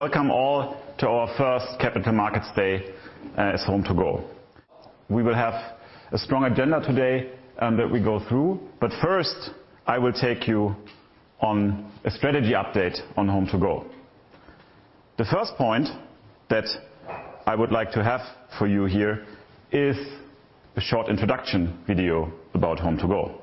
Welcome all to our first Capital Markets Day as HomeToGo. We will have a strong agenda today that we go through, but first I will take you on a strategy update on HomeToGo. The first point that I would like to have for you here is a short introduction video about HomeToGo.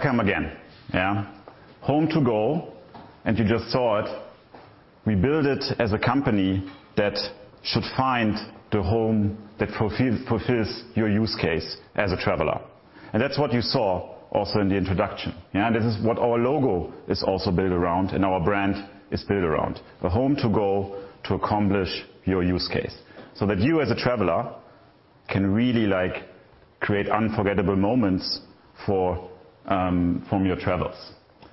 Welcome again. Yeah. HomeToGo, and you just saw it, we build it as a company that should find the home that fulfills your use case as a traveler. That's what you saw also in the introduction. Yeah, this is what our logo is also built around and our brand is built around. A home to go to accomplish your use case so that you as a traveler can really, like, create unforgettable moments from your travels.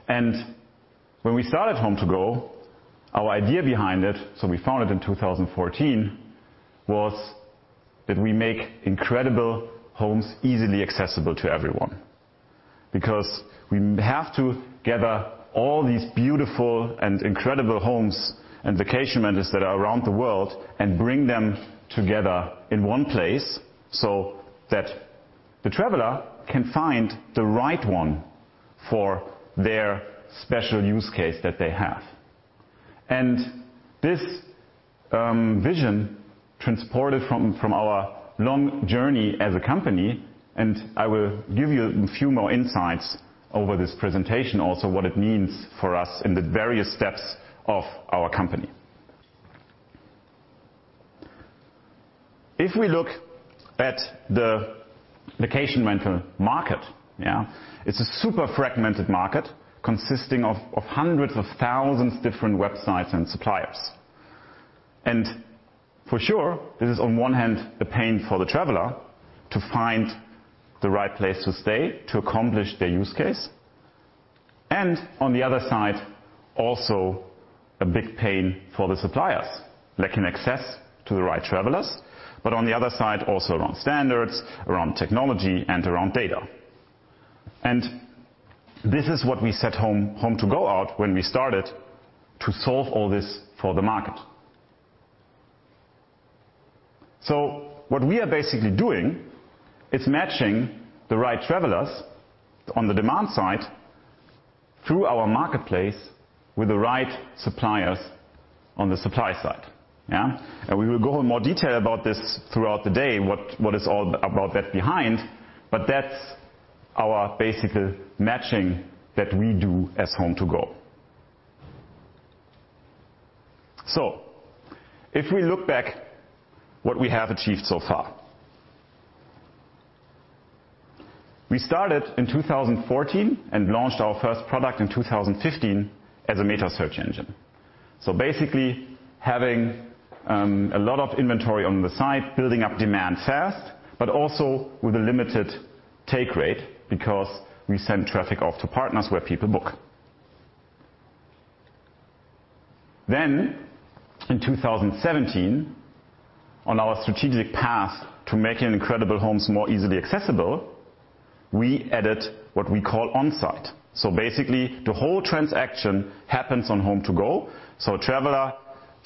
When we started HomeToGo, our idea behind it, so we founded in 2014, was that we make incredible homes easily accessible to everyone. Because we have to gather all these beautiful and incredible homes and vacation rentals that are around the world and bring them together in one place, so that the traveler can find the right one for their special use case that they have. This vision transported from our long journey as a company and I will give you a few more insights over this presentation also what it means for us in the various steps of our company. If we look at the vacation rental market, yeah, it's a super fragmented market consisting of hundreds of thousands different websites and suppliers. For sure, this is on one hand a pain for the traveler to find the right place to stay, to accomplish their use case. On the other side, also a big pain for the suppliers lacking access to the right travelers, but on the other side also around standards, around technology, and around data. This is what we set HomeToGo out when we started to solve all this for the market. What we are basically doing is matching the right travelers on the demand side through our marketplace with the right suppliers on the supply side. Yeah? We will go in more detail about this throughout the day, what is all about that behind, but that's our basically matching that we do as HomeToGo. If we look back what we have achieved so far. We started in 2014 and launched our first product in 2015 as a metasearch engine. Basically having a lot of inventory on the site, building up demand fast, but also with a limited take rate because we send traffic off to partners where people book. In 2017, on our strategic path to making incredible homes more easily accessible, we added what we call on-site. Basically the whole transaction happens on HomeToGo, so traveler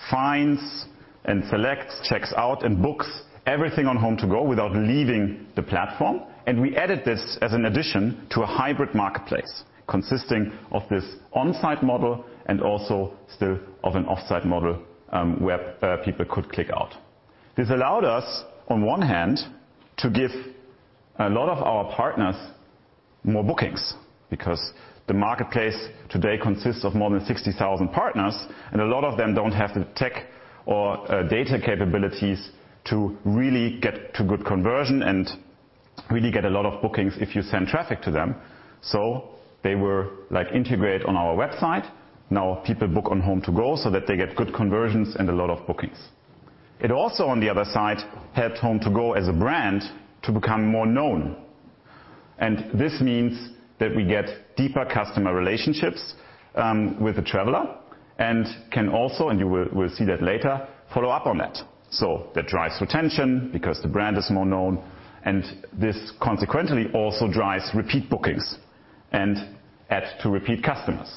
finds and selects, checks out, and books everything on HomeToGo without leaving the platform. We added this as an addition to a hybrid marketplace consisting of this on-site model and also still of an off-site model, where people could click out. This allowed us, on one hand, to give a lot of our partners more bookings, because the marketplace today consists of more than 60,000 partners, and a lot of them don't have the tech or data capabilities to really get to good conversion and really get a lot of bookings if you send traffic to them. They were like integrated on our website. Now people book on HomeToGo so that they get good conversions and a lot of bookings. It also, on the other side, helped HomeToGo as a brand to become more known. This means that we get deeper customer relationships with the traveler, and can also, and you will see that later, follow up on that. That drives retention because the brand is more known, and this consequently also drives repeat bookings and adds to repeat customers.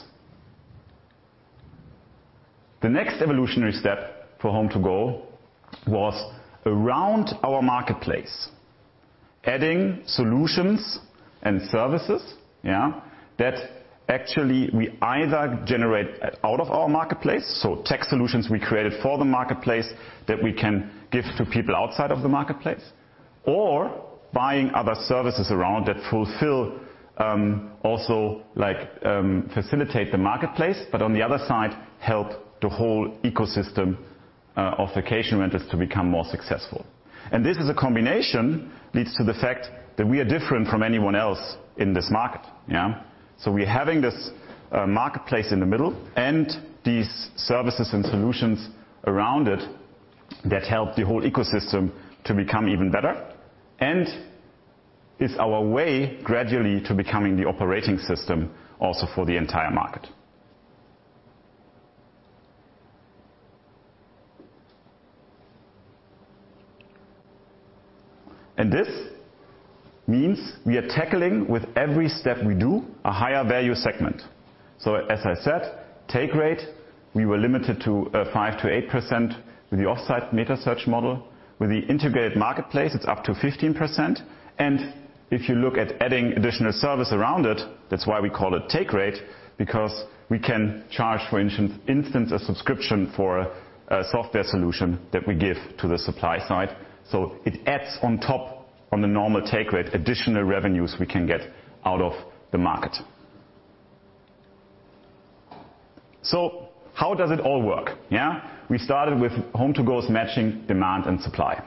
The next evolutionary step for HomeToGo was around our marketplace, adding solutions and services, that actually we either generate out of our marketplace, so tech solutions we created for the marketplace that we can give to people outside of the marketplace, or buying other services around that fulfill, also like, facilitate the marketplace, but on the other side, help the whole ecosystem of vacation renters to become more successful. This is a combination leads to the fact that we are different from anyone else in this market. We're having this, marketplace in the middle and these services and solutions around it that help the whole ecosystem to become even better, and it's our way gradually to becoming the operating system also for the entire market. This means we are tackling with every step we do a higher value segment. As I said, take rate, we were limited to 5%-8% with the offsite metasearch model. With the integrated marketplace, it's up to 15%. If you look at adding additional service around it, that's why we call it take rate, because we can charge, for instance, a subscription for a software solution that we give to the supply side. It adds on top on the normal take rate additional revenues we can get out of the market. How does it all work? Yeah. We started with HomeToGo's matching demand and supply.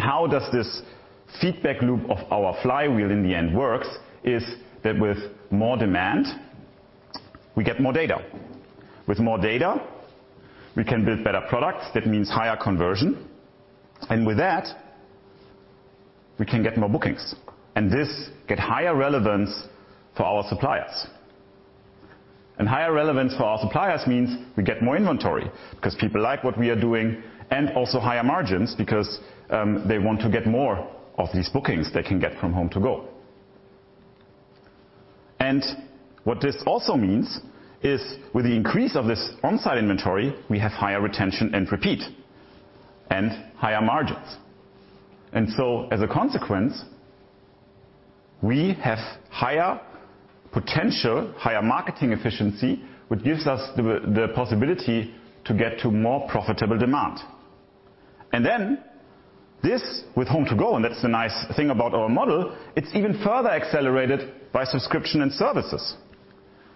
How does this feedback loop of our flywheel in the end works is that with more demand, we get more data. With more data, we can build better products, that means higher conversion. With that, we can get more bookings. This gets higher relevance for our suppliers. Higher relevance for our suppliers means we get more inventory because people like what we are doing, and also higher margins because they want to get more of these bookings they can get from HomeToGo. What this also means is with the increase of this on-site inventory, we have higher retention and repeat and higher margins. As a consequence, we have higher potential, higher marketing efficiency, which gives us the possibility to get to more profitable demand. Then this with HomeToGo, and that's the nice thing about our model, it's even further accelerated by subscription and services.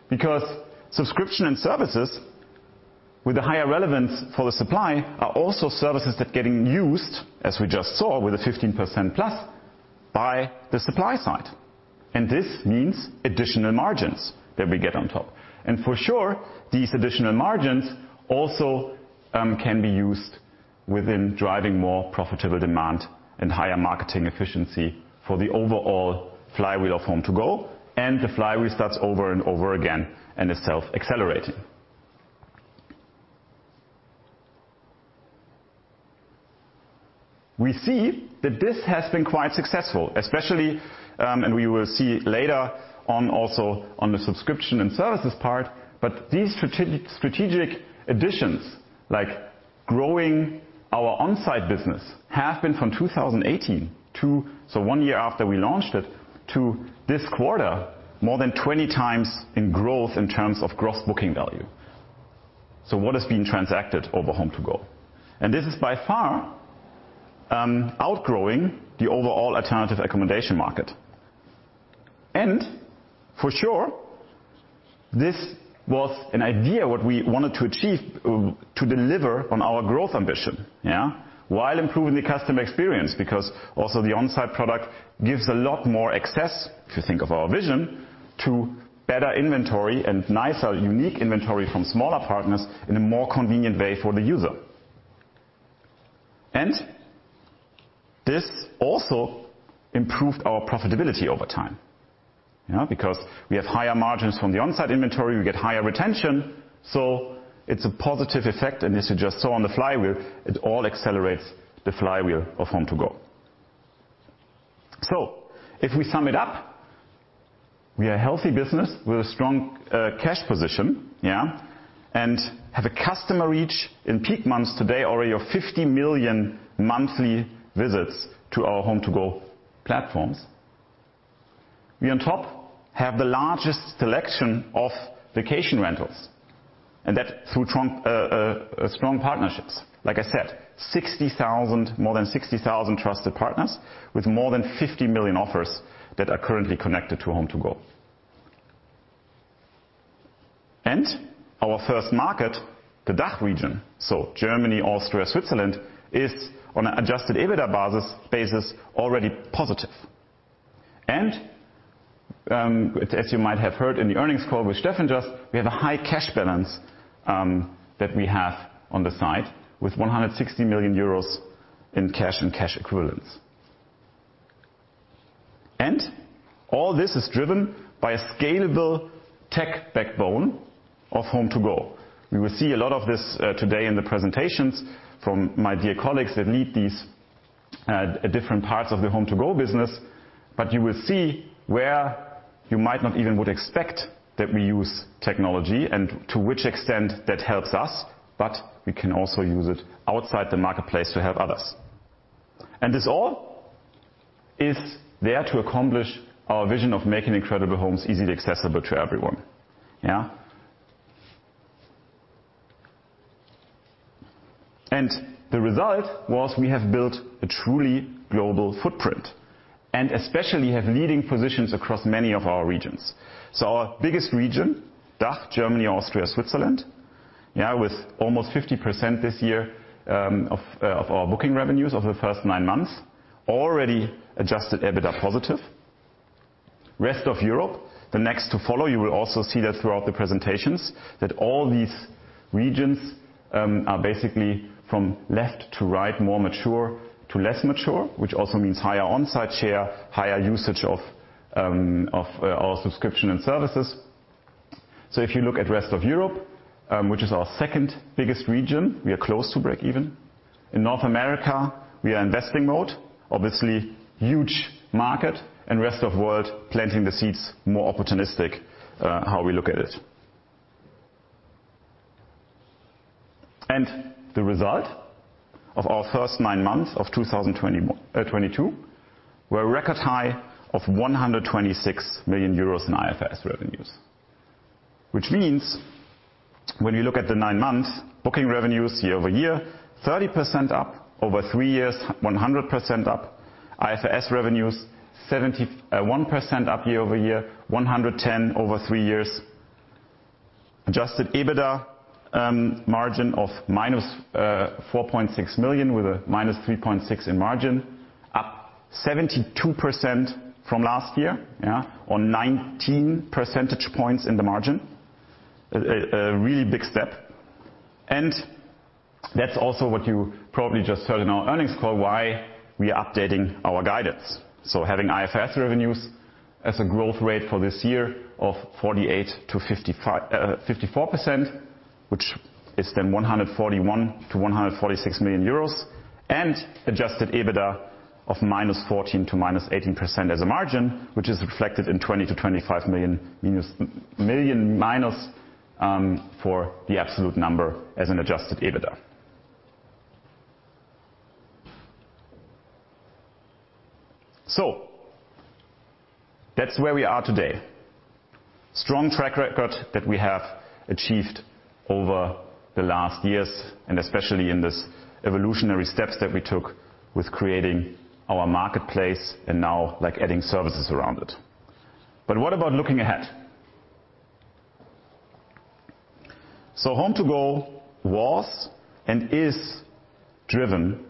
Because subscription and services with a higher relevance for the supply are also services that get used, as we just saw with the 15%+, by the supply side. This means additional margins that we get on top. For sure, these additional margins also can be used within driving more profitable demand and higher marketing efficiency for the overall flywheel of HomeToGo, and the flywheel starts over and over again and is self-accelerating. We see that this has been quite successful, especially, and we will see later on also on the subscription and services part, but these strategic additions, like growing our on-site business, have been from 2018 to, so one year after we launched it, to this quarter, more than 20x in growth in terms of Gross Booking Value. What has been transacted over HomeToGo? This is by far outgrowing the overall alternative accommodation market. For sure, this was an idea what we wanted to achieve to deliver on our growth ambition while improving the customer experience, because also the on-site product gives a lot more access, if you think of our vision, to better inventory and nicer, unique inventory from smaller partners in a more convenient way for the user. This also improved our profitability over time, you know, because we have higher margins from the on-site inventory, we get higher retention, so it's a positive effect, and as you just saw on the flywheel, it all accelerates the flywheel of HomeToGo. If we sum it up, we are a healthy business with a strong cash position, and have a customer reach in peak months today already of 50 million monthly visits to our HomeToGo platforms. We on top have the largest selection of vacation rentals. That through strong partnerships. Like I said, more than 60,000 trusted partners with more than 50 million offers that are currently connected to HomeToGo. Our first market, the DACH region, so Germany, Austria, Switzerland, is on an Adjusted EBITDA basis already positive. As you might have heard in the earnings call with Steffen just, we have a high cash balance that we have on the side with 160 million euros in cash and cash equivalents. All this is driven by a scalable tech backbone of HomeToGo. You will see a lot of this today in the presentations from my dear colleagues that lead these different parts of the HomeToGo business, but you will see where you might not even would expect that we use technology and to which extent that helps us, but we can also use it outside the marketplace to help others. This all is there to accomplish our vision of making incredible homes easily accessible to everyone. The result was we have built a truly global footprint, and especially have leading positions across many of our regions. Our biggest region, DACH, Germany, Austria, Switzerland, with almost 50% this year of our Booking Revenues over the first nine months. Already Adjusted EBITDA positive. Rest of Europe, the next to follow. You will also see that throughout the presentations, that all these regions are basically from left to right, more mature to less mature, which also means higher on-site share, higher usage of our subscription and services. If you look at Rest of Europe, which is our second biggest region, we are close to break-even. In North America, we are investing mode. Obviously, huge market. Rest of World, planting the seeds, more opportunistic, how we look at it. The result of our first nine months of 2021, 2022 were a record high of 126 million euros in IFRS Revenues. Which means when you look at the nine months, Booking Revenues year-over-year, 30% up. Over three years, 100% up. IFRS Revenues 71% up year-over-year, 110% over three years. Adjusted EBITDA margin of -4.6 million, with a -3.6% margin, up 72% from last year on 19 percentage points in the margin. A really big step. That's also what you probably just heard in our earnings call, why we are updating our guidance. Having IFRS Revenues as a growth rate for this year of 48%-54%, which is then 141 million-146 million euros, and adjusted EBITDA of -14% to -18% as a margin, which is reflected in 20 million- 25 million minus for the absolute number as an adjusted EBITDA. That's where we are today. Strong track record that we have achieved over the last years, and especially in this evolutionary steps that we took with creating our marketplace and now, like, adding services around it. What about looking ahead? HomeToGo was and is driven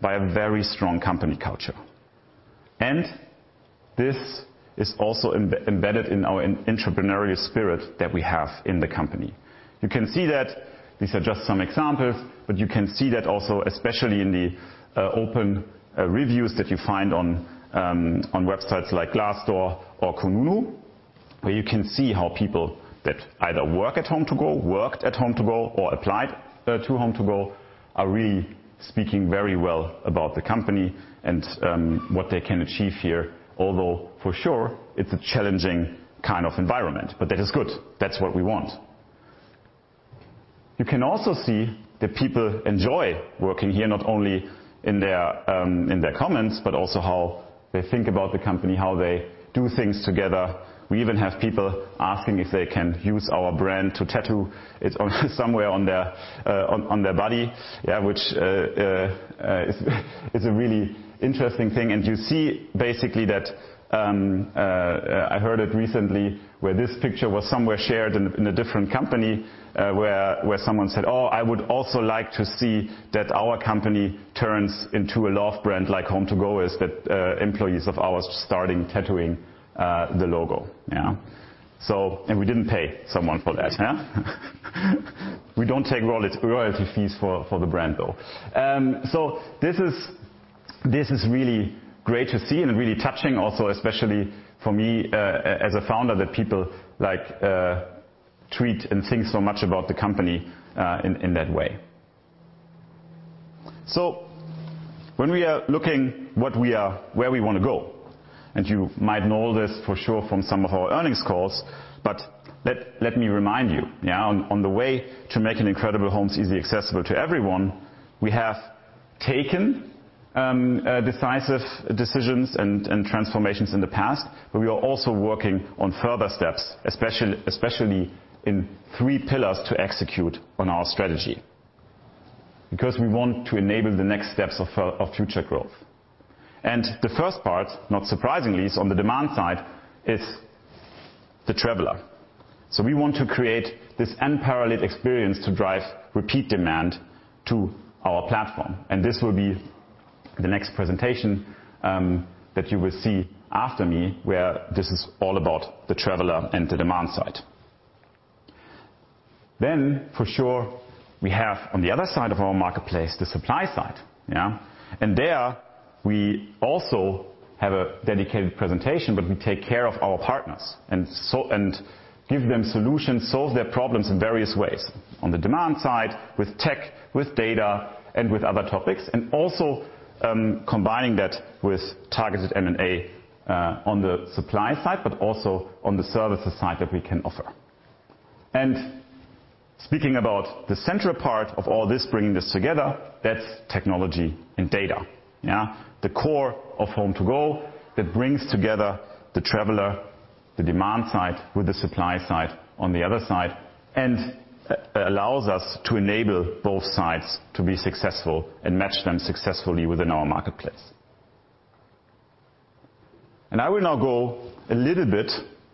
by a very strong company culture. This is also embedded in our entrepreneurial spirit that we have in the company. You can see that, these are just some examples, but you can see that also especially in the open reviews that you find on on websites like Glassdoor or kununu, where you can see how people that either work at HomeToGo, worked at HomeToGo, or applied to HomeToGo are really speaking very well about the company and what they can achieve here. Although, for sure, it's a challenging kind of environment. That is good. That's what we want. You can also see that people enjoy working here, not only in their comments, but also how they think about the company, how they do things together. We even have people asking if they can use our brand to tattoo it on somewhere on their body, yeah, which is a really interesting thing. You see basically that I heard it recently where this picture was somewhere shared in a different company, where someone said, "Oh, I would also like to see that our company turns into a love brand like HomeToGo is, that employees of ours starting tattooing the logo." Yeah. We didn't pay someone for that. Yeah? We don't take royalty fees for the brand, though. This is really great to see and really touching also, especially for me, as a founder, that people like tweet and think so much about the company, in that way. When we are looking where we wanna go, and you might know this for sure from some of our earnings calls, but let me remind you. Yeah, on the way to making incredible homes easily accessible to everyone, we have taken decisive decisions and transformations in the past, but we are also working on further steps, especially in three pillars to execute on our strategy. Because we want to enable the next steps of future growth. The first part, not surprisingly, is on the demand side, the traveler. We want to create this unparalleled experience to drive repeat demand to our platform. This will be the next presentation that you will see after me, where this is all about the traveler and the demand side. For sure, we have on the other side of our marketplace, the supply side. There we also have a dedicated presentation, but we take care of our partners. Give them solutions, solve their problems in various ways. On the demand side, with tech, with data, and with other topics. Also, combining that with targeted M&A on the supply side, but also on the services side that we can offer. Speaking about the central part of all this, bringing this together, that's Technology and Data. The core of HomeToGo that brings together the traveler, the demand side with the supply side on the other side, and allows us to enable both sides to be successful and match them successfully within our marketplace. I will now go a little bit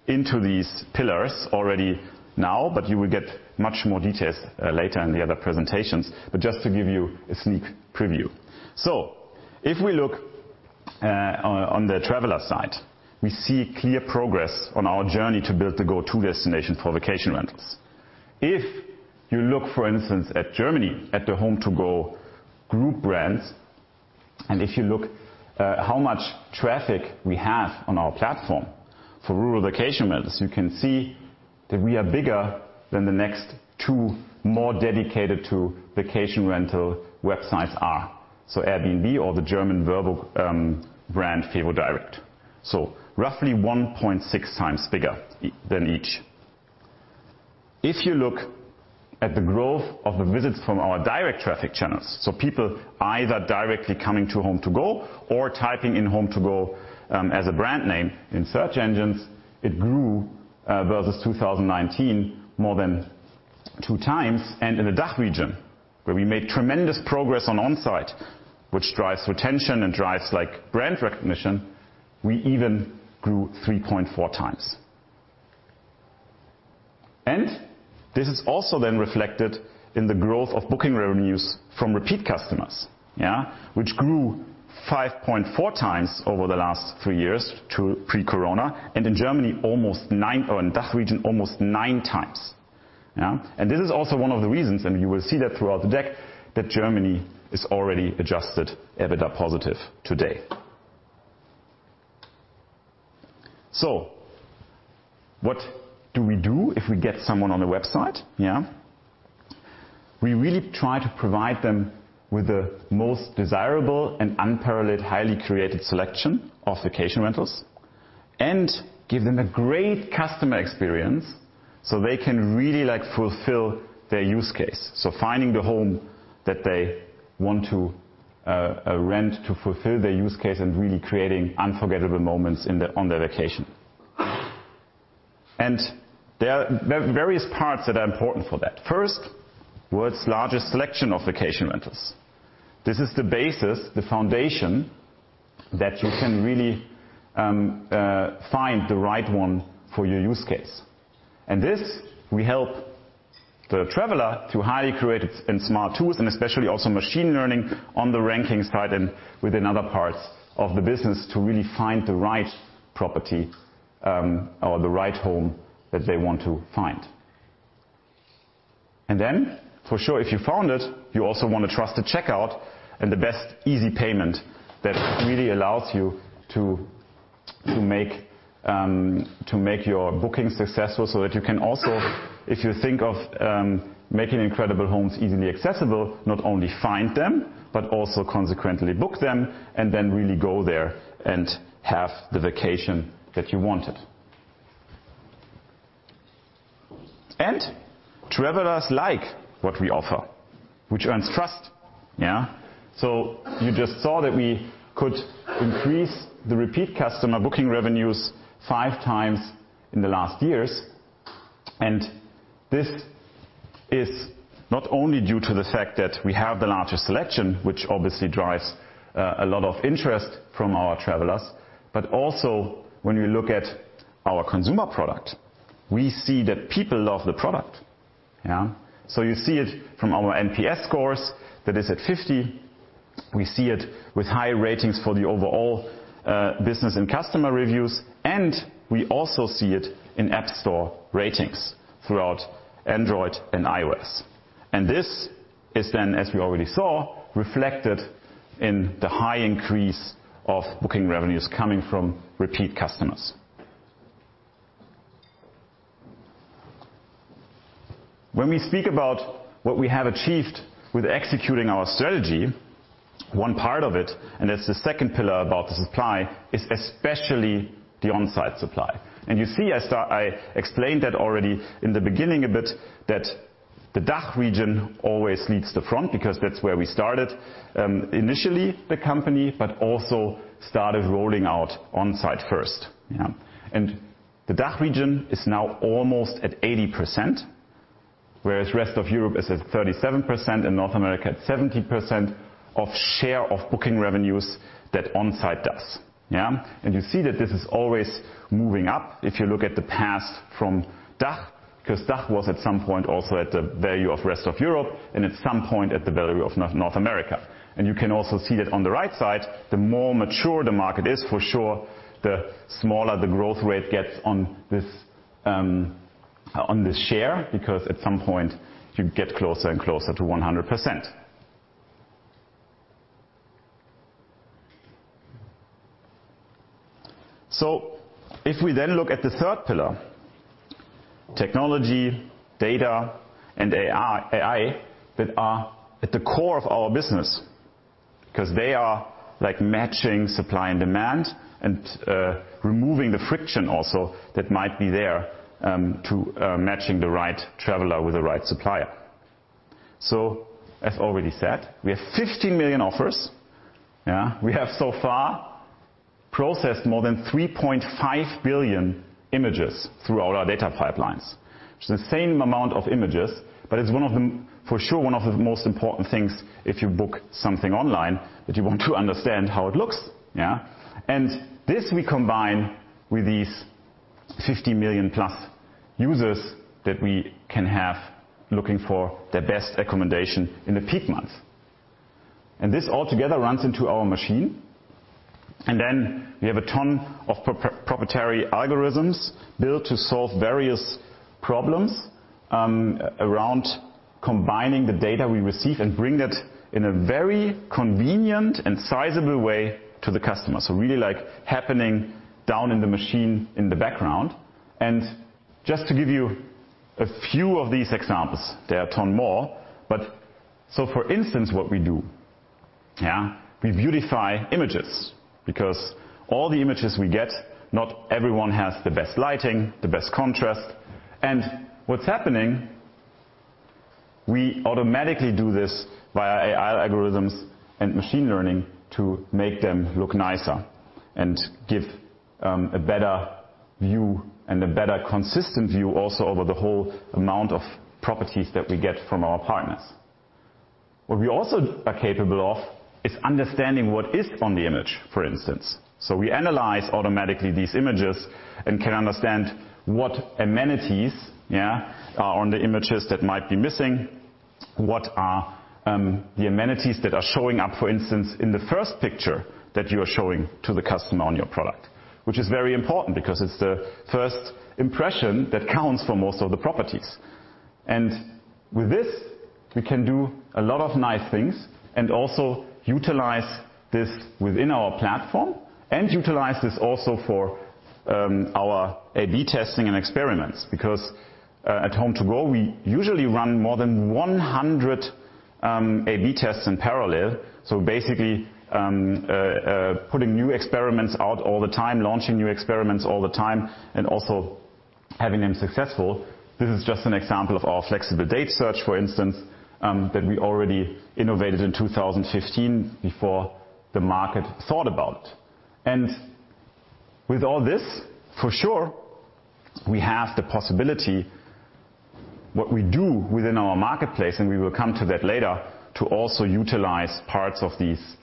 into these pillars already now, you will get much more details, later in the other presentations. Just to give you a sneak preview. If we look, on the traveler side, we see clear progress on our journey to build the go-to destination for vacation rentals. If you look, for instance, at Germany, at the HomeToGo group brands, and if you look, how much traffic we have on our platform for rural vacation rentals, you can see that we are bigger than the next two more dedicated to vacation rental websites are. Airbnb or the German equivalent brand, FeWo-direkt. Roughly 1.6x bigger than each. If you look at the growth of the visits from our direct traffic channels, people either directly coming to HomeToGo, or typing in HomeToGo as a brand name in search engines, it grew versus 2019 more than 2x. In the DACH region, where we made tremendous progress on on-site, which drives retention and drives, like, brand recognition, we even grew 3.4x. This is also then reflected in the growth of Booking Revenues from repeat customers, which grew 5.4x over the last three years to pre-corona, and in the DACH region, almost 9x. This is also one of the reasons, and you will see that throughout the deck, that Germany is already Adjusted EBITDA positive today. What do we do if we get someone on the website? Yeah. We really try to provide them with the most desirable and unparalleled, highly curated selection of vacation rentals and give them a great customer experience so they can really, like, fulfill their use case. Finding the home that they want to rent to fulfill their use case and really creating unforgettable moments on their vacation. There are various parts that are important for that. First, World's largest selection of vacation rentals. This is the basis, the foundation that you can really find the right one for your use case. This, we help the traveler to highly curated and smart tools, and especially also machine learning on the ranking side and within other parts of the business to really find the right property, or the right home that they want to find. For sure, if you found it, you also want a trusted checkout and the best easy payment that really allows you to make your booking successful so that you can also, if you think of making incredible homes easily accessible, not only find them, but also consequently book them and then really go there and have the vacation that you wanted. Travelers like what we offer, which earns trust, yeah. You just saw that we could increase the repeat customer Booking Revenues 5x in the last years. This is not only due to the fact that we have the largest selection, which obviously drives a lot of interest from our travelers, but also when we look at our consumer product, we see that people love the product. Yeah. You see it from our NPS scores, that is at 50. We see it with high ratings for the overall business and customer reviews, and we also see it in App Store ratings throughout Android and iOS. This is then, as we already saw, reflected in the high increase of Booking Revenues coming from repeat customers. When we speak about what we have achieved with executing our strategy, one part of it, and that's the second pillar about the supply, is especially the on-site supply. You see, as I explained that already in the beginning a bit, that the DACH region always leads the front because that's where we started initially the company, but also started rolling out onsite first, yeah. The DACH region is now almost at 80%, whereas rest of Europe is at 37% and North America at 70% of share of Booking Revenues that onsite does. Yeah. You see that this is always moving up if you look at the past from DACH, because DACH was at some point also at the value of rest of Europe and at some point at the value of North America. You can also see that on the right side, the more mature the market is for sure, the smaller the growth rate gets on this, on this share because at some point you get closer and closer to 100%. If we then look at the third pillar, technology, data and AI that are at the core of our business because they are like matching supply and demand and removing the friction also that might be there to matching the right traveler with the right supplier. As already said, we have 50 million offers. Yeah. We have so far processed more than 3.5 billion images throughout our data pipelines. It's the same amount of images, but it's one of them, for sure, one of the most important things if you book something online that you want to understand how it looks. Yeah. This we combine with these 50 million-plus users that we can have looking for the best accommodation in the peak months. This all together runs into our machine. Then we have a ton of proprietary algorithms built to solve various problems around combining the data we receive and bring that in a very convenient and sizable way to the customer. Really like happening down in the machine in the background. Just to give you a few of these examples, there are a ton more, but for instance what we do, yeah, we beautify images because all the images we get, not everyone has the best lighting, the best contrast. What's happening, we automatically do this via AI algorithms and machine learning to make them look nicer and give a better view and a better consistent view also over the whole amount of properties that we get from our partners. What we also are capable of is understanding what is on the image, for instance. We analyze automatically these images and can understand what amenities are on the images that might be missing, what are the amenities that are showing up, for instance, in the first picture that you are showing to the customer on your product. Which is very important because it's the first impression that counts for most of the properties. With this, we can do a lot of nice things and also utilize this within our platform and utilize this also for our A/B Testing and Experiments. Because at HomeToGo, we usually run more than 100 A/B tests in parallel. Basically, putting new experiments out all the time, launching new experiments all the time, and also having them successful. This is just an example of our flexible date search, for instance, that we already innovated in 2015 before the market thought about it. With all this, for sure, we have the possibility, what we do within our marketplace, and we will come to that later, to also utilize parts of these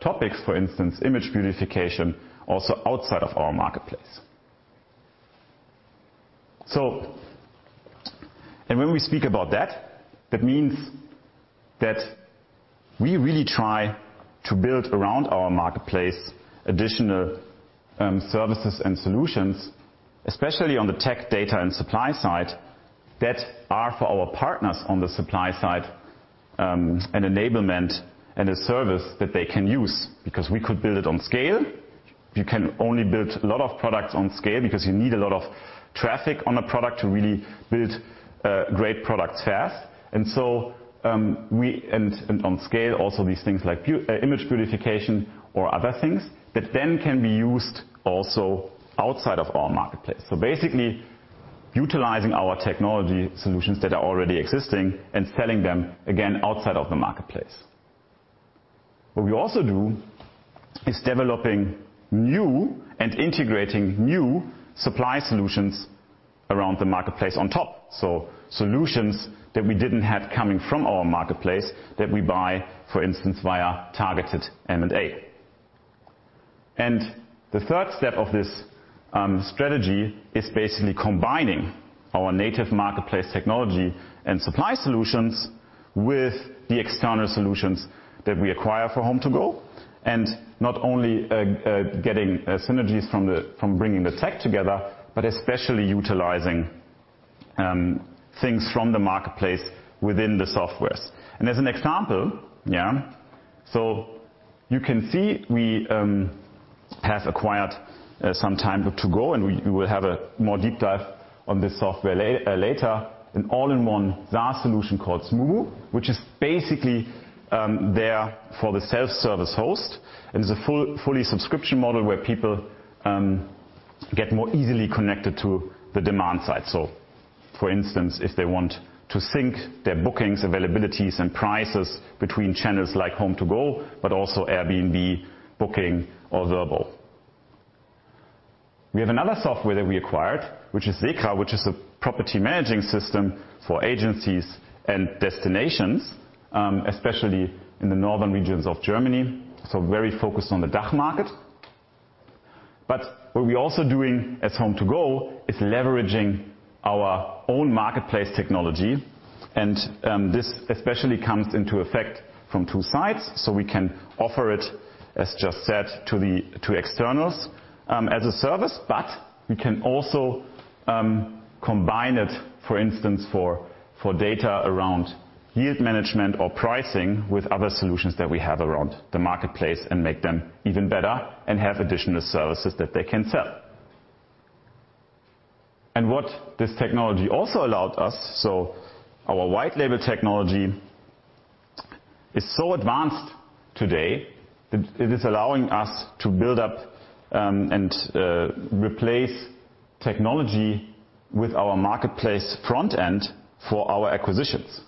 topics, for instance, image beautification, also outside of our marketplace. When we speak about that means that we really try to build around our marketplace additional services and solutions, especially on the tech data and supply side, that are for our partners on the supply side, an enablement and a service that they can use because we could build it on scale. You can only build a lot of products on scale because you need a lot of traffic on a product to really build great products fast. On scale also these things like image beautification or other things that then can be used also outside of our marketplace. Basically utilizing our technology solutions that are already existing and selling them again outside of the marketplace. What we also do is developing new and integrating new supply solutions around the marketplace on top. Solutions that we didn't have coming from our marketplace that we buy, for instance, via targeted M&A. The third step of this strategy is basically combining our native marketplace technology and supply solutions with the external solutions that we acquire for HomeToGo, and not only getting synergies from bringing the tech together, but especially utilizing things from the marketplace within the softwares. As an example, you can see we have acquired some time with HomeToGo, and we will have a more deep dive on this software later, an all-in-one SaaS solution called Smoobu, which is basically there for the self-service host, and it's a fully subscription model where people get more easily connected to the demand side. For instance, if they want to sync their bookings, availabilities, and prices between channels like HomeToGo, but also Airbnb, Booking, or Vrbo. We have another software that we acquired, which is SECRA, which is a property management system for agencies and destinations, especially in the northern regions of Germany, so very focused on the DACH market. What we're also doing at HomeToGo is leveraging our own marketplace technology and this especially comes into effect from two sides. We can offer it, as just said, to externals, as a service, but we can also combine it, for instance, for data around yield management or pricing with other solutions that we have around the marketplace and make them even better and have additional services that they can sell. What this technology also allowed us, so our white label technology is so advanced today that it is allowing us to build up and replace technology with our marketplace front end for our acquisitions.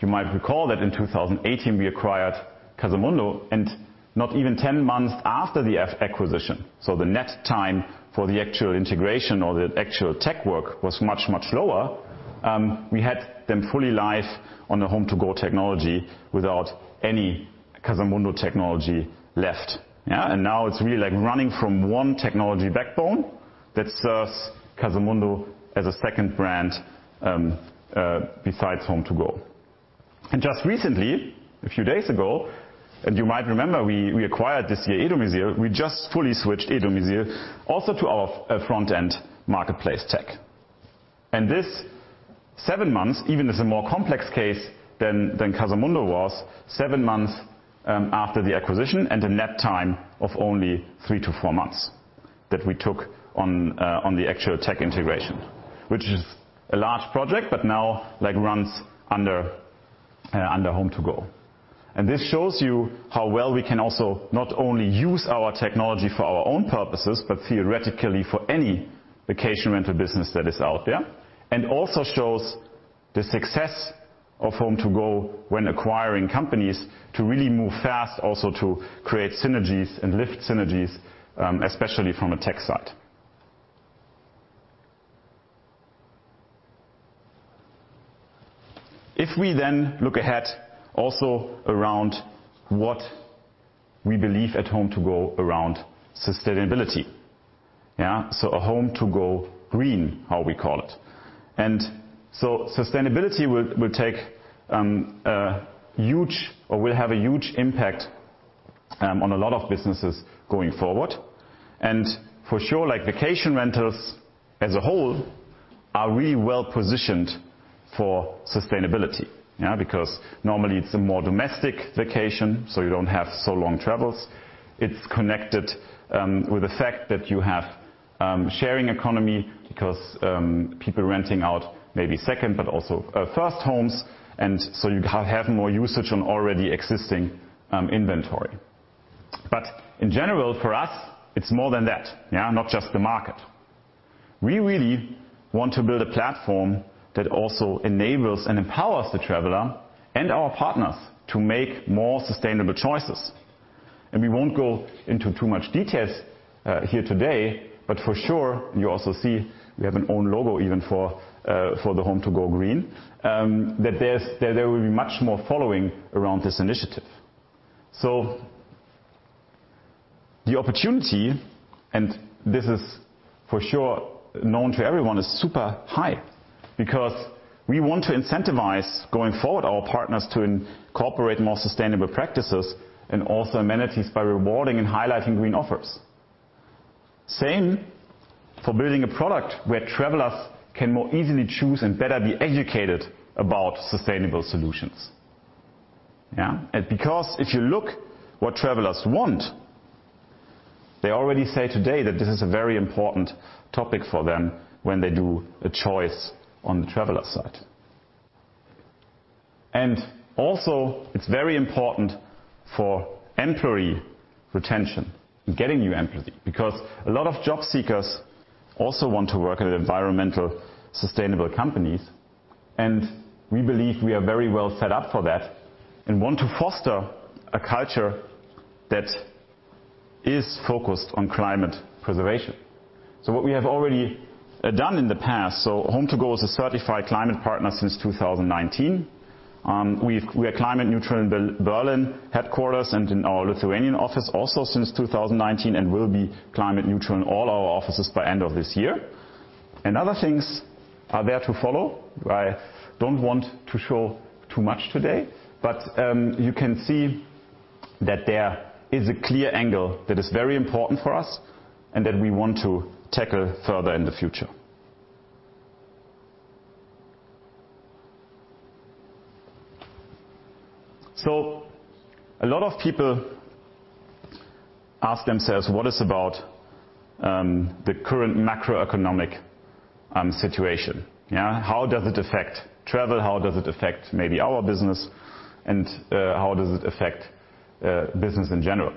You might recall that in 2018 we acquired Casamundo, and not even 10 months after the acquisition, so the net time for the actual integration or the actual tech work was much lower, we had them fully live on the HomeToGo technology without any Casamundo technology left. Now it's really like running from one technology backbone that serves Casamundo as a second brand besides HomeToGo. Just recently, a few days ago, and you might remember we acquired this year e-domizil, we just fully switched e-domizil also to our front end marketplace tech. This seven months, even as a more complex case than Casamundo was, seven months after the acquisition and a net time of only three to four months that we took on the actual tech integration, which is a large project, but now like runs under HomeToGo. This shows you how well we can also not only use our technology for our own purposes, but theoretically for any vacation rental business that is out there, and also shows the success of HomeToGo when acquiring companies to really move fast, also to create synergies and lift synergies, especially from a tech side. If we look ahead also around what we believe at HomeToGo around sustainability. A HomeToGo green, how we call it. Sustainability will take a huge. or will have a huge impact on a lot of businesses going forward. For sure, like vacation rentals as a whole are really well positioned for sustainability. Yeah? Because normally it's a more domestic vacation, so you don't have so long travels. It's connected with the fact that you have sharing economy because people renting out maybe second but also first homes, and so you have more usage on already existing inventory. But in general, for us, it's more than that. Yeah? Not just the market. We really want to build a platform that also enables and empowers the traveler and our partners to make more sustainable choices. We won't go into too much details here today, but for sure, you also see we have an own logo even for the HomeToGo green, that there will be much more following around this initiative. The opportunity, and this is for sure known to everyone, is super high because we want to incentivize going forward our partners to incorporate more sustainable practices and also amenities by rewarding and highlighting green offers. Same for building a product where travelers can more easily choose and better be educated about sustainable solutions. Yeah. Because if you look what travelers want, they already say today that this is a very important topic for them when they do a choice on the traveler side. Also it's very important for employee retention and getting new employees, because a lot of job seekers also want to work at environmentally sustainable companies, and we believe we are very well set up for that and want to foster a culture that is focused on climate preservation. What we have already done in the past, so HomeToGo is a certified climate partner since 2019. We are climate neutral in Berlin headquarters and in our Lithuanian office also since 2019 and will be climate neutral in all our offices by end of this year. Other things are there to follow. I don't want to show too much today, but you can see that there is a clear angle that is very important for us and that we want to tackle further in the future. A lot of people ask themselves what is it about the current macroeconomic situation. Yeah? How does it affect travel? How does it affect maybe our business? And how does it affect business in general?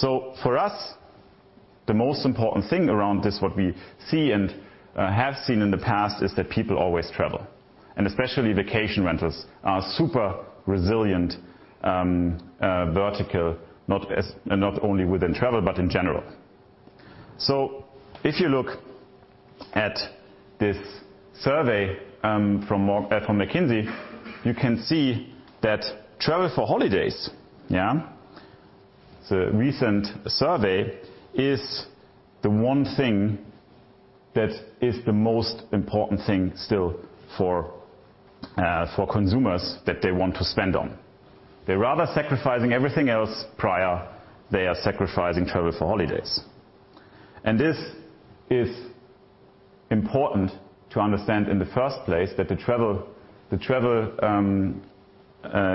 For us, the most important thing around this, what we see and have seen in the past, is that people always travel, and especially vacation rentals are super resilient vertical, not only within travel, but in general. If you look at this survey from McKinsey, you can see that travel for holidays, it's a recent survey, is the one thing that is the most important thing still for consumers that they want to spend on. They'd rather sacrifice everything else before they sacrifice travel for holidays. This is important to understand in the first place that the travel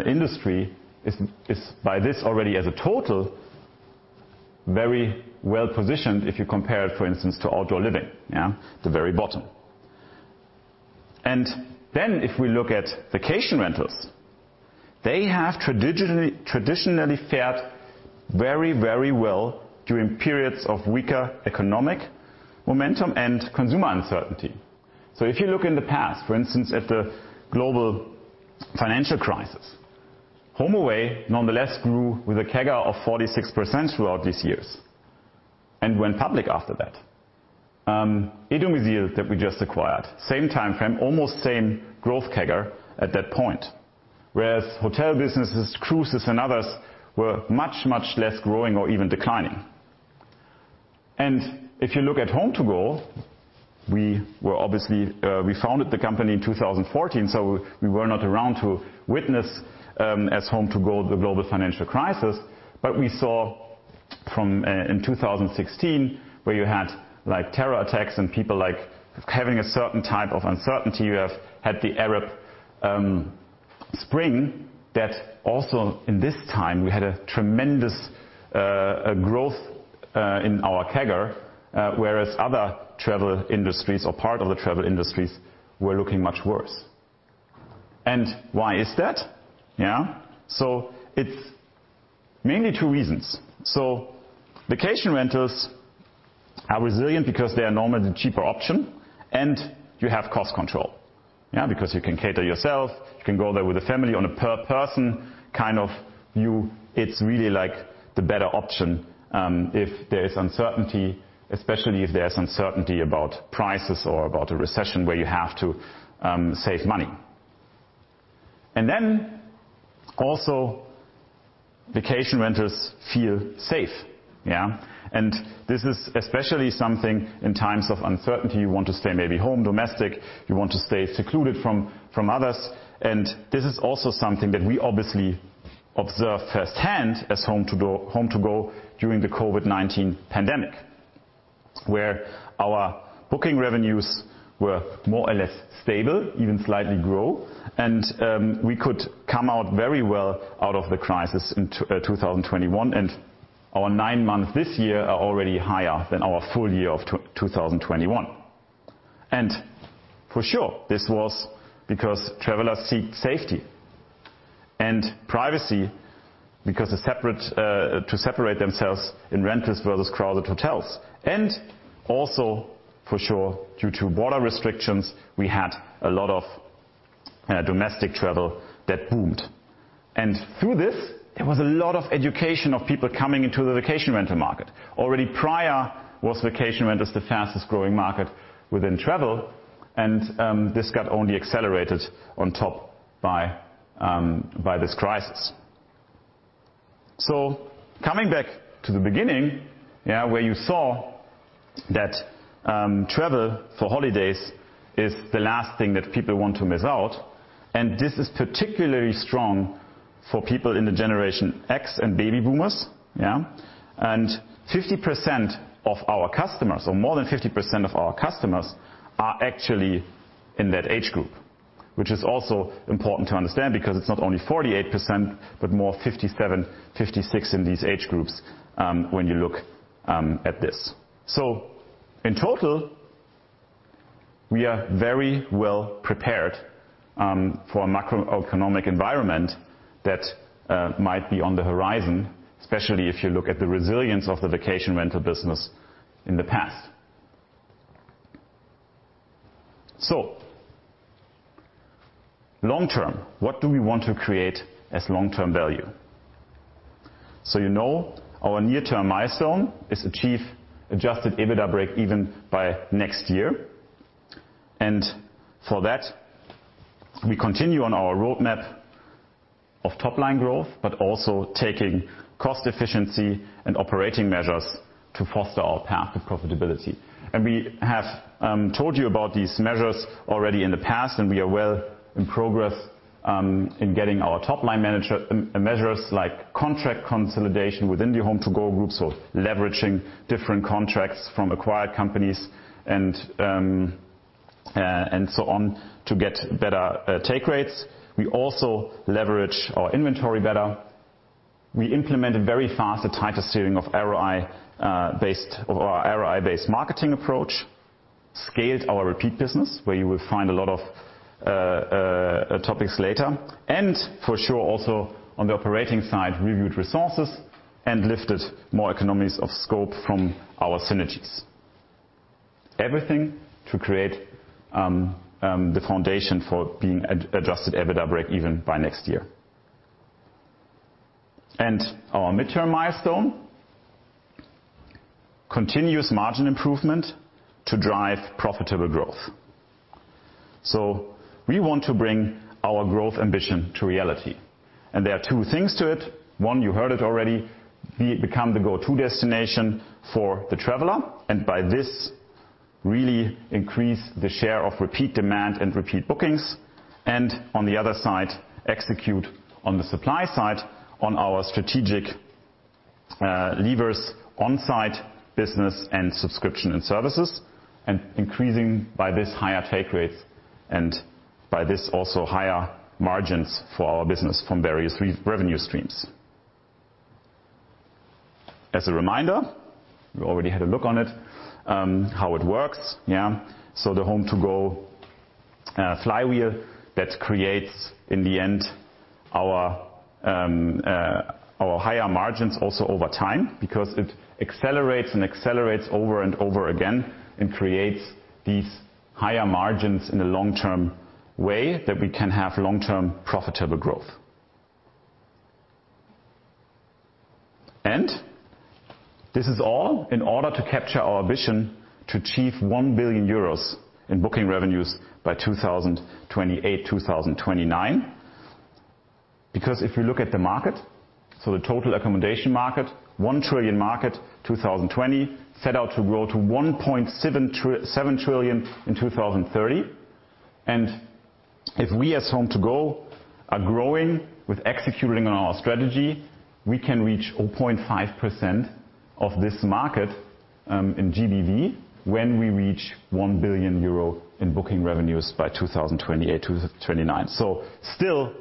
industry is by this already as a total very well positioned if you compare it for instance to outdoor living yeah. The very bottom. If we look at vacation rentals they have traditionally fared very very well during periods of weaker economic momentum and consumer uncertainty. If you look in the past for instance at the global financial crisis HomeAway nonetheless grew with a CAGR of 46% throughout these years and went public after that. e-domizil that we just acquired same timeframe almost same growth CAGR at that point. Whereas hotel businesses cruises and others were much much less growing or even declining. If you look at HomeToGo, we were obviously we founded the company in 2014, so we were not around to witness as HomeToGo the global financial crisis. We saw from in 2016 where you had, like, terror attacks and people, like, having a certain type of uncertainty. You have had the Arab Spring that also in this time we had a tremendous growth in our CAGR, whereas other travel industries or part of the travel industries were looking much worse. Why is that? Yeah. It's mainly two reasons. Vacation renters are resilient because they are normally the cheaper option, and you have cost control. Yeah, because you can cater yourself, you can go there with the family on a per person kind of view. It's really, like, the better option, if there is uncertainty, especially if there's uncertainty about prices or about a recession where you have to, save money. Then also vacation renters feel safe. Yeah. This is especially something in times of uncertainty, you want to stay maybe home, domestic, you want to stay secluded from others. This is also something that we obviously observed firsthand as HomeToGo during the COVID-19 pandemic, where our Booking Revenues were more or less stable, even slightly grow. We could come out very well out of the crisis in 2021. Our nine months this year are already higher than our full year of 2021. For sure, this was because travelers seek safety and privacy because they separate, to separate themselves in rentals versus crowded hotels. Also, for sure, due to border restrictions, we had a lot of domestic travel that boomed. Through this, there was a lot of education of people coming into the vacation rental market. Already prior was vacation rentals the fastest-growing market within travel, and this got only accelerated on top by this crisis. Coming back to the beginning, where you saw that travel for holidays is the last thing that people want to miss out, and this is particularly strong for people in the Generation X and Baby Boomers. 50% of our customers, or more than 50% of our customers, are actually in that age group, which is also important to understand because it's not only 48%, but more 57%, 56% in these age groups, when you look at this. In total, we are very well prepared for a macroeconomic environment that might be on the horizon, especially if you look at the resilience of the vacation rental business in the past. Long term, what do we want to create as long-term value? You know our near-term milestone is achieve Adjusted EBITDA breakeven by next year. For that, we continue on our roadmap of top-line growth, but also taking cost efficiency and operating measures to foster our path to profitability. We have told you about these measures already in the past, and we are well in progress in getting our top-line measures like contract consolidation within the HomeToGo group, so leveraging different contracts from acquired companies and so on to get better take rates. We also leverage our inventory better. We implemented very fast a tighter steering of ROI-based marketing approach, scaled our repeat business, where you will find a lot of topics later, and for sure also on the operating side, reviewed resources and lifted more economies of scope from our synergies. Everything to create the foundation for being adjusted EBITDA breakeven by next year. Our midterm milestone, continuous margin improvement to drive profitable growth. We want to bring our growth ambition to reality. There are two things to it. One, you heard it already, become the go-to destination for the traveler, and by this really increase the share of repeat demand and repeat bookings. On the other side, execute on the supply side on our strategic levers on-site business and subscription and services, and increasing by this higher take rates and by this also higher margins for our business from various revenue streams. As a reminder, we already had a look at it, how it works. The HomeToGo flywheel that creates in the end our higher margins also over time because it accelerates over and over again and creates these higher margins in a long-term way that we can have long-term profitable growth. This is all in order to capture our vision to achieve 1 billion euros in Booking Revenues by 2028-2029. Because if you look at the market, so the total accommodation market, 1 trillion market, 2020 set out to grow to 1.737 trillion in 2030. If we as HomeToGo are growing with executing on our strategy, we can reach 0.5% of this market in GBV when we reach 1 billion euro in Booking Revenues by 2028, 2029. Still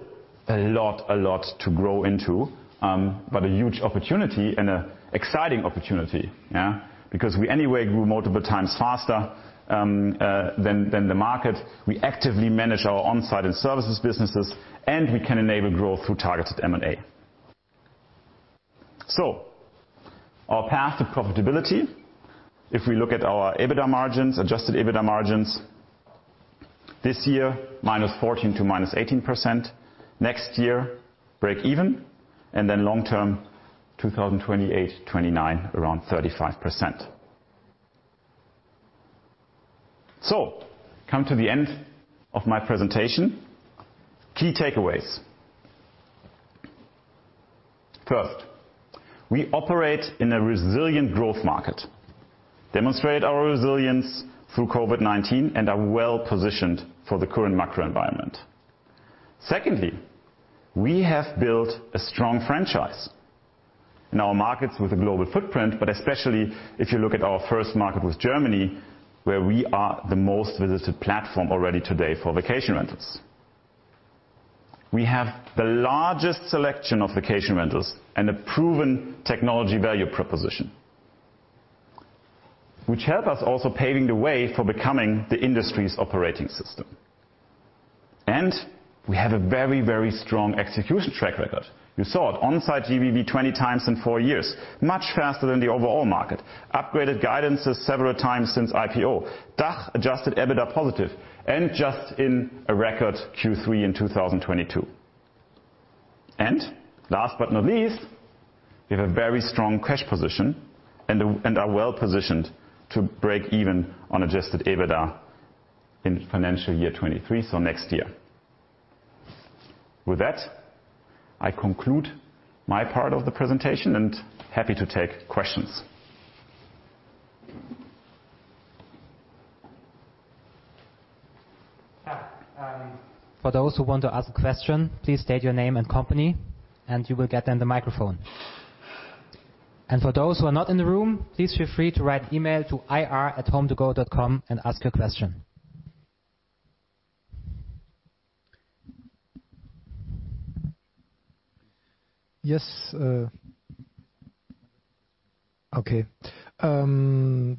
a lot to grow into, but a huge opportunity and an exciting opportunity. Yeah. Because we anyway grew multiple times faster than the market. We actively manage our on-site and services businesses, and we can enable growth through targeted M&A. Our path to profitability, if we look at our EBITDA margins, adjusted EBITDA margins this year, -14% to -18%. Next year, breakeven. Long-term, 2028-2029, around 35%. Coming to the end of my presentation. Key takeaways. First, we operate in a resilient growth market, demonstrate our resilience through COVID-19, and are well-positioned for the current macro environment. Secondly, we have built a strong franchise in our markets with a global footprint, but especially if you look at our first market in Germany, where we are the most visited platform already today for vacation rentals. We have the largest selection of vacation rentals and a proven technology value proposition, which help us also paving the way for becoming the industry's operating system. We have a very, very strong execution track record. You saw it on-site GBV, 20x in four years, much faster than the overall market. Upgraded guidances several times since IPO. DACH Adjusted EBITDA positive, and just in a record Q3 in 2022. Last but not least, we have a very strong cash position and are well-positioned to break even on adjusted EBITDA in financial year 2023, so next year. With that, I conclude my part of the presentation and happy to take questions. Yeah. For those who want to ask a question, please state your name and company, and you will get then the microphone. For those who are not in the room, please feel free to write email to ir@HomeToGo.com and ask your question.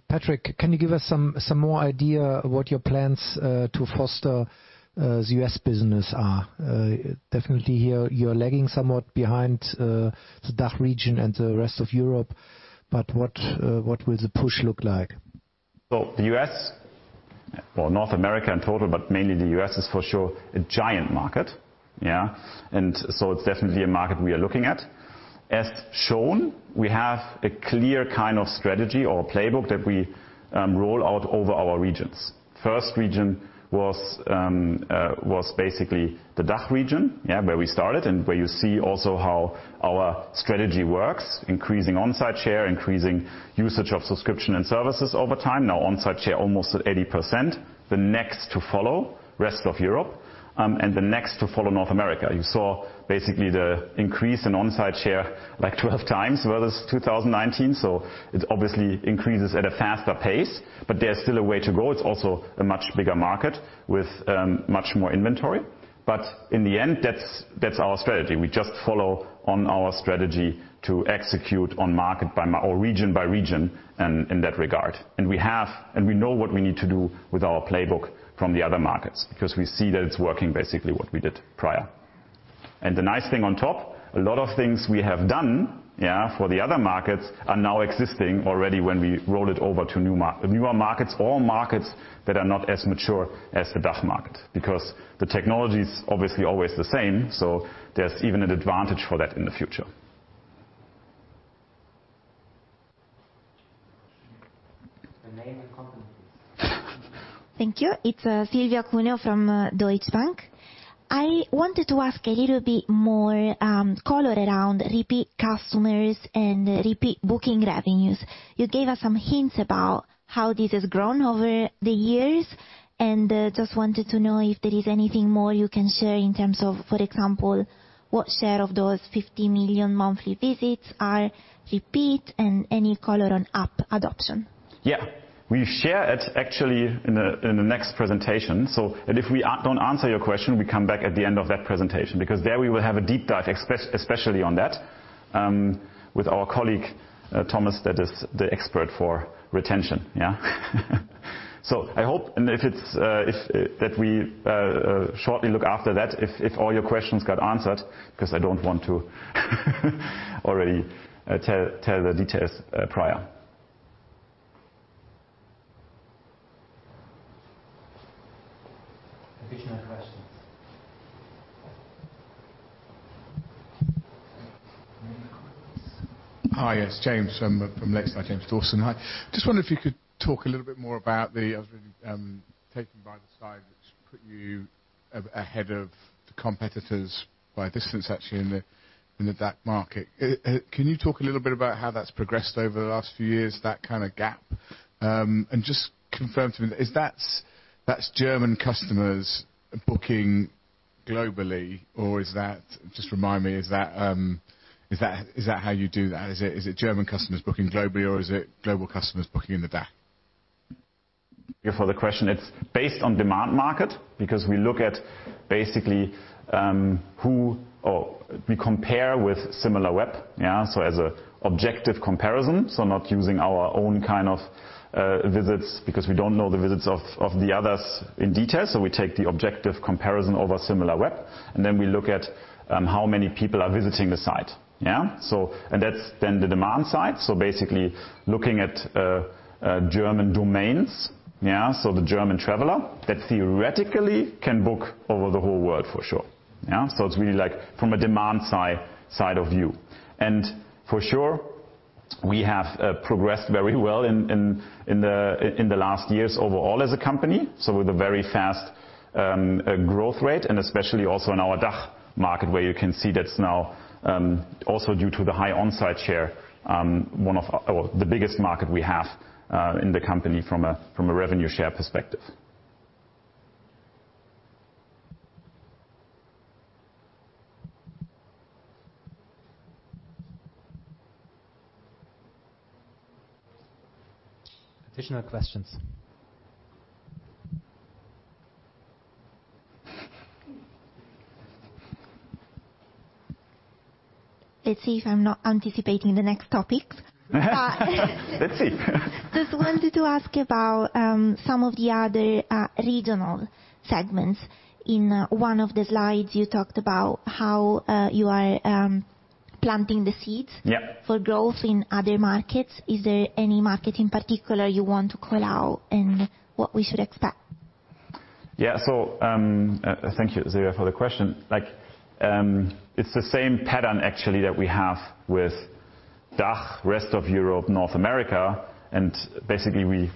Patrick, can you give us some more idea what your plans to foster the U.S. business are? Definitely here you're lagging somewhat behind the DACH region and the rest of Europe, but what will the push look like? The U.S., or North America in total, but mainly the U.S. is for sure a giant market. Yeah. It's definitely a market we are looking at. As shown, we have a clear kind of strategy or playbook that we roll out over our regions. First region was basically the DACH region, yeah, where we started and where you see also how our strategy works, increasing on-site share, increasing usage of subscription and services over time. Now on-site share almost at 80%. The next to follow, rest of Europe, and the next to follow North America. You saw basically the increase in on-site share like 12x versus 2019. It obviously increases at a faster pace, but there's still a way to go. It's also a much bigger market with much more inventory. In the end, that's our strategy. We just follow on our strategy to execute on region by region in that regard. We know what we need to do with our playbook from the other markets, because we see that it's working basically what we did prior. The nice thing on top, a lot of things we have done, yeah, for the other markets are now existing already when we roll it over to newer markets or markets that are not as mature as the DACH market. Because the technology is obviously always the same, so there's even an advantage for that in the future. The name and company, please. Thank you. It's Silvia Cuneo from Deutsche Bank. I wanted to ask a little bit more color around repeat customers and Repeat Booking Revenues. You gave us some hints about how this has grown over the years, and just wanted to know if there is anything more you can share in terms of, for example, what share of those 50 million monthly visits are repeat and any color on app adoption. Yeah. We share it actually in the next presentation. If we don't answer your question, we come back at the end of that presentation, because there we will have a deep dive especially on that, with our colleague Thomas, that is the expert for retention. Yeah. I hope that we shortly look after that if all your questions got answered, 'cause I don't want to already tell the details prior. Additional questions. Hi. Yes. [inaudible] Hi. Just wonder if you could talk a little bit more about the take rate that's put you ahead of the competitors by a distance actually in the DACH market. Can you talk a little bit about how that's progressed over the last few years, that kind of gap? And just confirm to me, is that German customers booking globally, or is that? Just remind me, is that how you do that? Is it German customers booking globally, or is it global customers booking in the DACH? Thank you for the question. It's based on demand market, because we look at basically who we compare with Similarweb. As an objective comparison, not using our own kind of visits because we don't know the visits of the others in detail. We take the objective comparison over Similarweb, and then we look at how many people are visiting the site. That's then the demand side. Basically looking at German domains. The German traveler that theoretically can book over the whole world for sure. It's really like from a demand side of view. For sure, we have progressed very well in the last years overall as a company, so with a very fast growth rate, and especially also in our DACH market, where you can see that's now also due to the high on-site share, one of our biggest markets we have in the company from a revenue share perspective. Additional questions. Let's see if I'm not anticipating the next topics. Let's see. Just wanted to ask about some of the other regional segments. In one of the slides, you talked about how you are planting the seeds. Yeah For growth in other markets. Is there any market in particular you want to call out and what we should expect? Yeah. Thank you, Silvia, for the question. Like, it's the same pattern actually that we have with DACH, rest of Europe, North America, and basically we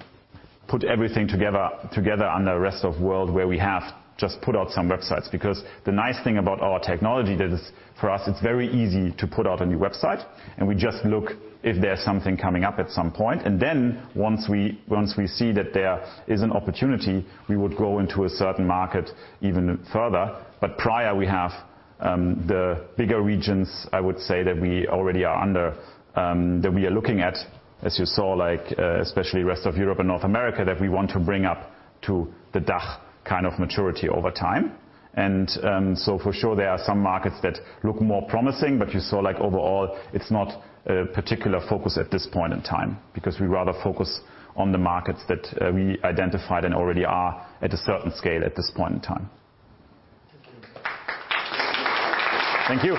put everything together under the rest of world where we have just put out some websites. Because the nice thing about our technology that is for us, it's very easy to put out a new website, and we just look if there's something coming up at some point. Then once we see that there is an opportunity, we would go into a certain market even further. Prior we have the bigger regions, I would say, that we already are under that we are looking at, as you saw, like, especially rest of Europe and North America, that we want to bring up to the DACH kind of maturity over time. For sure there are some markets that look more promising, but you saw like overall it's not a particular focus at this point in time, because we rather focus on the markets that we identified and already are at a certain scale at this point in time. Thank you. Thank you.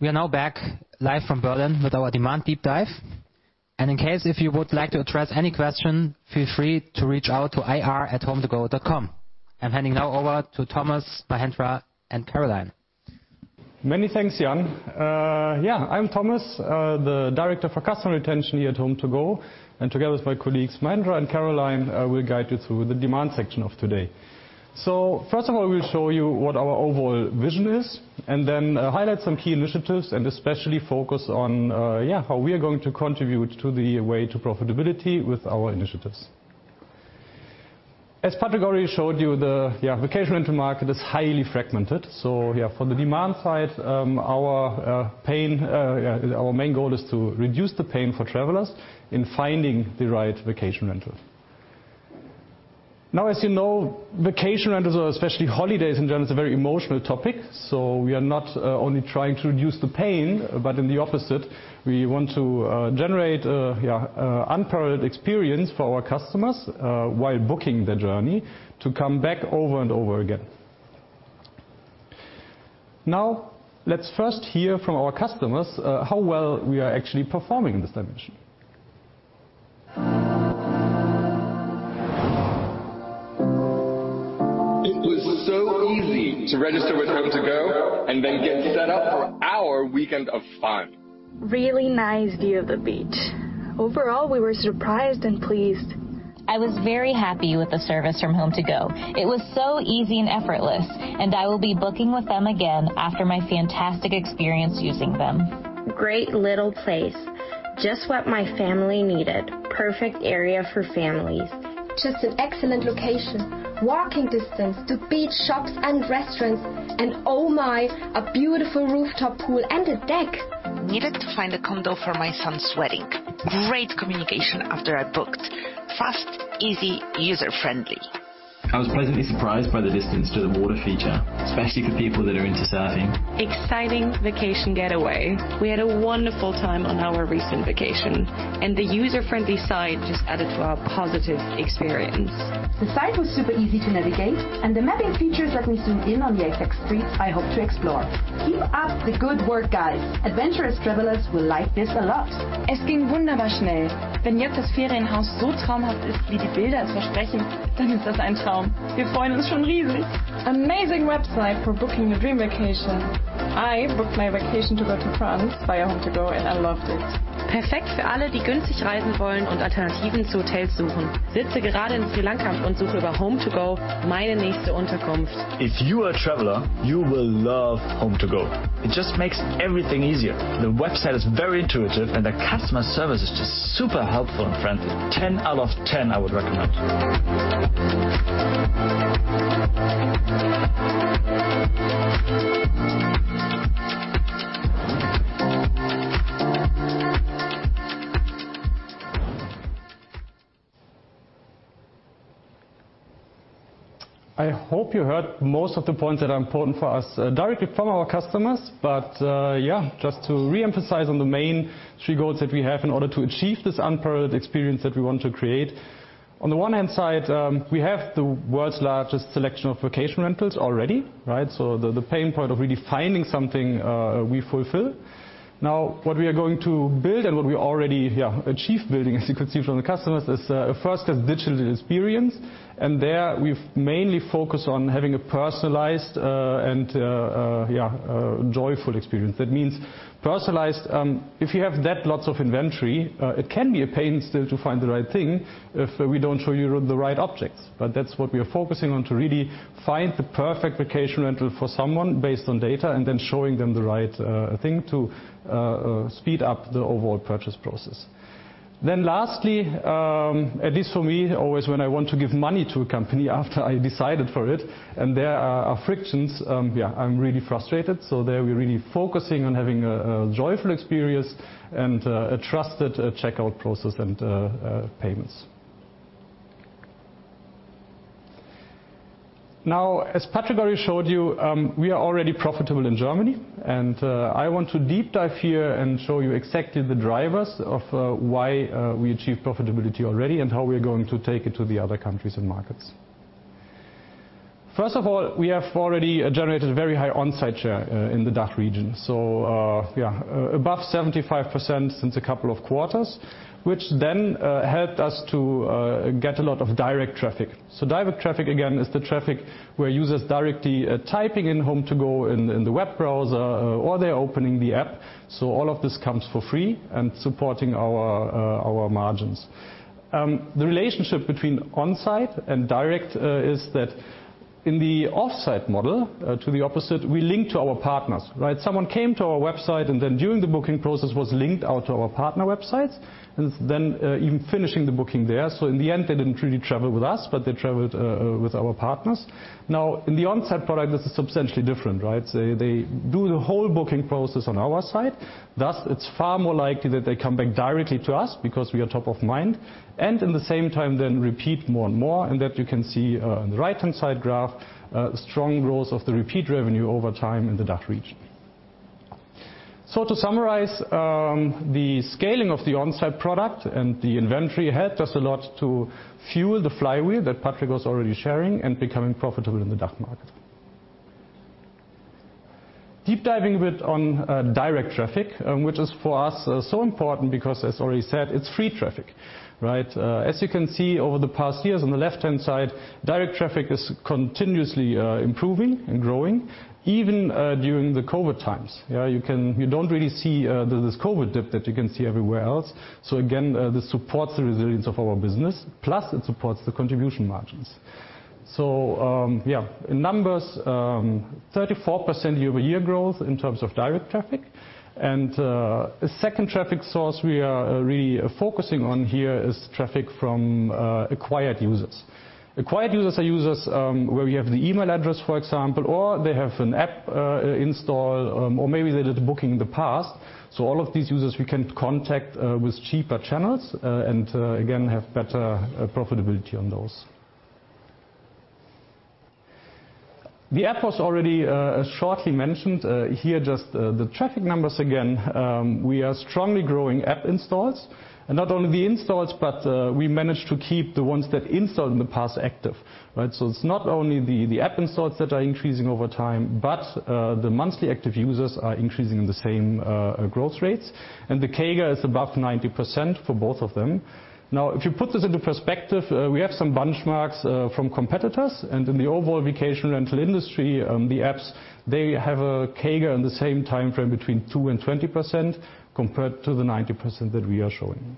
We are now back live from Berlin with our demand deep dive. In case if you would like to address any question, feel free to reach out to ir@hometogo.com. I'm handing now over to Thomas, Mahendra, and Caroline. Many thanks, Jan. I'm Thomas, the director for customer retention here at HomeToGo. Together with my colleagues, Mahendra and Caroline, I will guide you through the demand section of today. First of all, we'll show you what our overall vision is and then highlight some key initiatives and especially focus on how we are going to contribute to the way to profitability with our initiatives. As Patrick already showed you, vacation rental market is highly fragmented. For the demand side, our main goal is to reduce the pain for travelers in finding the right vacation rental. Now, as you know, vacation rentals, especially holidays in general, is a very emotional topic, so we are not only trying to reduce the pain, but in the opposite, we want to generate a, yeah, an unparalleled experience for our customers while booking their journey to come back over and over again. Now, let's first hear from our customers how well we are actually performing in this dimension. It was so easy to register with HomeToGo and then get set up for our weekend of fun. Really nice view of the beach. Overall, we were surprised and pleased. I was very happy with the service from HomeToGo. It was so easy and effortless, and I will be booking with them again after my fantastic experience using them. Great little place. Just what my family needed. Perfect area for families. Just an excellent location. Walking distance to beach, shops and restaurants and oh my, a beautiful rooftop pool and a deck. Needed to find a condo for my son's wedding. Great communication after I booked. Fast, easy, user-friendly. I was pleasantly surprised by the distance to the water feature, especially for people that are into surfing. Exciting vacation getaway. We had a wonderful time on our recent vacation, and the user-friendly site just added to our positive experience. The site was super easy to navigate, and the mapping features let me zoom in on the exact streets I hope to explore. Keep up the good work, guys. Adventurous travelers will like this a lot. I hope you heard most of the points that are important for us directly from our customers. Yeah, just to reemphasize on the main three goals that we have in order to achieve this unparalleled experience that we want to create. On the one hand side, we have the world's largest selection of vacation rentals already, right? So the pain point of really finding something, we fulfill. Now what we are going to build and what we already, yeah, achieved building, as you can see from the customers, is first a digital experience. There we've mainly focused on having a personalized, and yeah, a joyful experience. That means personalized. If you have a lot of inventory, it can be a pain still to find the right thing if we don't show you the right objects. That's what we are focusing on, to really find the perfect vacation rental for someone based on data and then showing them the right thing to speed up the overall purchase process. Then lastly, at least for me, always when I want to give money to a company after I decided for it and there are frictions, yeah, I'm really frustrated. There we're really focusing on having a joyful experience and a trusted checkout process and payments. Now, as Patrick already showed you, we are already profitable in Germany, and I want to deep dive here and show you exactly the drivers of why we achieved profitability already and how we are going to take it to the other countries and markets. First of all, we have already generated a very high onsite share in the DACH region, above 75% since a couple of quarters, which then helped us to get a lot of direct traffic. Direct traffic again is the traffic where users directly are typing in HomeToGo in the web browser or they're opening the app. All of this comes for free and supporting our margins. The relationship between onsite and direct is that in the offsite model, to the opposite, we link to our partners, right? Someone came to our website and then during the booking process was linked out to our partner websites and then even finishing the booking there. In the end, they didn't really travel with us, but they traveled with our partners. Now in the on-site product, this is substantially different, right? They do the whole booking process on our site. Thus, it's far more likely that they come back directly to us because we are top of mind, and at the same time then repeat more and more, and that you can see on the right-hand side graph, strong growth of the repeat revenue over time in the DACH region. To summarize, the scaling of the on-site product and the inventory helped us a lot to fuel the flywheel that Patrick was already sharing and becoming profitable in the DACH market. Deep diving a bit on direct traffic, which is for us so important because as already said, it's free traffic, right? As you can see over the past years on the left-hand side, direct traffic is continuously improving and growing even during the COVID times. You don't really see this COVID dip that you can see everywhere else. Again, this supports the resilience of our business, plus it supports the contribution margins. In numbers, 34% year-over-year growth in terms of direct traffic. A second traffic source we are really focusing on here is traffic from acquired users. Acquired users are users where we have the email address, for example, or they have an app installed, or maybe they did a booking in the past. All of these users we can contact with cheaper channels and again have better profitability on those. The app was already shortly mentioned. Here, just the traffic numbers again. We are strongly growing app installs. Not only the installs, but we managed to keep the ones that installed in the past active, right? It's not only the app installs that are increasing over time, but the monthly active users are increasing in the same growth rates. The CAGR is above 90% for both of them. Now, if you put this into perspective, we have some benchmarks from competitors, and in the overall vacation rental industry, the apps they have a CAGR in the same timeframe between 2%-20% compared to the 90% that we are showing.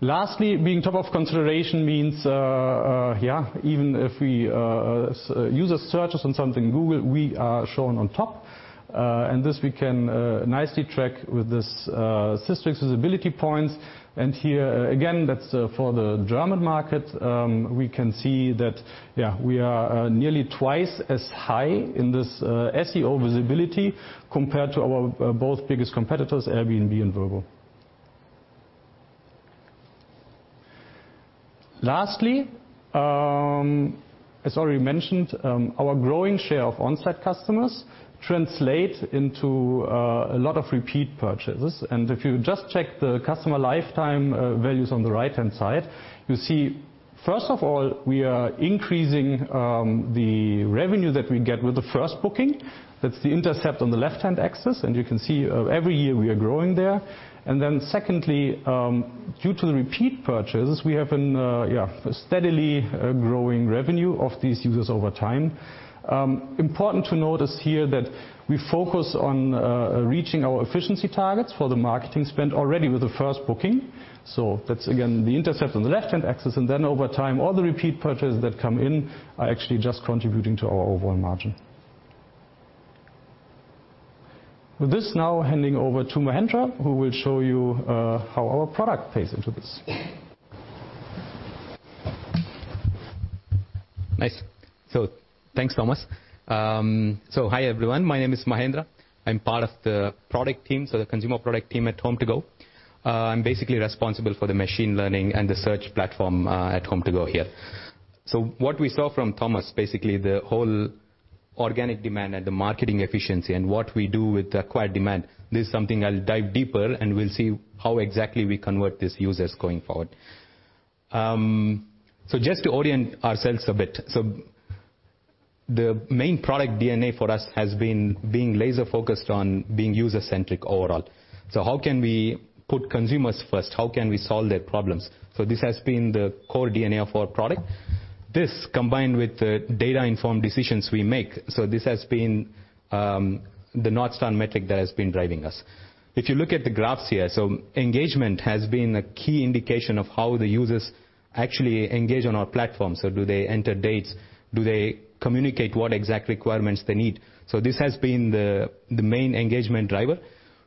Lastly, being top of consideration means even if a user searches on Google, we are shown on top. This we can nicely track with this SISTRIX visibility points. Here again that's for the German market we can see that we are nearly twice as high in this SEO visibility compared to our both biggest competitors, Airbnb and Vrbo. Lastly as already mentioned our growing share of on-site customers translate into a lot of repeat purchases. If you just check the Customer Lifetime Values on the right-hand side, you see, first of all, we are increasing the revenue that we get with the first booking. That's the intercept on the left-hand axis, and you can see every year we are growing there. Then secondly due to the repeat purchases we have been steadily growing revenue of these users over time. Important to notice here that we focus on reaching our efficiency targets for the marketing spend already with the first booking. That's again, the intercept on the left-hand axis, and then over time, all the repeat purchases that come in are actually just contributing to our overall margin. With this now handing over to Mahendra, who will show you how our product plays into this. Nice. Thanks, Thomas. Hi, everyone. My name is Mahendra. I'm part of the product team, so the consumer product team at HomeToGo. I'm basically responsible for the machine learning and the search platform at HomeToGo here. What we saw from Thomas, basically the whole organic demand and the marketing efficiency and what we do with acquired demand. This is something I'll dive deeper, and we'll see how exactly we convert these users going forward. Just to orient ourselves a bit. The main product DNA for us has been being laser-focused on being user-centric overall. How can we put consumers first? How can we solve their problems? This has been the core DNA of our product. This combined with the data-informed decisions we make. This has been the North Star metric that has been driving us. If you look at the graphs here, engagement has been a key indication of how the users actually engage on our platform. Do they enter dates? Do they communicate what exact requirements they need? This has been the main engagement driver,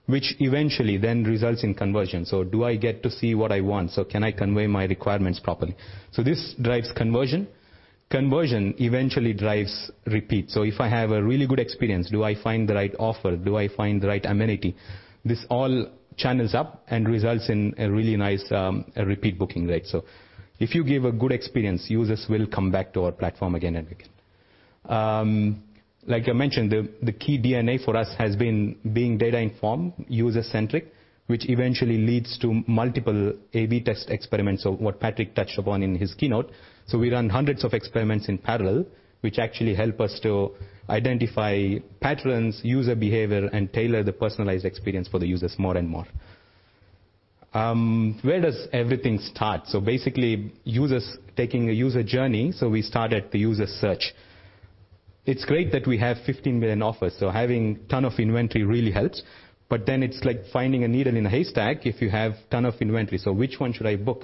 which eventually then results in conversion. Do I get to see what I want? Can I convey my requirements properly? This drives conversion. Conversion eventually drives repeat. If I have a really good experience, do I find the right offer? Do I find the right amenity? This all channels up and results in a really nice repeat booking rate. If you give a good experience, users will come back to our platform again and again. Like I mentioned, the key DNA for us has been being data-informed, user-centric, which eventually leads to multiple A/B test experiments. What Patrick touched upon in his keynote. We run hundreds of experiments in parallel, which actually help us to identify patterns, user behavior, and tailor the personalized experience for the users more and more. Where does everything start? Basically, users taking a user journey. We start at the user search. It's great that we have 15 million offers. Having a ton of inventory really helps. But then it's like finding a needle in a haystack if you have a ton of inventory. Which one should I book?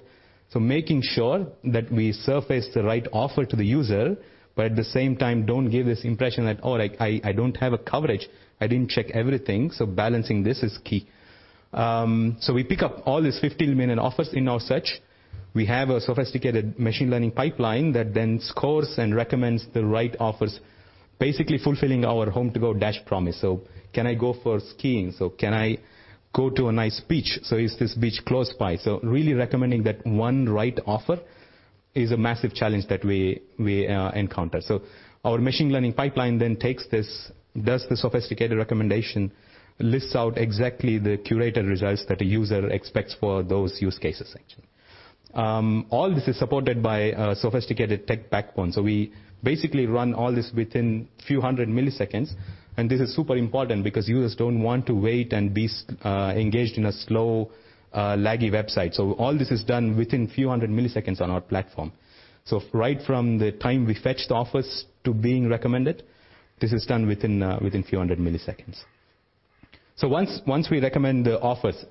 Making sure that we surface the right offer to the user, but at the same time, don't give this impression that, "Oh, like I don't have a coverage. I didn't check everything." Balancing this is key. We pick up all these 15 million offers in our search. We have a sophisticated machine learning pipeline that then scores and recommends the right offers, basically fulfilling our HomeToGo's promise. Can I go for skiing? Can I go to a nice beach? Is this beach close by? Really recommending that one right offer is a massive challenge that we encounter. Our machine learning pipeline then takes this, does the sophisticated recommendation, lists out exactly the curated results that a user expects for those use cases actually. All this is supported by a sophisticated tech backbone. We basically run all this within few hundred milliseconds, and this is super important because users don't want to wait and be engaged in a slow, laggy website. All this is done within few hundred milliseconds on our platform. Right from the time we fetch the offers to being recommended, this is done within a few hundred milliseconds. Once we recommend the offers,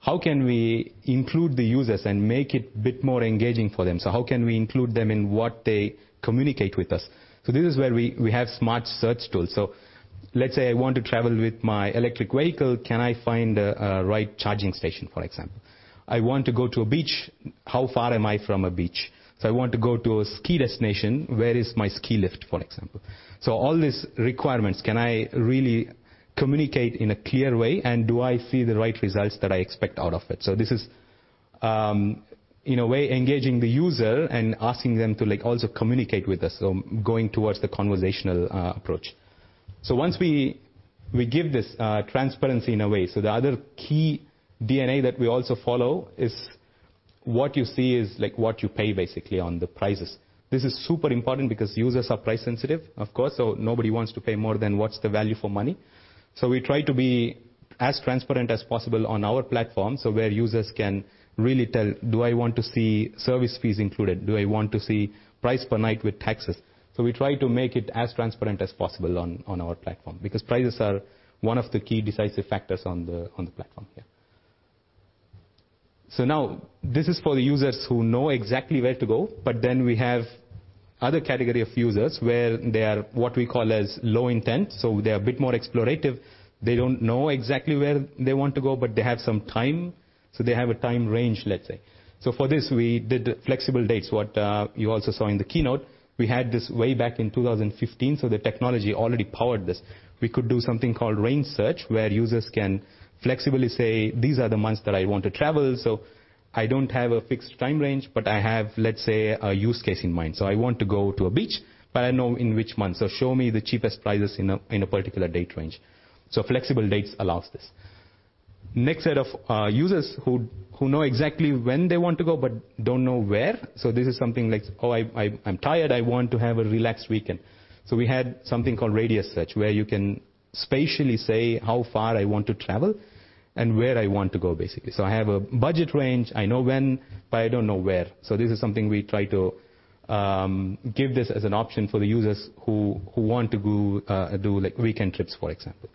how can we include the users and make it a bit more engaging for them? How can we include them in what they communicate with us? This is where we have smart search tools. Let's say I want to travel with my electric vehicle, can I find a right charging station, for example? I want to go to a beach. How far am I from a beach? I want to go to a ski destination. Where is my ski lift, for example? All these requirements, can I really communicate in a clear way and do I see the right results that I expect out of it? This is in a way engaging the user and asking them to like also communicate with us. Going towards the conversational approach. Once we give this transparency in a way, the other key DNA that we also follow is what you see is like what you pay basically on the prices. This is super important because users are price sensitive, of course. Nobody wants to pay more than what's the value for money. We try to be as transparent as possible on our platform, where users can really tell, "Do I want to see service fees included? Do I want to see price per night with taxes?" We try to make it as transparent as possible on our platform because prices are one of the key decisive factors on the platform here. Now this is for the users who know exactly where to go, but then we have other category of users where they are what we call as low intent, so they are a bit more explorative. They don't know exactly where they want to go, but they have some time. They have a time range, let's say. For this, we did flexible dates. What you also saw in the keynote, we had this way back in 2015, so the technology already powered this. We could do something called range search, where users can flexibly say, "These are the months that I want to travel. I don't have a fixed time range, but I have, let's say, a use case in mind. I want to go to a beach, but I know in which months. Show me the cheapest prices in a particular date range." Flexible dates allows this. Next set of users who know exactly when they want to go but don't know where. This is something like, "Oh, I'm tired. I want to have a relaxed weekend." We had something called radius search, where you can spatially say how far I want to travel and where I want to go, basically. I have a budget range. I know when, but I don't know where. This is something we try to give this as an option for the users who want to go do like weekend trips, for example.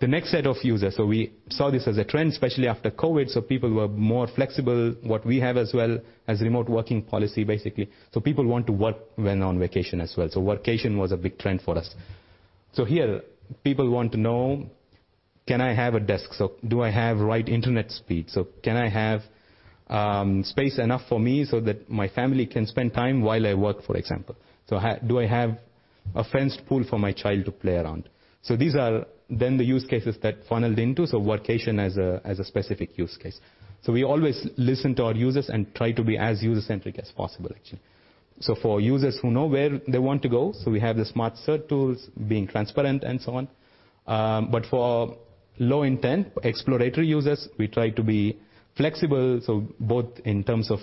The next set of users. We saw this as a trend, especially after COVID. People were more flexible. What we have as well as remote working policy, basically. People want to work when on vacation as well. Workation was a big trend for us. Here people want to know, can I have a desk? Do I have right internet speed? Can I have space enough for me so that my family can spend time while I work, for example. Do I have a fenced pool for my child to play around? These are then the use cases that funneled into workation as a specific use case. We always listen to our users and try to be as user-centric as possible, actually. For users who know where they want to go, so we have the smart search tools being transparent and so on. For low intent exploratory users, we try to be flexible. Both in terms of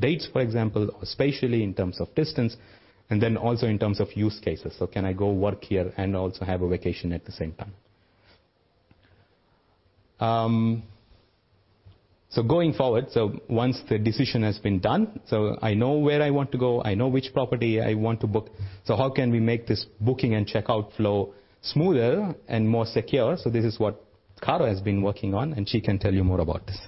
dates, for example, or spatially in terms of distance, and then also in terms of use cases. Can I go work here and also have a vacation at the same time? Going forward, once the decision has been done, I know where I want to go, I know which property I want to book. How can we make this booking and checkout flow smoother and more secure? This is what Carol has been working on, and she can tell you more about this.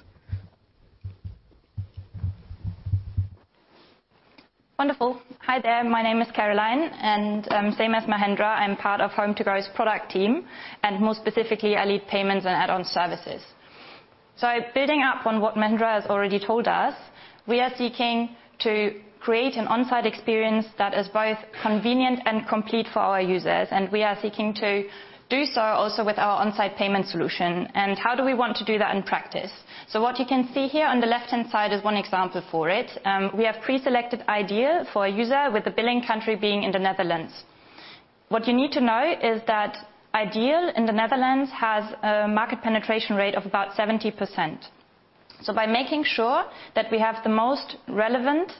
Wonderful. Hi there. My name is Caroline, and same as Mahendra, I'm part of HomeToGo's product team, and more specifically, I lead payments and add-on services. Building up on what Mahendra has already told us, we are seeking to create an on-site experience that is both convenient and complete for our users, and we are seeking to do so also with our on-site payment solution. How do we want to do that in practice? What you can see here on the left-hand side is one example for it. We have preselected iDEAL for a user with the billing country being in the Netherlands. What you need to know is that iDEAL in the Netherlands has a market penetration rate of about 70%. By making sure that we have the most relevant,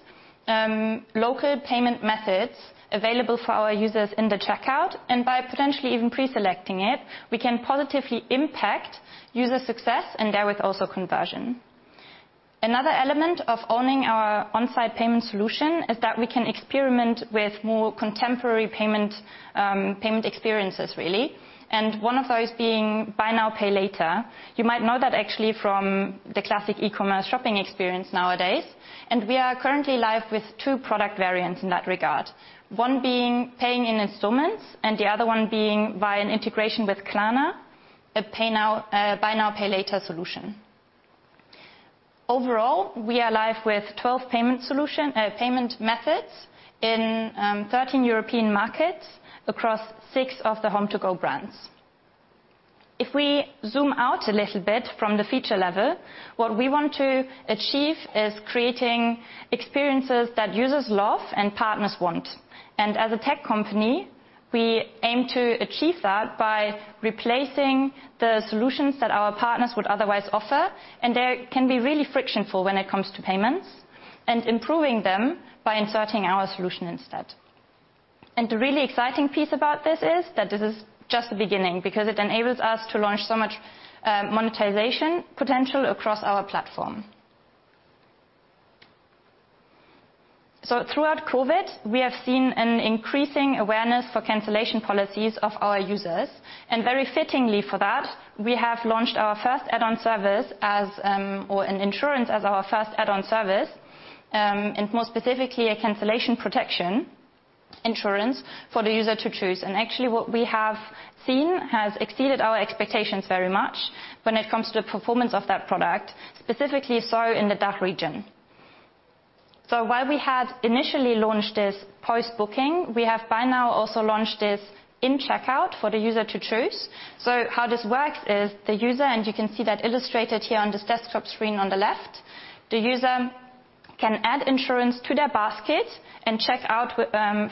local payment methods available for our users in the checkout, and by potentially even pre-selecting it, we can positively impact user success, and therewith also conversion. Another element of owning our on-site payment solution is that we can experiment with more contemporary payment experiences, really, and one of those being buy now, pay later. You might know that actually from the classic e-commerce shopping experience nowadays, and we are currently live with two product variants in that regard, one being paying in installments and the other one being via an integration with Klarna, a buy now, pay later solution. Overall, we are live with 12 payment methods in 13 European markets across six of the HomeToGo brands. If we zoom out a little bit from the feature level, what we want to achieve is creating experiences that users love and partners want. As a tech company, we aim to achieve that by replacing the solutions that our partners would otherwise offer, and they can be really frictionful when it comes to payments, and improving them by inserting our solution instead. The really exciting piece about this is that this is just the beginning because it enables us to launch so much monetization potential across our platform. Throughout COVID, we have seen an increasing awareness for cancellation policies of our users. Very fittingly for that, we have launched our first add-on service, an insurance, and more specifically, a cancellation protection insurance for the user to choose. Actually, what we have seen has exceeded our expectations very much when it comes to the performance of that product, specifically so in the DACH region. While we had initially launched this post-booking, we have by now also launched this in checkout for the user to choose. How this works is the user, and you can see that illustrated here on this desktop screen on the left, the user can add insurance to their basket and check out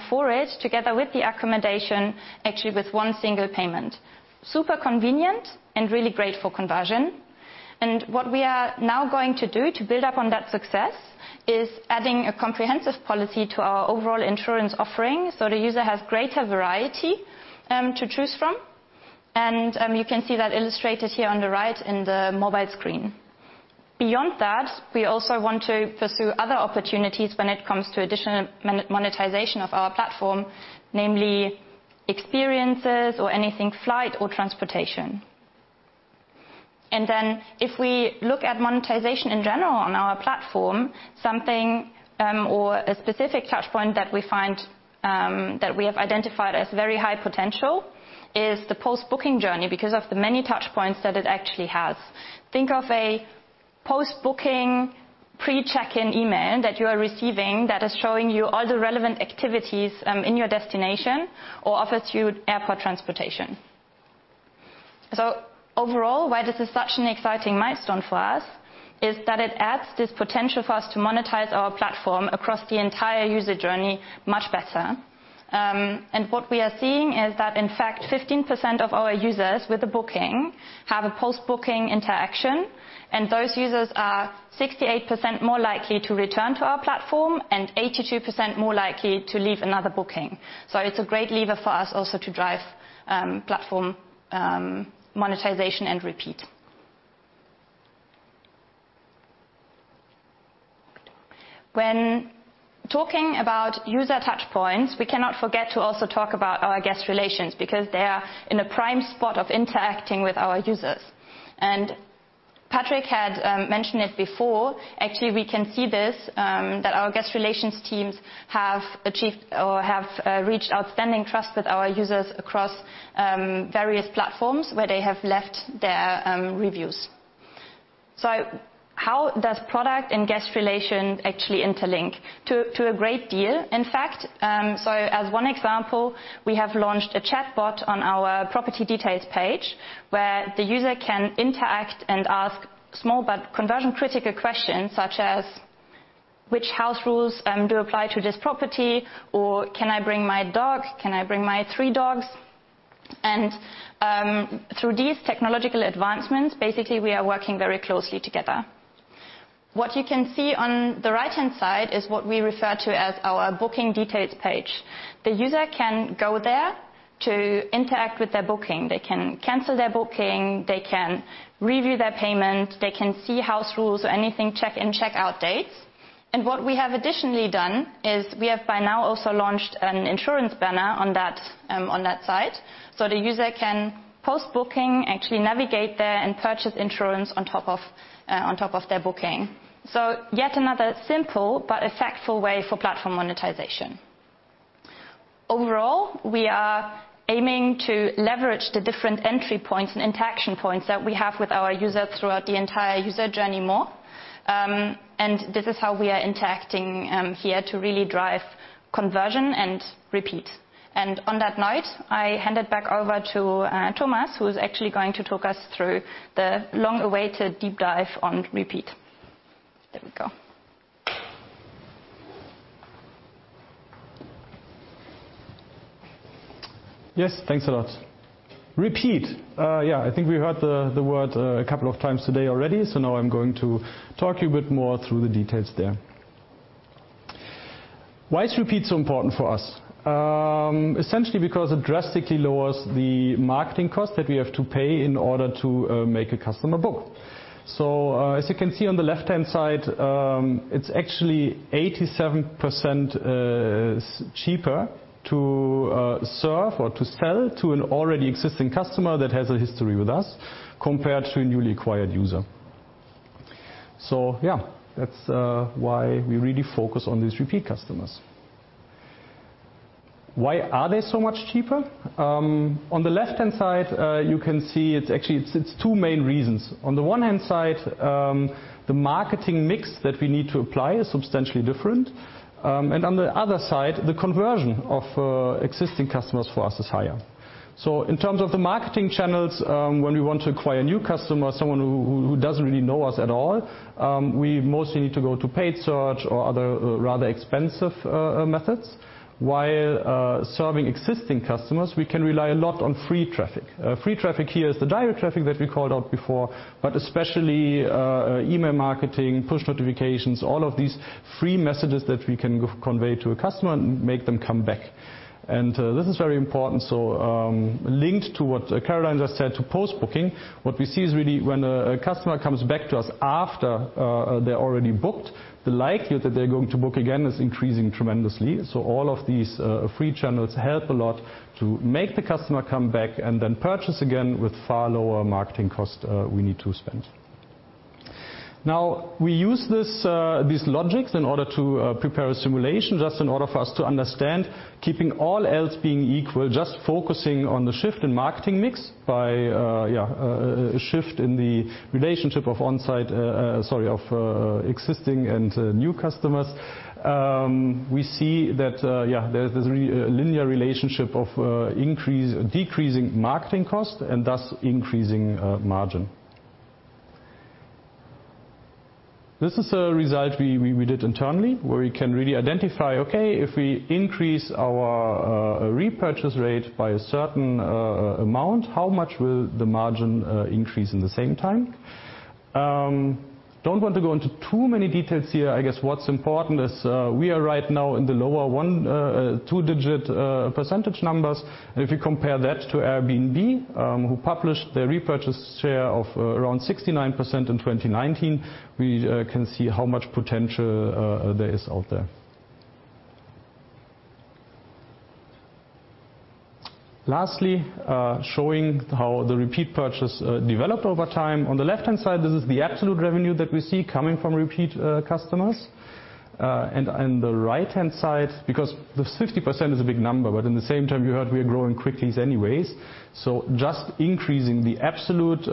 for it together with the accommodation, actually with one single payment. Super convenient and really great for conversion. You can see that illustrated here on the right in the mobile screen. Beyond that, we also want to pursue other opportunities when it comes to additional monetization of our platform, namely experiences or anything flight or transportation. Then if we look at monetization in general on our platform, something, or a specific touch point that we find, that we have identified as very high potential is the post-booking journey because of the many touch points that it actually has. Think of a post-booking, pre-check-in email that you are receiving that is showing you all the relevant activities, in your destination or offers you airport transportation. Overall, why this is such an exciting milestone for us is that it adds this potential for us to monetize our platform across the entire user journey much better. What we are seeing is that in fact 15% of our users with a booking have a post-booking interaction, and those users are 68% more likely to return to our platform and 82% more likely to leave another booking. It's a great lever for us also to drive platform monetization and repeat. When talking about user touch points, we cannot forget to also talk about our Guest Relations because they are in a prime spot of interacting with our users. Patrick had mentioned it before. Actually, we can see this that our Guest Relations teams have reached outstanding trust with our users across various platforms where they have left their reviews. How does product and guest relation actually interlink? To a great deal, in fact. As one example, we have launched a chatbot on our property details page, where the user can interact and ask small but conversion-critical questions, such as, "Which house rules do apply to this property?" Or, "Can I bring my dog? Can I bring my three dogs?" Through these technological advancements, basically, we are working very closely together. What you can see on the right-hand side is what we refer to as our booking details page. The user can go there to interact with their booking. They can cancel their booking, they can review their payment, they can see house rules, anything check-in, check-out dates. What we have additionally done is we have by now also launched an insurance banner on that, on that site. The user can post-booking, actually navigate there and purchase insurance on top of their booking. Yet another simple but effectual way for platform monetization. Overall, we are aiming to leverage the different entry points and interaction points that we have with our user throughout the entire user journey more. This is how we are interacting here to really drive conversion and repeat. On that note, I hand it back over to Thomas, who is actually going to talk us through the long-awaited deep dive on repeat. There we go. Yes, thanks a lot. Repeat. Yeah, I think we heard the word a couple of times today already, so now I'm going to talk to you a bit more through the details there. Why is repeat so important for us? Essentially because it drastically lowers the marketing cost that we have to pay in order to make a customer book. As you can see on the left-hand side, it's actually 87% cheaper to serve or to sell to an already existing customer that has a history with us compared to a newly acquired user. Yeah, that's why we really focus on these repeat customers. Why are they so much cheaper? On the left-hand side, you can see it's two main reasons. On the one hand side, the marketing mix that we need to apply is substantially different. On the other side, the conversion of existing customers for us is higher. In terms of the marketing channels, when we want to acquire a new customer, someone who doesn't really know us at all, we mostly need to go to paid search or other rather expensive methods. While serving existing customers, we can rely a lot on free traffic. Free traffic here is the direct traffic that we called out before, but especially email marketing, push notifications, all of these free messages that we can convey to a customer and make them come back. This is very important, so linked to what Caroline just said to post-booking, what we see is really when a customer comes back to us after they already booked, the likelihood that they're going to book again is increasing tremendously. All of these free channels help a lot to make the customer come back and then purchase again with far lower marketing cost we need to spend. Now we use this these logics in order to prepare a simulation, just in order for us to understand keeping all else being equal, just focusing on the shift in marketing mix by shift in the relationship of existing and new customers. We see that there's non-linear relationship of decreasing marketing cost and thus increasing margin. This is a result we did internally, where we can really identify, okay, if we increase our repurchase rate by a certain amount, how much will the margin increase in the same time? Don't want to go into too many details here. I guess what's important is, we are right now in the lower one-two digit percentage numbers. If you compare that to Airbnb, who published their repurchase share of around 69% in 2019, we can see how much potential there is out there. Lastly, showing how the repeat purchase developed over time. On the left-hand side, this is the absolute revenue that we see coming from repeat customers. On the right-hand side, because the 50% is a big number, but at the same time, you heard we are growing quickly anyways. Just increasing the absolute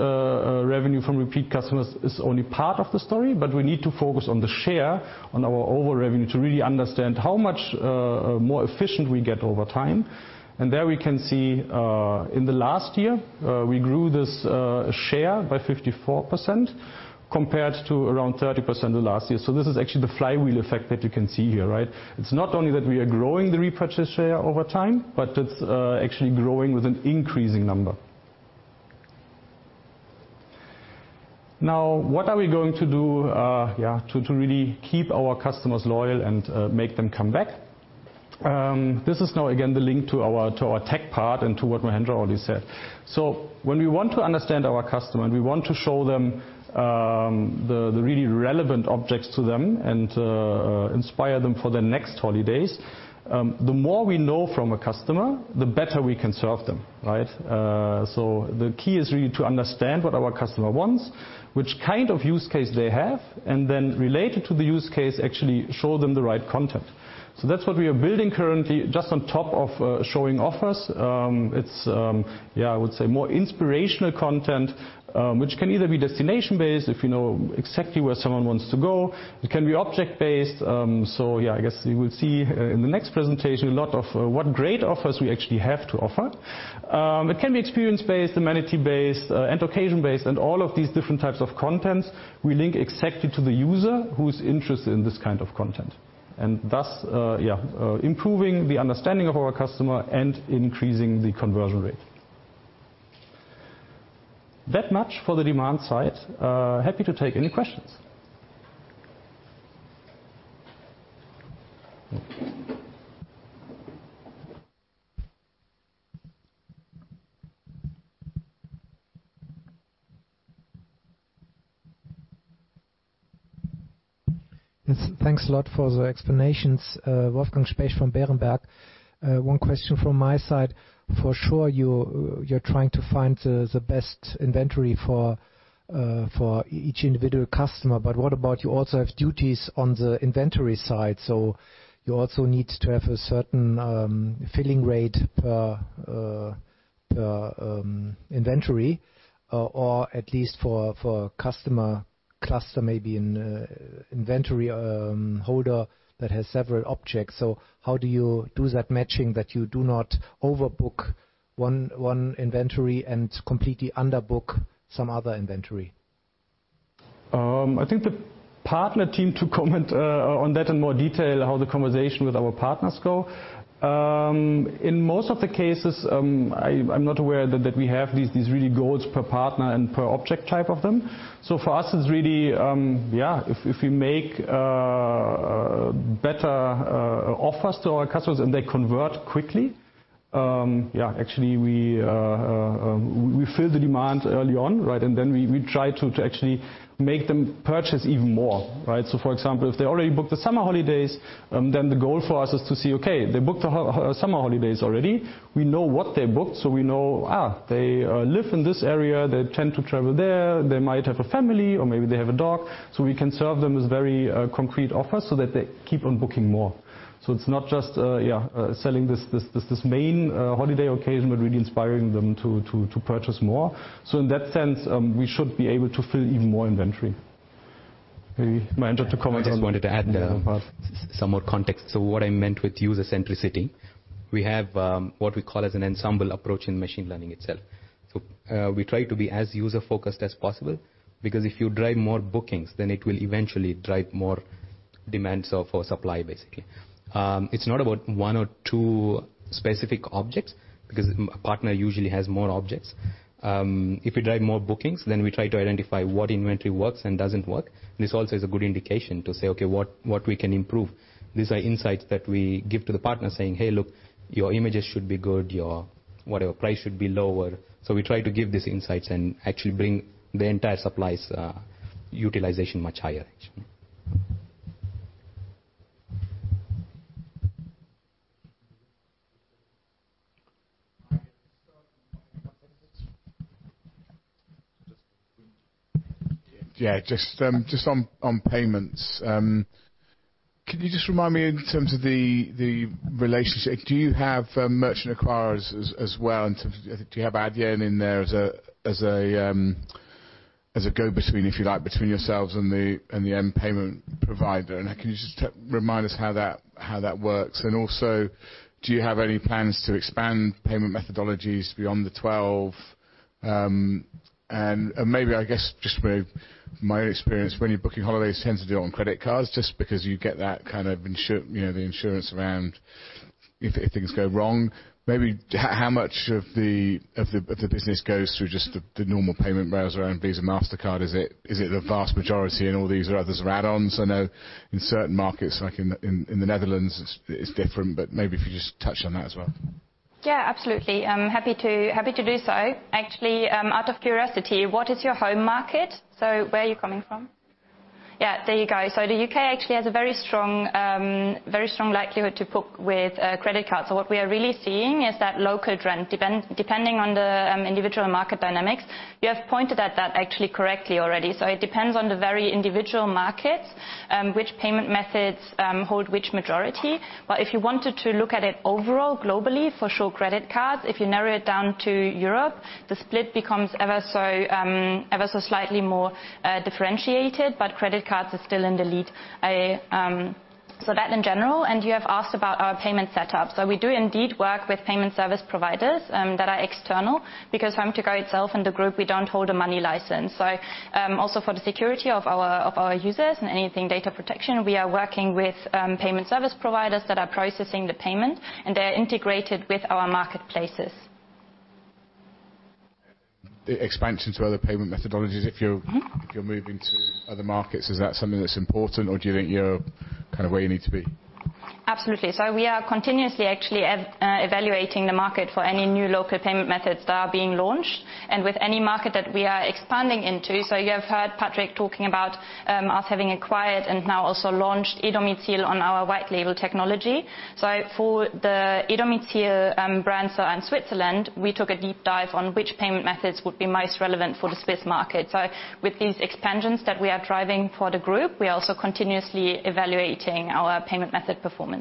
revenue from repeat customers is only part of the story, but we need to focus on the share of our overall revenue to really understand how much more efficient we get over time. There we can see, in the last year, we grew this share by 54% compared to around 30% the last year. This is actually the Flywheel Effect that you can see here, right? It's not only that we are growing the repurchase share over time, but it's actually growing with an increasing number. Now, what are we going to do, yeah, to really keep our customers loyal and make them come back? This is now again the link to our tech part and to what Mahendra already said. When we want to understand our customer, and we want to show them the really relevant objects to them and inspire them for their next holidays, the more we know from a customer, the better we can serve them, right? The key is really to understand what our customer wants, which kind of use case they have, and then related to the use case, actually show them the right content. That's what we are building currently, just on top of showing offers. It's, yeah, I would say more inspirational content, which can either be destination-based, if you know exactly where someone wants to go, it can be object-based. I guess you will see in the next presentation a lot of what great offers we actually have to offer. It can be experience-based, amenity-based, and occasion-based, and all of these different types of contents we link exactly to the user who's interested in this kind of content, and thus improving the understanding of our customer and increasing the conversion rate. That much for the demand side. Happy to take any questions. Yes, thanks a lot for the explanations. Wolfgang Specht from Berenberg. One question from my side. For sure, you're trying to find the best inventory for each individual customer, but what about you also have duties on the inventory side? You also need to have a certain filling rate per inventory, or at least for customer cluster, maybe an inventory holder that has several objects. How do you do that matching that you do not overbook one inventory and completely underbook some other inventory? I think the partner team to comment on that in more detail, how the conversation with our partners go. In most of the cases, I'm not aware that we have these really goals per partner and per object type of them. For us, it's really, if we make better offers to our customers and they convert quickly, actually we fill the demand early on, right? Then we try to actually make them purchase even more, right? For example, if they already booked the summer holidays, then the goal for us is to see, okay, they booked the summer holidays already. We know what they booked, so we know they live in this area, they tend to travel there, they might have a family, or maybe they have a dog. We can serve them as very concrete offers so that they keep on booking more. It's not just selling this main holiday occasion, but really inspiring them to purchase more. In that sense, we should be able to fill even more inventory. Maybe Mahendra to comment on. I just wanted to add some more context. What I meant with user centricity, we have what we call as an ensemble approach in machine learning itself. We try to be as user-focused as possible because if you drive more bookings, then it will eventually drive more demand, so for supply, basically. It's not about one or two specific objects because a partner usually has more objects. If you drive more bookings, then we try to identify what inventory works and doesn't work. This also is a good indication to say, okay, what we can improve. These are insights that we give to the partner saying, "Hey, look, your images should be good, your whatever price should be lower." We try to give these insights and actually bring the entire supplies utilization much higher. Yeah, just on payments. Could you just remind me in terms of the relationship, do you have merchant acquirers as well? Do you have Adyen in there as a go between, if you like, between yourselves and the end payment provider? Can you just remind us how that works? Also, do you have any plans to expand payment methodologies beyond the 12? Maybe I guess just my own experience, when you're booking holidays, you tend to do it on credit cards just because you get that kind of insurance, you know, the insurance around if things go wrong. How much of the business goes through just the normal payment rails around Visa, Mastercard? Is it the vast majority in all these, or others are add-ons? I know in certain markets, like in the Netherlands, it's different, but maybe if you just touch on that as well. Yeah, absolutely. I'm happy to do so. Actually, out of curiosity, what is your home market? Where are you coming from? Yeah, there you go. The U.K. actually has a very strong likelihood to book with a credit card. What we are really seeing is that local trend, depending on the individual market dynamics. You have pointed at that actually correctly already. It depends on the very individual markets, which payment methods hold which majority. But if you wanted to look at it overall, globally, for sure, credit cards. If you narrow it down to Europe, the split becomes ever so slightly more differentiated, but credit cards are still in the lead. That in general, and you have asked about our payment setup. We do indeed work with payment service providers that are external because HomeToGo itself and the group, we don't hold a money license. Also for the security of our users and any data protection, we are working with payment service providers that are processing the payment, and they are integrated with our marketplaces. The expansion to other payment methodologies, if you're moving to other markets, is that something that's important or do you think you're kinda where you need to be? Absolutely. We are continuously actually evaluating the market for any new local payment methods that are being launched and with any market that we are expanding into. You have heard Patrick talking about us having acquired and now also launched e-domizil on our white label technology. For the e-domizil brand, so in Switzerland, we took a deep dive on which payment methods would be most relevant for the Swiss market. With these expansions that we are driving for the group, we are also continuously evaluating our payment method performance.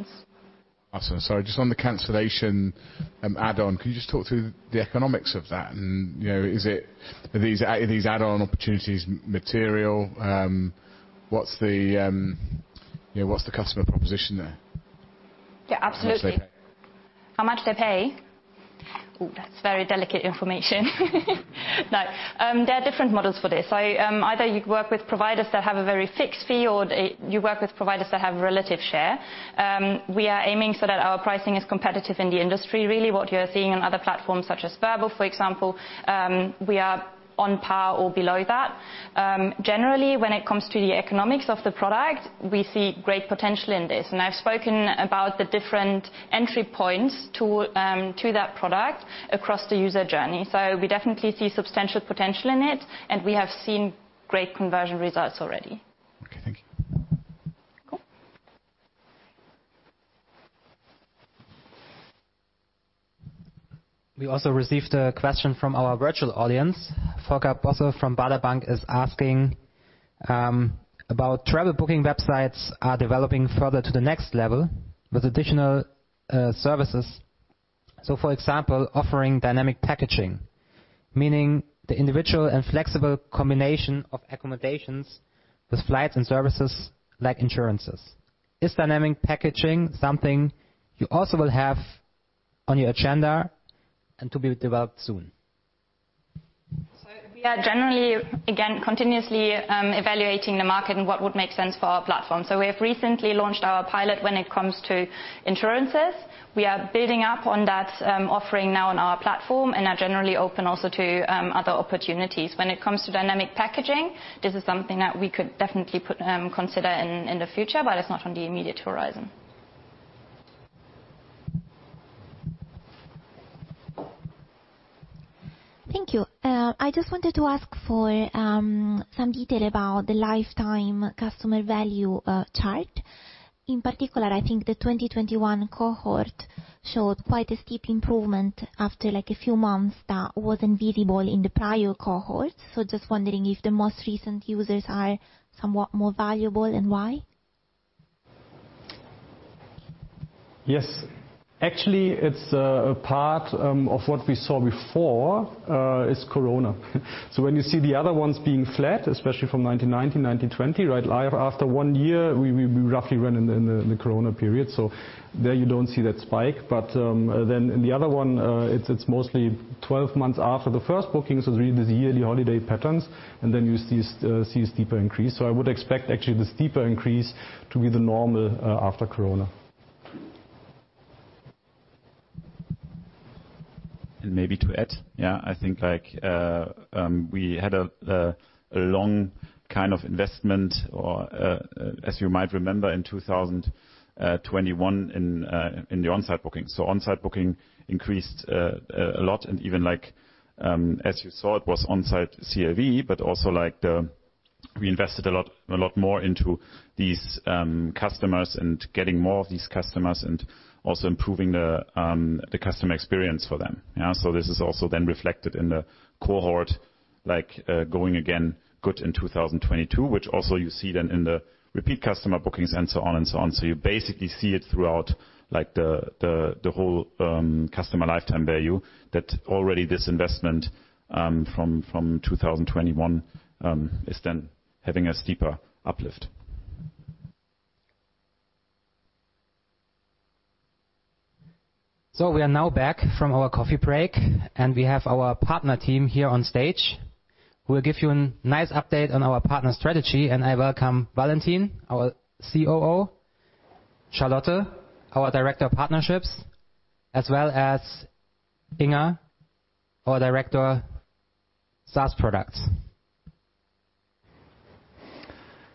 Awesome. Just on the cancellation add-on, can you just talk through the economics of that? You know, are these add-on opportunities material? What's the, you know, customer proposition there? Yeah, absolutely. How much do they pay? How much they pay? Ooh, that's very delicate information. No. There are different models for this. Either you work with providers that have a very fixed fee or you work with providers that have revenue share. We are aiming so that our pricing is competitive in the industry. Really what you are seeing on other platforms such as Vrbo, for example, we are on par or below that. Generally, when it comes to the economics of the product, we see great potential in this. I've spoken about the different entry points to that product across the user journey. We definitely see substantial potential in it, and we have seen great conversion results already. Okay, thank you. Cool. We also received a question from our virtual audience. Volker Bosse from Baader Bank is asking about travel booking websites are developing further to the next level with additional services. For example, offering dynamic packaging, meaning the individual and flexible combination of accommodations with flights and services like insurances. Is dynamic packaging something you also will have on your agenda and to be developed soon? We are generally, again, continuously evaluating the market and what would make sense for our platform. We have recently launched our pilot when it comes to insurances. We are building up on that, offering now on our platform and are generally open also to other opportunities. When it comes to dynamic packaging, this is something that we could definitely consider in the future, but it's not on the immediate horizon. Thank you. I just wanted to ask for some detail about the lifetime customer value chart. In particular, I think the 2021 cohort showed quite a steep improvement after like a few months that wasn't visible in the prior cohorts. Just wondering if the most recent users are somewhat more valuable and why? Yes. Actually, it's a part of what we saw before is COVID-19. When you see the other ones being flat, especially from 2019, 2020, right after one year, we roughly ran in the COVID-19 period. There you don't see that spike. In the other one, it's mostly 12 months after the first booking. It's really the yearly holiday patterns, and then you see a steeper increase. I would expect actually the steeper increase to be the normal after COVID-19. Maybe to add. Yeah, I think like, we had a long kind of investment or, as you might remember in 2021 in the on-site booking. On-site booking increased a lot and even like, as you saw it was on-site GBV, but also like the - We invested a lot more into these customers and getting more of these customers and also improving the customer experience for them. Yeah, this is also then reflected in the cohort, like, going again good in 2022, which also you see then in the repeat customer bookings and so on and so on. You basically see it throughout like the whole Customer Lifetime Value that already this investment from 2021 is then having a steeper uplift. We are now back from our coffee break, and we have our partner team here on stage, who will give you a nice update on our partner strategy. I welcome Valentin, our COO, Charlotte, our Director of Partnerships, as well as Inga, our Director SaaS Products.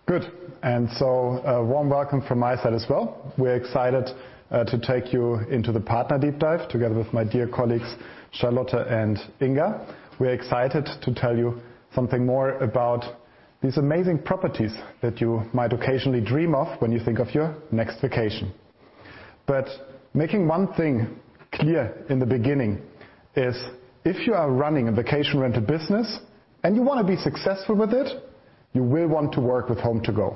Good. A warm welcome from my side as well. We're excited to take you into the partner deep dive together with my dear colleagues, Charlotte and Inga. We're excited to tell you something more about these amazing properties that you might occasionally dream of when you think of your next vacation. Making one thing clear in the beginning is if you are running a vacation rental business and you want to be successful with it, you will want to work with HomeToGo.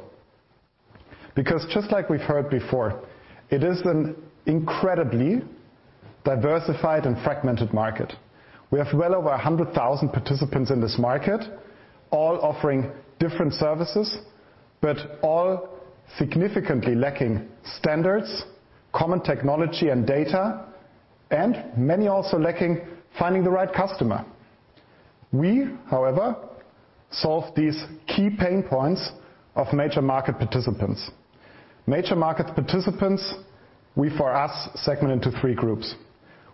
Just like we've heard before, it is an incredibly diversified and fragmented market. We have well over 100,000 participants in this market, all offering different services, but all significantly lacking standards, common technology, and data, and many also lacking finding the right customer. We, however, solve these key pain points of major market participants. Major market participants, we, for us, segment into three groups.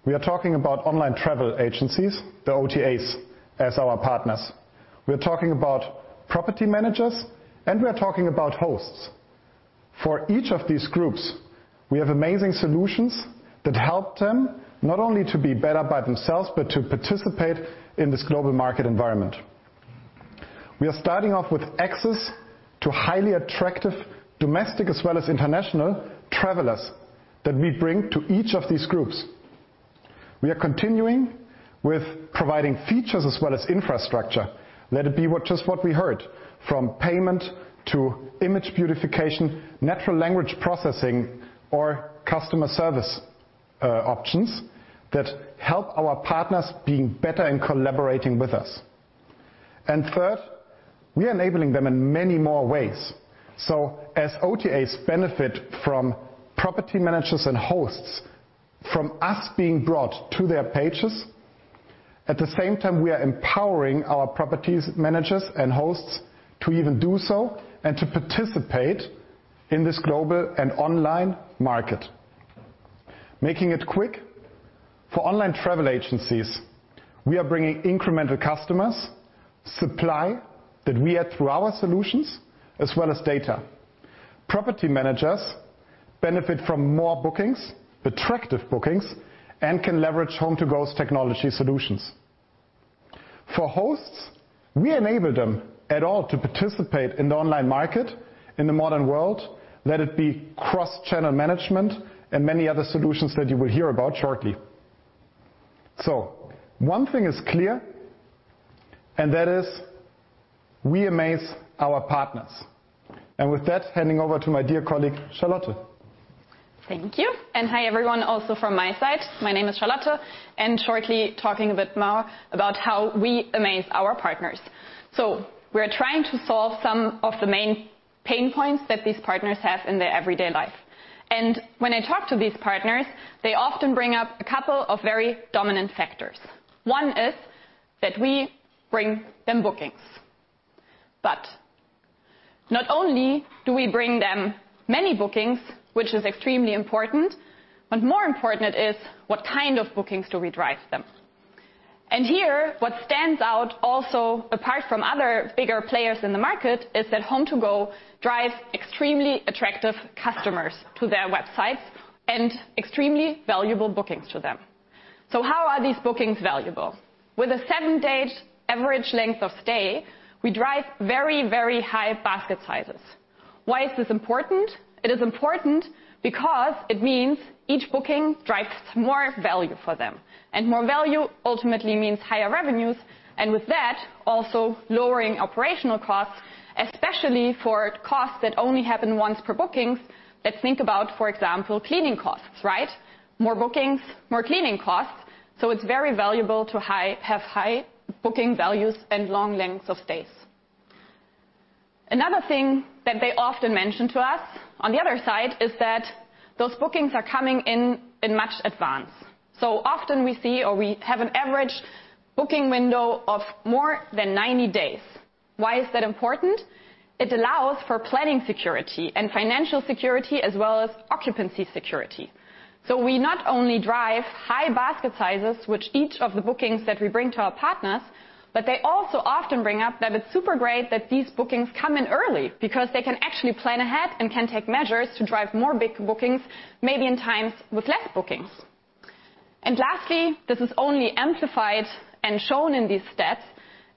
We are talking about Online Travel Agencies, the OTAs, as our partners. We are talking about Property Managers, and we are talking about hosts. For each of these groups, we have amazing solutions that help them not only to be better by themselves, but to participate in this global market environment. We are starting off with access to highly attractive domestic as well as international travelers that we bring to each of these groups. We are continuing with providing features as well as infrastructure, whether it be what, just what we heard, from payment to image beautification, natural language processing, or customer service, options that help our partners being better in collaborating with us. Third, we are enabling them in many more ways. As OTAs benefit from Property Managers and hosts from us being brought to their pages, at the same time, we are empowering our Property Managers and hosts to even do so and to participate in this global and online market. Making it quick for Online Travel Agencies, we are bringing incremental customers, supply that we add through our solutions, as well as data. Property Managers benefit from more bookings, attractive bookings, and can leverage HomeToGo's technology solutions. For hosts, we enable them at all to participate in the online market in the modern world, let it be cross-channel management and many other solutions that you will hear about shortly. One thing is clear, and that is we amaze our partners. With that, handing over to my dear colleague, Charlotte. Thank you. Hi, everyone, also from my side. My name is Charlotte, and shortly talking a bit more about how we amaze our partners. We're trying to solve some of the main pain points that these partners have in their everyday life. When I talk to these partners, they often bring up a couple of very dominant factors. One is that we bring them bookings. Not only do we bring them many bookings, which is extremely important, but more important is what kind of bookings do we drive them. Here, what stands out also, apart from other bigger players in the market, is that HomeToGo drives extremely attractive customers to their websites and extremely valuable bookings to them. How are these bookings valuable? With a seven-day average length of stay, we drive very, very high basket sizes. Why is this important? It is important because it means each booking drives more value for them. More value ultimately means higher revenues, and with that, also lowering operational costs, especially for costs that only happen once per bookings. Let's think about, for example, cleaning costs, right? More bookings, more cleaning costs. It's very valuable to have high booking values and long lengths of stays. Another thing that they often mention to us on the other side is that those bookings are coming in in much advance. Often we see or we have an average booking window of more than 90 days. Why is that important? It allows for planning security and financial security as well as occupancy security. We not only drive high basket sizes, which each of the bookings that we bring to our partners, but they also often bring up that it's super great that these bookings come in early because they can actually plan ahead and can take measures to drive more big bookings, maybe in times with less bookings. Lastly, this is only amplified and shown in these steps,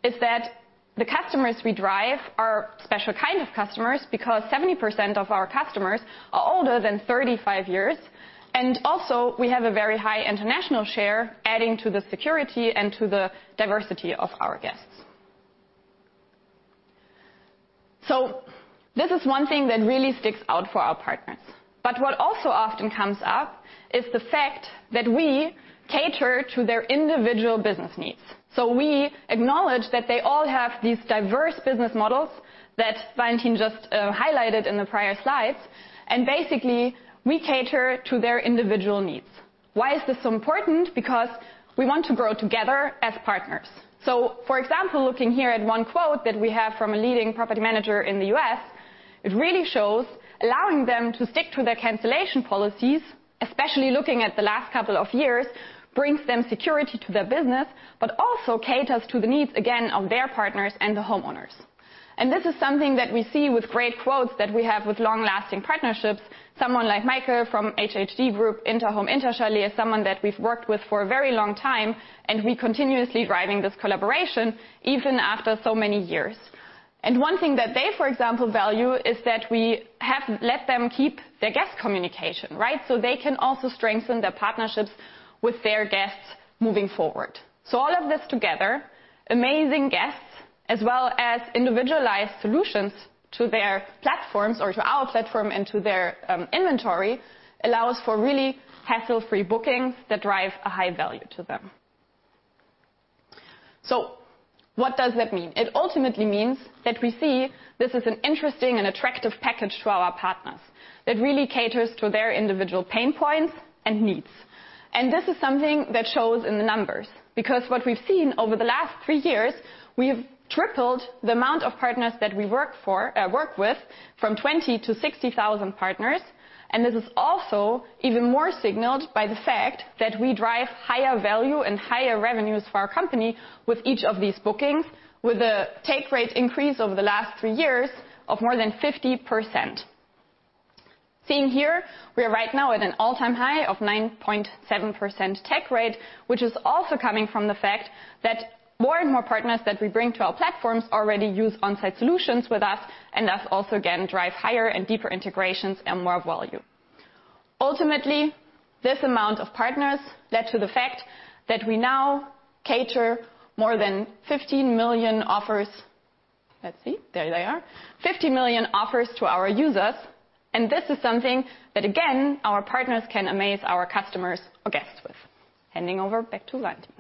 is that the customers we drive are special kind of customers because 70% of our customers are older than 35 years. Also we have a very high international share adding to the security and to the diversity of our guests. This is one thing that really sticks out for our partners. What also often comes up is the fact that we cater to their individual business needs. We acknowledge that they all have these diverse business models that Valentin just highlighted in the prior slides, and basically we cater to their individual needs. Why is this so important? Because we want to grow together as partners. For example, looking here at one quote that we have from a leading property manager in the U.S., it really shows allowing them to stick to their cancellation policies, especially looking at the last couple of years, brings them security to their business, but also caters to the needs, again, of their partners and the homeowners. This is something that we see with great quotes that we have with long-lasting partnerships. Someone like Michael from HHD Group, Interhome, Interchalet is someone that we've worked with for a very long time, and we continuously driving this collaboration even after so many years. One thing that they, for example, value is that we have let them keep their guest communication, right? They can also strengthen their partnerships with their guests moving forward. All of this together, amazing guests, as well as individualized solutions to their platforms or to our platform and to their inventory, allows for really hassle-free bookings that drive a high value to them. What does that mean? It ultimately means that we see this is an interesting and attractive package to our partners that really caters to their individual pain points and needs. This is something that shows in the numbers, because what we've seen over the last three years, we have tripled the amount of partners that we work with from 20 to 60,000 partners. This is also even more signaled by the fact that we drive higher value and higher revenues for our company with each of these bookings, with a take rate increase over the last three years of more than 50%. Seeing here, we are right now at an all-time high of 9.7% take rate, which is also coming from the fact that more and more partners that we bring to our platforms already use on-site solutions with us, and thus also again drive higher and deeper integrations and more value. Ultimately, this amount of partners led to the fact that we now cater more than 15 million offers. Let's see. There they are. 15 million offers to our users, and this is something that, again, our partners can amaze our customers or guests with. Handing over back to Valentin.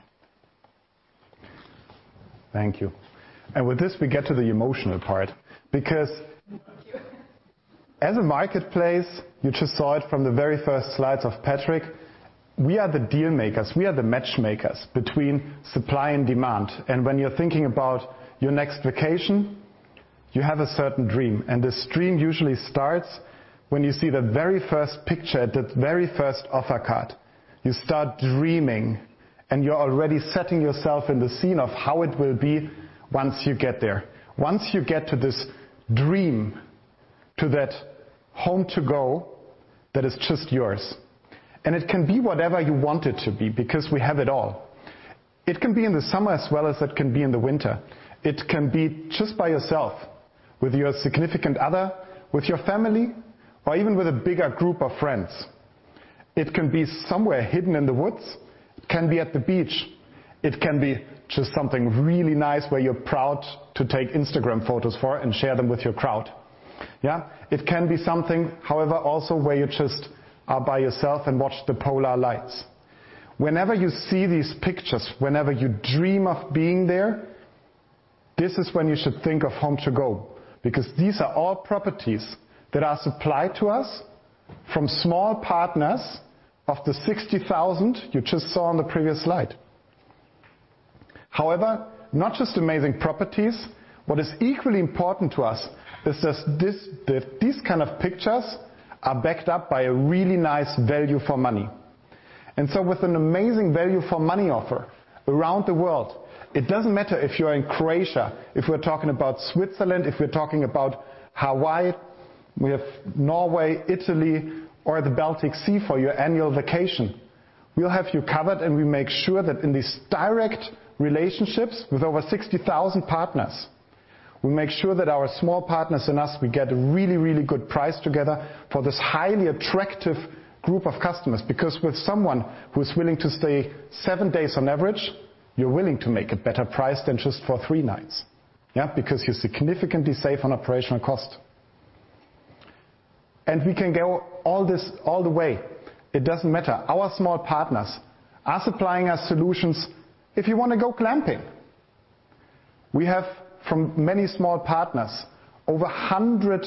Thank you. With this, we get to the emotional part because as a marketplace, you just saw it from the very first slides of Patrick. We are the deal makers, we are the matchmakers between supply and demand. When you're thinking about your next vacation, you have a certain dream, and this dream usually starts when you see the very first picture, that very first offer card. You start dreaming, and you're already setting yourself in the scene of how it will be once you get there. Once you get to this dream, to that HomeToGo that is just yours. It can be whatever you want it to be because we have it all. It can be in the summer as well as it can be in the winter. It can be just by yourself, with your significant other, with your family, or even with a bigger group of friends. It can be somewhere hidden in the woods. It can be at the beach. It can be just something really nice where you're proud to take Instagram photos for and share them with your crowd. Yeah. It can be something, however, also where you're just there by yourself and watch the polar lights. Whenever you see these pictures, whenever you dream of being there, this is when you should think of HomeToGo, because these are all properties that are supplied to us from small partners of the 60,000 you just saw on the previous slide. However, not just amazing properties. What is equally important to us is this, that these kind of pictures are backed up by a really nice value for money. With an amazing value for money offer around the world, it doesn't matter if you're in Croatia, if we're talking about Switzerland, if we're talking about Hawaii, we have Norway, Italy, or the Baltic Sea for your annual vacation. We'll have you covered, and we make sure that in these direct relationships with over 60,000 partners, we make sure that our small partners and us, we get a really, really good price together for this highly attractive group of customers. Because with someone who's willing to stay 7 days on average, you're willing to make a better price than just for three nights. Yeah. Because you significantly save on operational cost. We can go all this all the way. It doesn't matter. Our small partners are supplying us solutions if you wanna go glamping. We have from many small partners over 100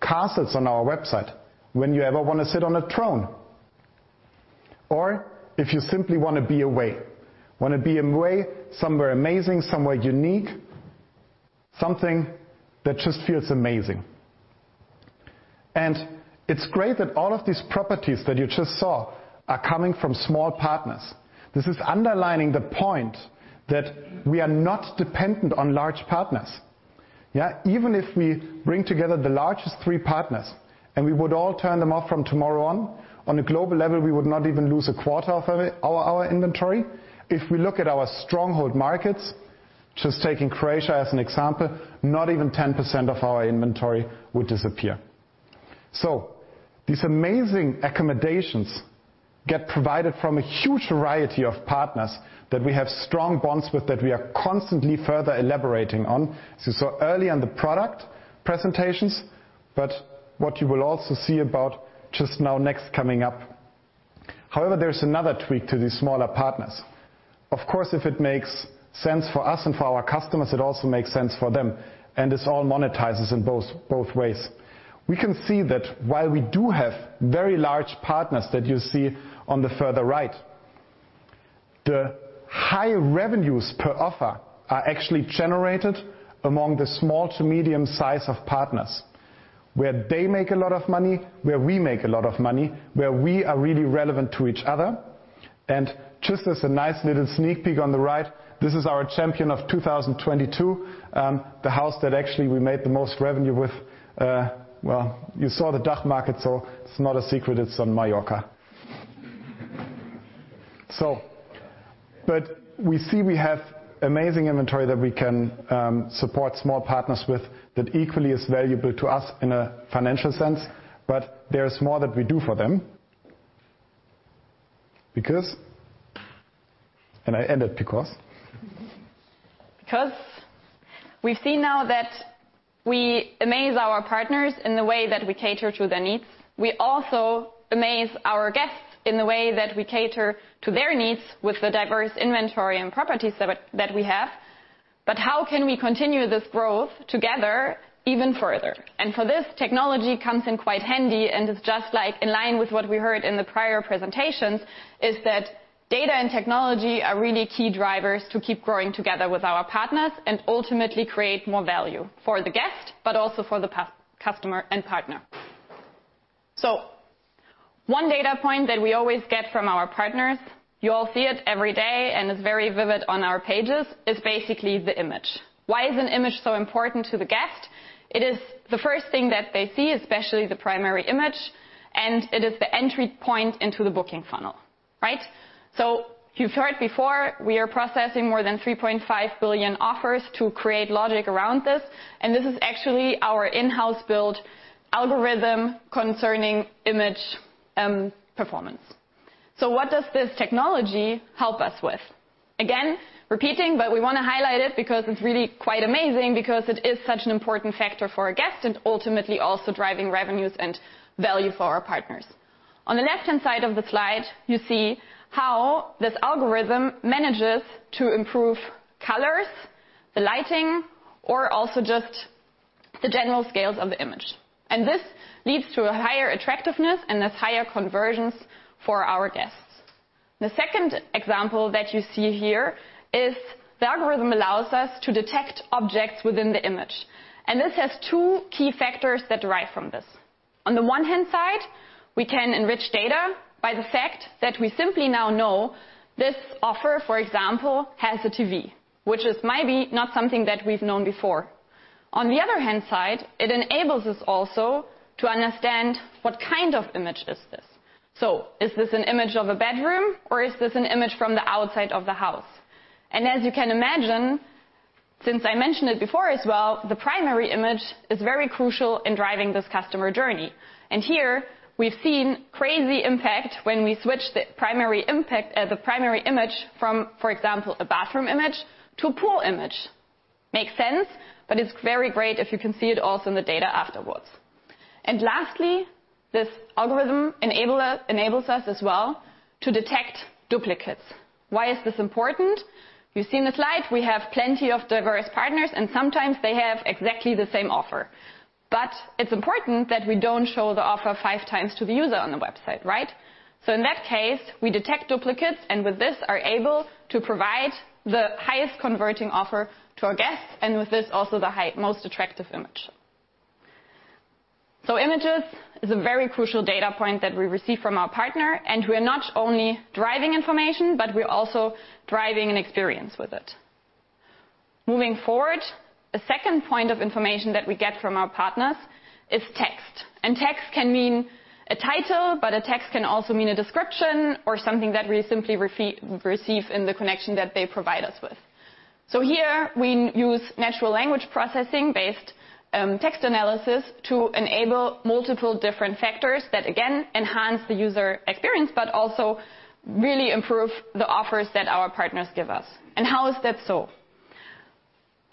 castles on our website when you ever wanna sit on a throne. If you simply wanna be away somewhere amazing, somewhere unique, something that just feels amazing. It's great that all of these properties that you just saw are coming from small partners. This is underlining the point that we are not dependent on large partners. Yeah. Even if we bring together the largest three partners and we would all turn them off from tomorrow on a global level, we would not even lose a quarter of our inventory. If we look at our stronghold markets, just taking Croatia as an example, not even 10% of our inventory would disappear. These amazing accommodations get provided from a huge variety of partners that we have strong bonds with that we are constantly further elaborating on. Early on the product presentations, but what you will also see about just now next coming up. However, there's another tweak to these smaller partners. Of course, if it makes sense for us and for our customers, it also makes sense for them, and this all monetizes in both ways. We can see that while we do have very large partners that you see on the further right, the high revenues per offer are actually generated among the small to medium size of partners. Where they make a lot of money, where we make a lot of money, where we are really relevant to each other. Just as a nice little sneak peek on the right, this is our champion of 2022, the house that actually we made the most revenue with. Well, you saw the Dutch market, so it's not a secret it's on Mallorca. But we see we have amazing inventory that we can support small partners with that equally is valuable to us in a financial sense, but there is more that we do for them. I end it because. Because we see now that we amaze our partners in the way that we cater to their needs. We also amaze our guests in the way that we cater to their needs with the diverse inventory and properties that we have. How can we continue this growth together even further? For this, technology comes in quite handy and is just, like, in line with what we heard in the prior presentations, is that data and technology are really key drivers to keep growing together with our partners and ultimately create more value for the guest, but also for the paying customer and partner. One data point that we always get from our partners, you all see it every day and it's very vivid on our pages, is basically the image. Why is an image so important to the guest? It is the first thing that they see, especially the primary image, and it is the entry point into the booking funnel. Right? So you've heard before, we are processing more than 3.5 billion offers to create logic around this, and this is actually our in-house built algorithm concerning image performance. So what does this technology help us with? Again, repeating, but we want to highlight it because it's really quite amazing because it is such an important factor for our guests and ultimately also driving revenues and value for our partners. On the left-hand side of the slide, you see how this algorithm manages to improve colors, the lighting, or also just the general scales of the image. This leads to a higher attractiveness and thus higher conversions for our guests. The second example that you see here is the algorithm allows us to detect objects within the image. This has two key factors that derive from this. On the one hand side, we can enrich data by the fact that we simply now know this offer, for example, has a TV, which is maybe not something that we've known before. On the other hand side, it enables us also to understand what kind of image is this. Is this an image of a bedroom or is this an image from the outside of the house? As you can imagine, since I mentioned it before as well, the primary image is very crucial in driving this customer journey. Here we've seen crazy impact when we switch the primary image from, for example, a bathroom image to a pool image. Makes sense, but it's very great if you can see it also in the data afterwards. Lastly, this algorithm enables us as well to detect duplicates. Why is this important? You've seen the slide. We have plenty of diverse partners, and sometimes they have exactly the same offer. It's important that we don't show the offer 5x to the user on the website, right? In that case, we detect duplicates, and with this are able to provide the highest converting offer to our guests, and with this also the most attractive image. Images is a very crucial data point that we receive from our partner, and we are not only driving information, but we are also driving an experience with it. Moving forward, a second point of information that we get from our partners is text. Text can mean a title, but a text can also mean a description or something that we simply receive in the connection that they provide us with. Here we use natural language processing based text analysis to enable multiple different factors that again, enhance the user experience, but also really improve the offers that our partners give us. How is that so?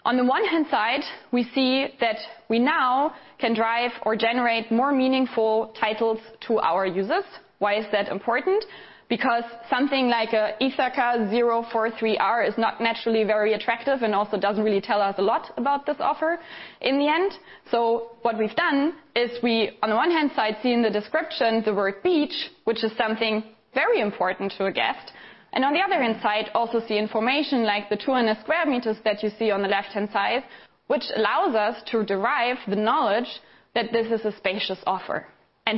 On the one hand side, we see that we now can drive or generate more meaningful titles to our users. Why is that important? Because something like Ithaka 043 R is not naturally very attractive and also doesn't really tell us a lot about this offer in the end. What we've done is we, on the one hand side, see in the description the word beach, which is something very important to a guest. On the other hand side, also see information like the 200 square meters that you see on the left-hand side, which allows us to derive the knowledge that this is a spacious offer.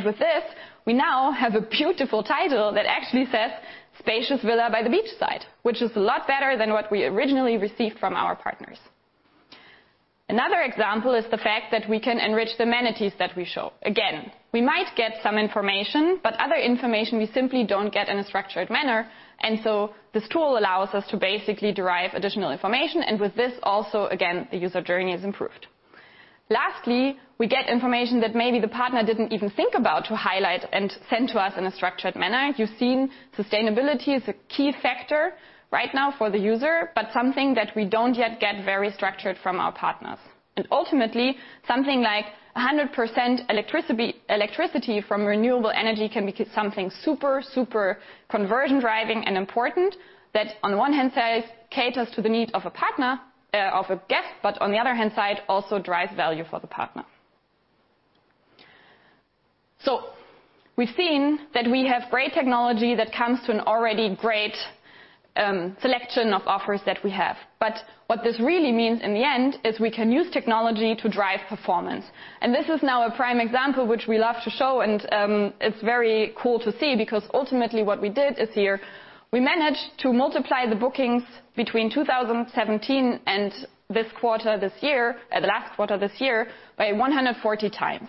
With this, we now have a beautiful title that actually says, "Spacious villa by the beach side," which is a lot better than what we originally received from our partners. Another example is the fact that we can enrich the amenities that we show. Again, we might get some information, but other information we simply don't get in a structured manner, and so this tool allows us to basically derive additional information, and with this also, again, the user journey is improved. Lastly, we get information that maybe the partner didn't even think about to highlight and send to us in a structured manner. You've seen sustainability is a key factor right now for the user, but something that we don't yet get very structured from our partners. Ultimately, something like 100% electricity from renewable energy can be something super conversion driving and important that on the one hand side caters to the need of a partner, of a guest, but on the other hand side, also drives value for the partner. We've seen that we have great technology that comes to an already great selection of offers that we have. What this really means in the end is we can use technology to drive performance. This is now a prime example which we love to show and it's very cool to see because ultimately what we did is here we managed to multiply the bookings between 2017 and the last quarter this year by 140x.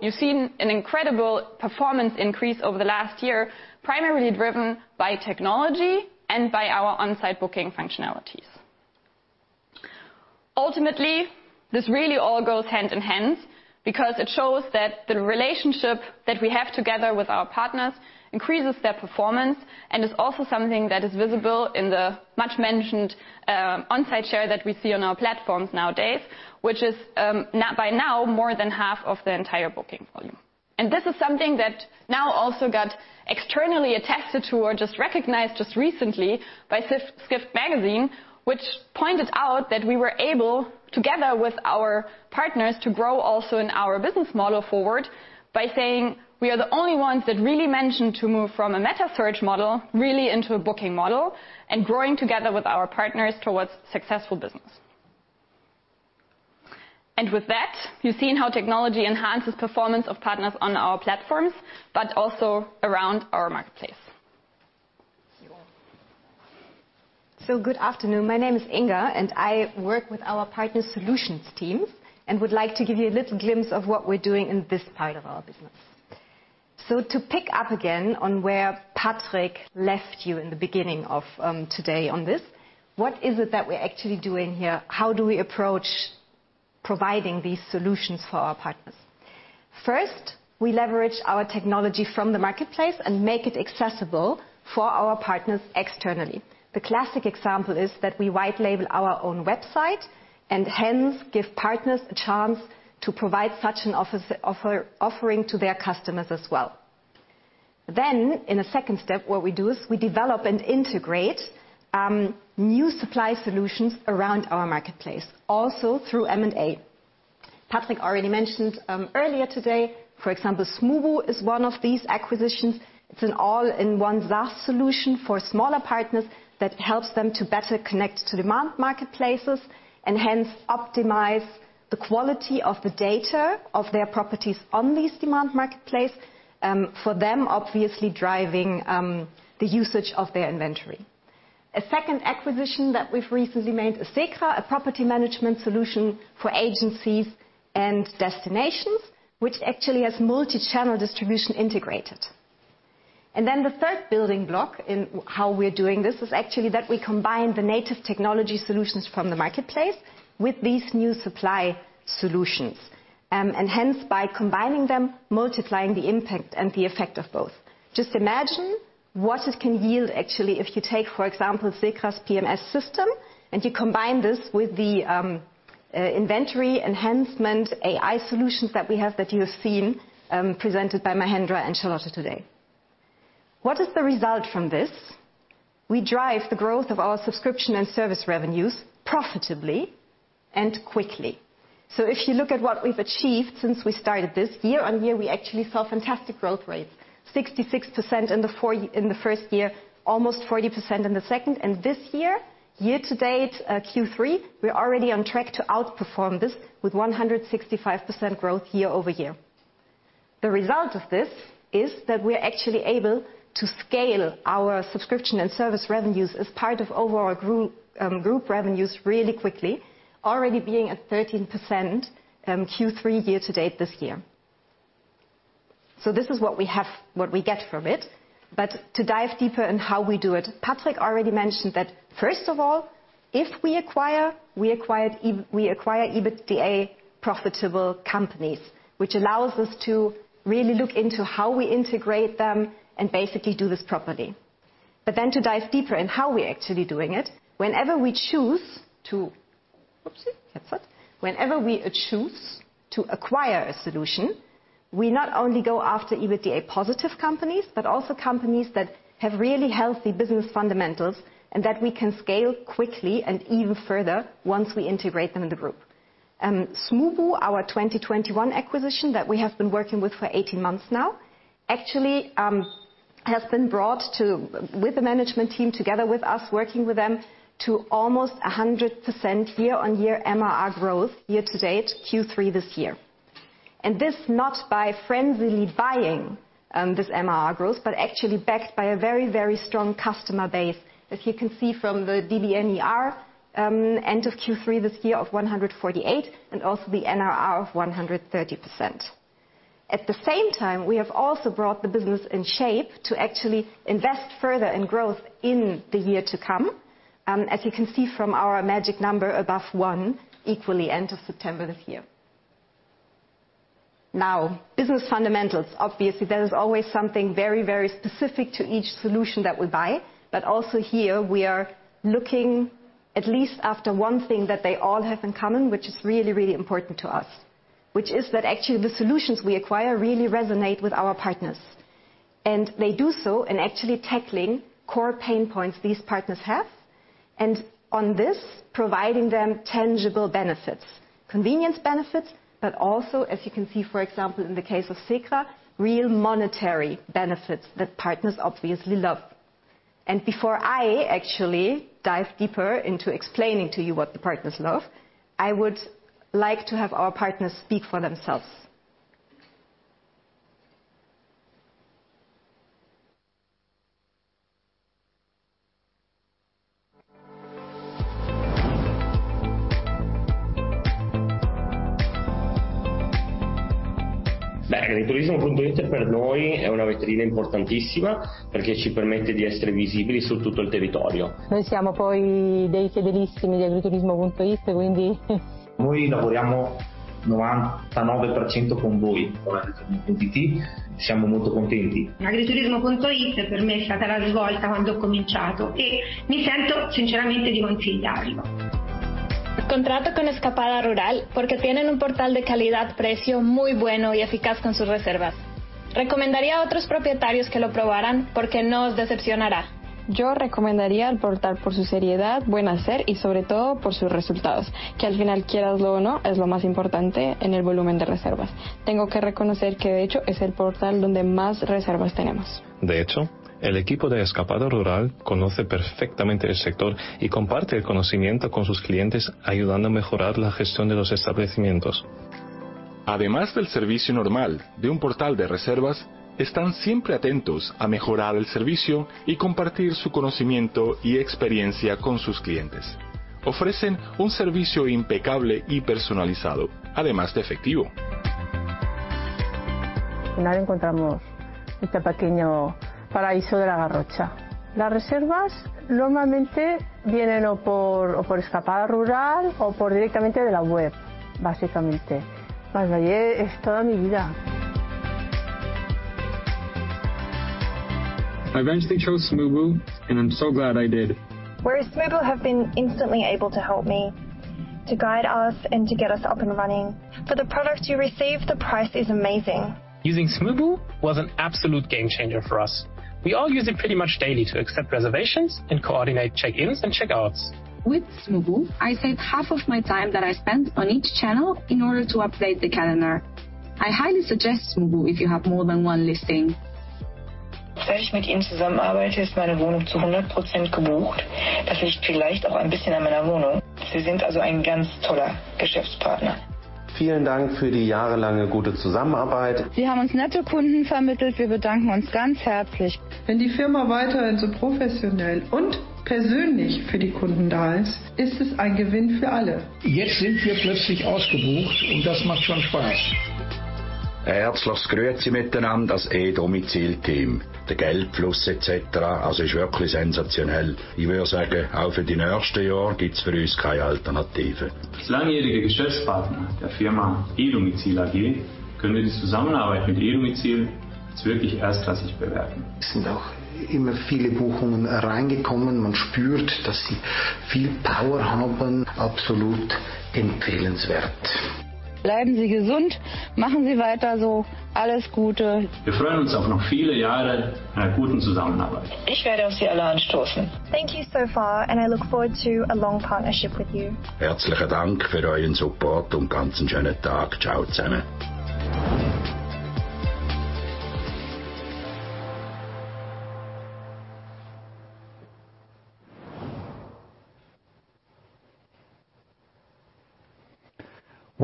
You've seen an incredible performance increase over the last year primarily driven by technology and by our on-site booking functionalities. Ultimately this really all goes hand in hand because it shows that the relationship that we have together with our partners increases their performance and is also something that is visible in the much mentioned on-site share that we see on our platforms nowadays which is by now more than half of the entire booking volume. This is something that now also got externally attested to or just recognized just recently by Skift Magazine, which pointed out that we were able, together with our partners, to grow also in our business model forward by saying we are the only ones that really managed to move from a metasearch model really into a booking model and growing together with our partners towards successful business. With that, you've seen how technology enhances performance of partners on our platforms, but also around our marketplace. Good afternoon. My name is Inga, and I work with our partner solutions team and would like to give you a little glimpse of what we're doing in this part of our business. To pick up again on where Patrick left you in the beginning of today on this, what is it that we're actually doing here? How do we approach providing these solutions for our partners? First, we leverage our technology from the marketplace and make it accessible for our partners externally. The classic example is that we white label our own website and hence give partners a chance to provide such an offering to their customers as well. In a second step, what we do is we develop and integrate new supply solutions around our marketplace, also through M&A. Patrick already mentioned earlier today, for example, Smoobu is one of these acquisitions. It's an all-in-one SaaS solution for smaller partners that helps them to better connect to demand marketplaces and hence optimize the quality of the data of their properties on these demand marketplaces, for them, obviously driving the usage of their inventory. A second acquisition that we've recently made is SECRA, a property management solution for agencies and destinations, which actually has multi-channel distribution integrated. The third building block in how we're doing this is actually that we combine the native technology solutions from the marketplace with these new supply solutions. Hence by combining them, multiplying the impact and the effect of both. Just imagine what it can yield actually if you take, for example, SECRA's PMS system and you combine this with the inventory enhancement AI solutions that we have that you have seen presented by Mahendra and Charlotte today. What is the result from this? We drive the growth of our subscription and service revenues profitably and quickly. If you look at what we've achieved since we started this year-over-year we actually saw fantastic growth rates, 66% in the first year, almost 40% in the second. This year to date, Q3, we're already on track to outperform this with 165% growth year-over-year. The result of this is that we're actually able to scale our subscription and service revenues as part of overall group revenues really quickly, already being at 13%, Q3 year to date this year. This is what we have, what we get from it. To dive deeper in how we do it, Patrick already mentioned that first of all, we acquire EBITDA profitable companies, which allows us to really look into how we integrate them and basically do this properly. To dive deeper in how we're actually doing it, whenever we choose to acquire a solution, we not only go after EBITDA positive companies, but also companies that have really healthy business fundamentals and that we can scale quickly and even further once we integrate them in the group. Smoobu, our 2021 acquisition that we have been working with for 18 months now, actually has been brought with the management team together with us working with them to almost 100% year-on-year MRR growth year-to-date Q3 this year. This not by frenziedly buying this MRR growth, but actually backed by a very, very strong customer base that you can see from the DBNER end of Q3 this year of 148, and also the NRR of 100%. At the same time, we have also brought the business in shape to actually invest further in growth in the year to come, as you can see from our magic number above one equally end of September this year. Now business fundamentals, obviously, there is always something very, very specific to each solution that we buy, but also here we are looking at least after one thing that they all have in common, which is really, really important to us. Which is that actually the solutions we acquire really resonate with our partners. They do so in actually tackling core pain points these partners have, and on this, providing them tangible benefits. Convenience benefits, but also as you can see for example in the case of SECRA, real monetary benefits that partners obviously love. Before I actually dive deeper into explaining to you what the partners love, I would like to have our partners speak for themselves.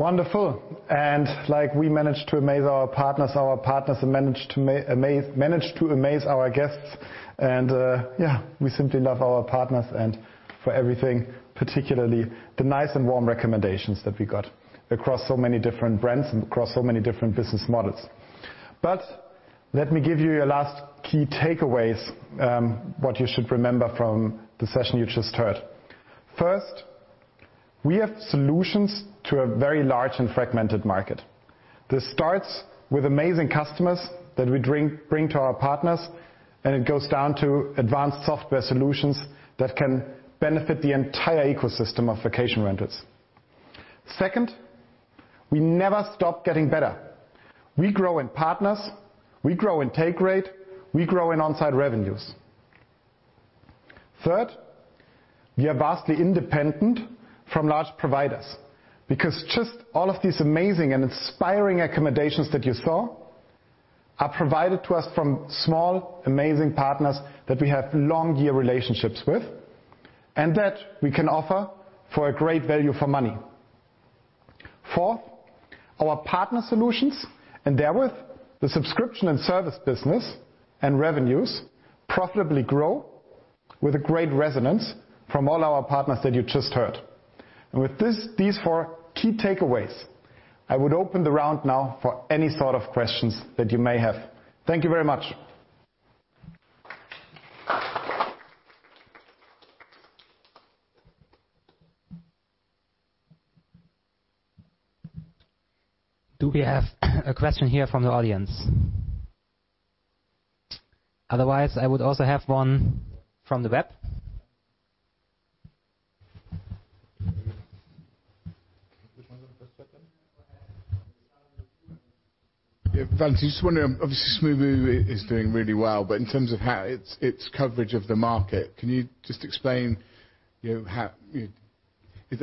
Wonderful. Like we manage to amaze our partners, our partners manage to amaze our guests and, yeah, we simply love our partners and for everything, particularly the nice and warm recommendations that we got across so many different brands and across so many different business models. Let me give you your last key takeaways, what you should remember from the session you just heard. First, we have solutions to a very large and fragmented market. This starts with amazing customers that we bring to our partners, and it goes down to advanced software solutions that can benefit the entire ecosystem of vacation renters. Second, we never stop getting better. We grow in partners, we grow in take rate, we grow in on-site revenues. Third, we are vastly independent from large providers because just all of these amazing and inspiring accommodations that you saw are provided to us from small, amazing partners that we have long year relationships with, and that we can offer for a great value for money. Fourth, our partner solutions, and therewith, the subscription and service business and revenues profitably grow with a great resonance from all our partners that you just heard. With these four key takeaways, I would open the round now for any sort of questions that you may have. Thank you very much. Do we have a question here from the audience? Otherwise, I would also have one from the web. Which one is the first question? Yeah, thanks. Just wondering, obviously, Smoobu is doing really well, but in terms of how its coverage of the market, can you just explain, you know?